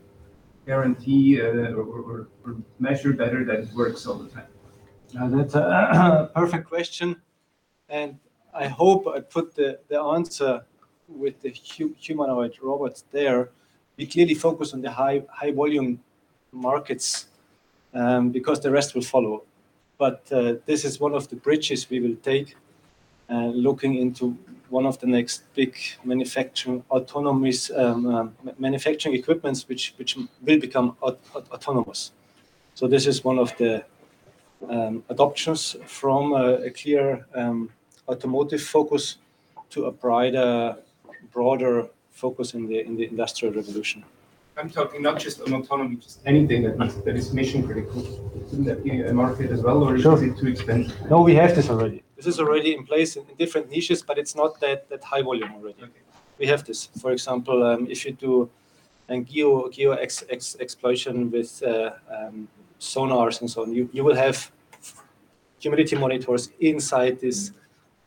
guarantee or measure better that it works all the time. That's a perfect question, and I hope I put the answer with the humanoid robots there. We clearly focus on the high-volume markets, because the rest will follow. This is one of the bridges we will take looking into one of the next big manufacturing equipments, which will become autonomous. This is one of the adoptions from a clear automotive focus to a broader focus in the industrial revolution. I'm talking not just on autonomy, just anything that is mission-critical. Couldn't that be a market as well? Is it too expensive? No, we have this already. This is already in place in different niches, but it's not that high volume already. We have this, for example, if you do a geo exploration with sonars and so on. You will have humidity monitors inside these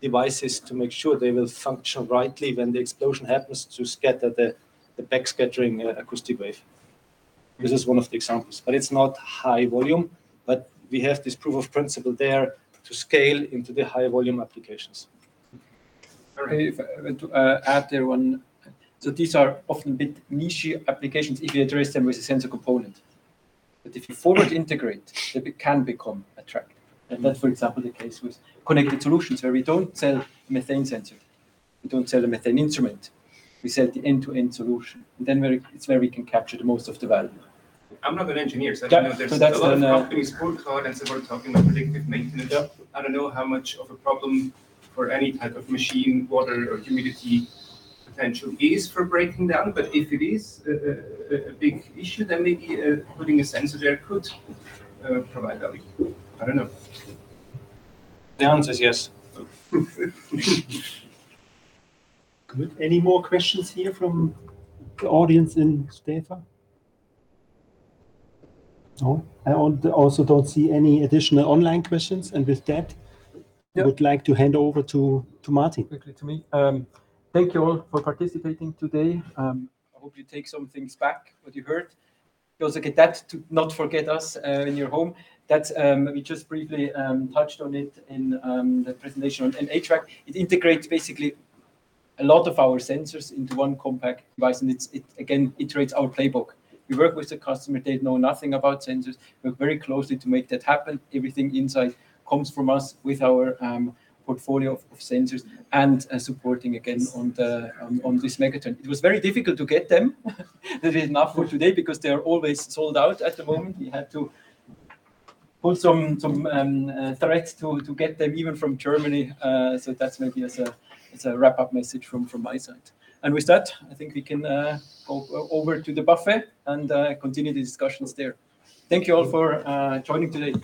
devices to make sure they will function rightly when the explosion happens to scatter the backscattering acoustic wave. This is one of the examples, but it's not high volume, but we have this proof of principle there to scale into the high volume applications. I want to add there one. These are often a bit niche applications if you address them with a sensor component. If you forward integrate, they can become attractive. That's, for example, the case with Connected Solutions where we don't sell methane sensor, we don't sell a methane instrument, we sell the end-to-end solution, and then it's where we can capture the most of the value. I'm not an engineer, so I don't know. There's a lot of properties for cloud, and so we're talking about predictive maintenance. I don't know how much of a problem for any type of machine, water or humidity potential is for breaking down. If it is a big issue, then maybe putting a sensor there could provide value. I don't know. The answer is yes. Good. Any more questions here from the audience in Stäfa? No, I also don't see any additional online questions. And with that I would like to hand over to Martin. Quickly to me. Thank you all for participating today. I hope you take some things back what you heard. You also get that to not forget us in your home, that we just briefly touched on it in the presentation on HVAC. It integrates basically a lot of our sensors into one compact device, and it again iterates our playbook. We work with the customer. They know nothing about sensors. We work very closely to make that happen. Everything inside comes from us with our portfolio of sensors and supporting again on this megatrend. It was very difficult to get them. There is enough for today because they are always sold out at the moment. We had to pull some threads to get them even from Germany. That's maybe as a wrap-up message from my side. With that, I think we can go over to the buffet and continue the discussions there. Thank you all for joining today.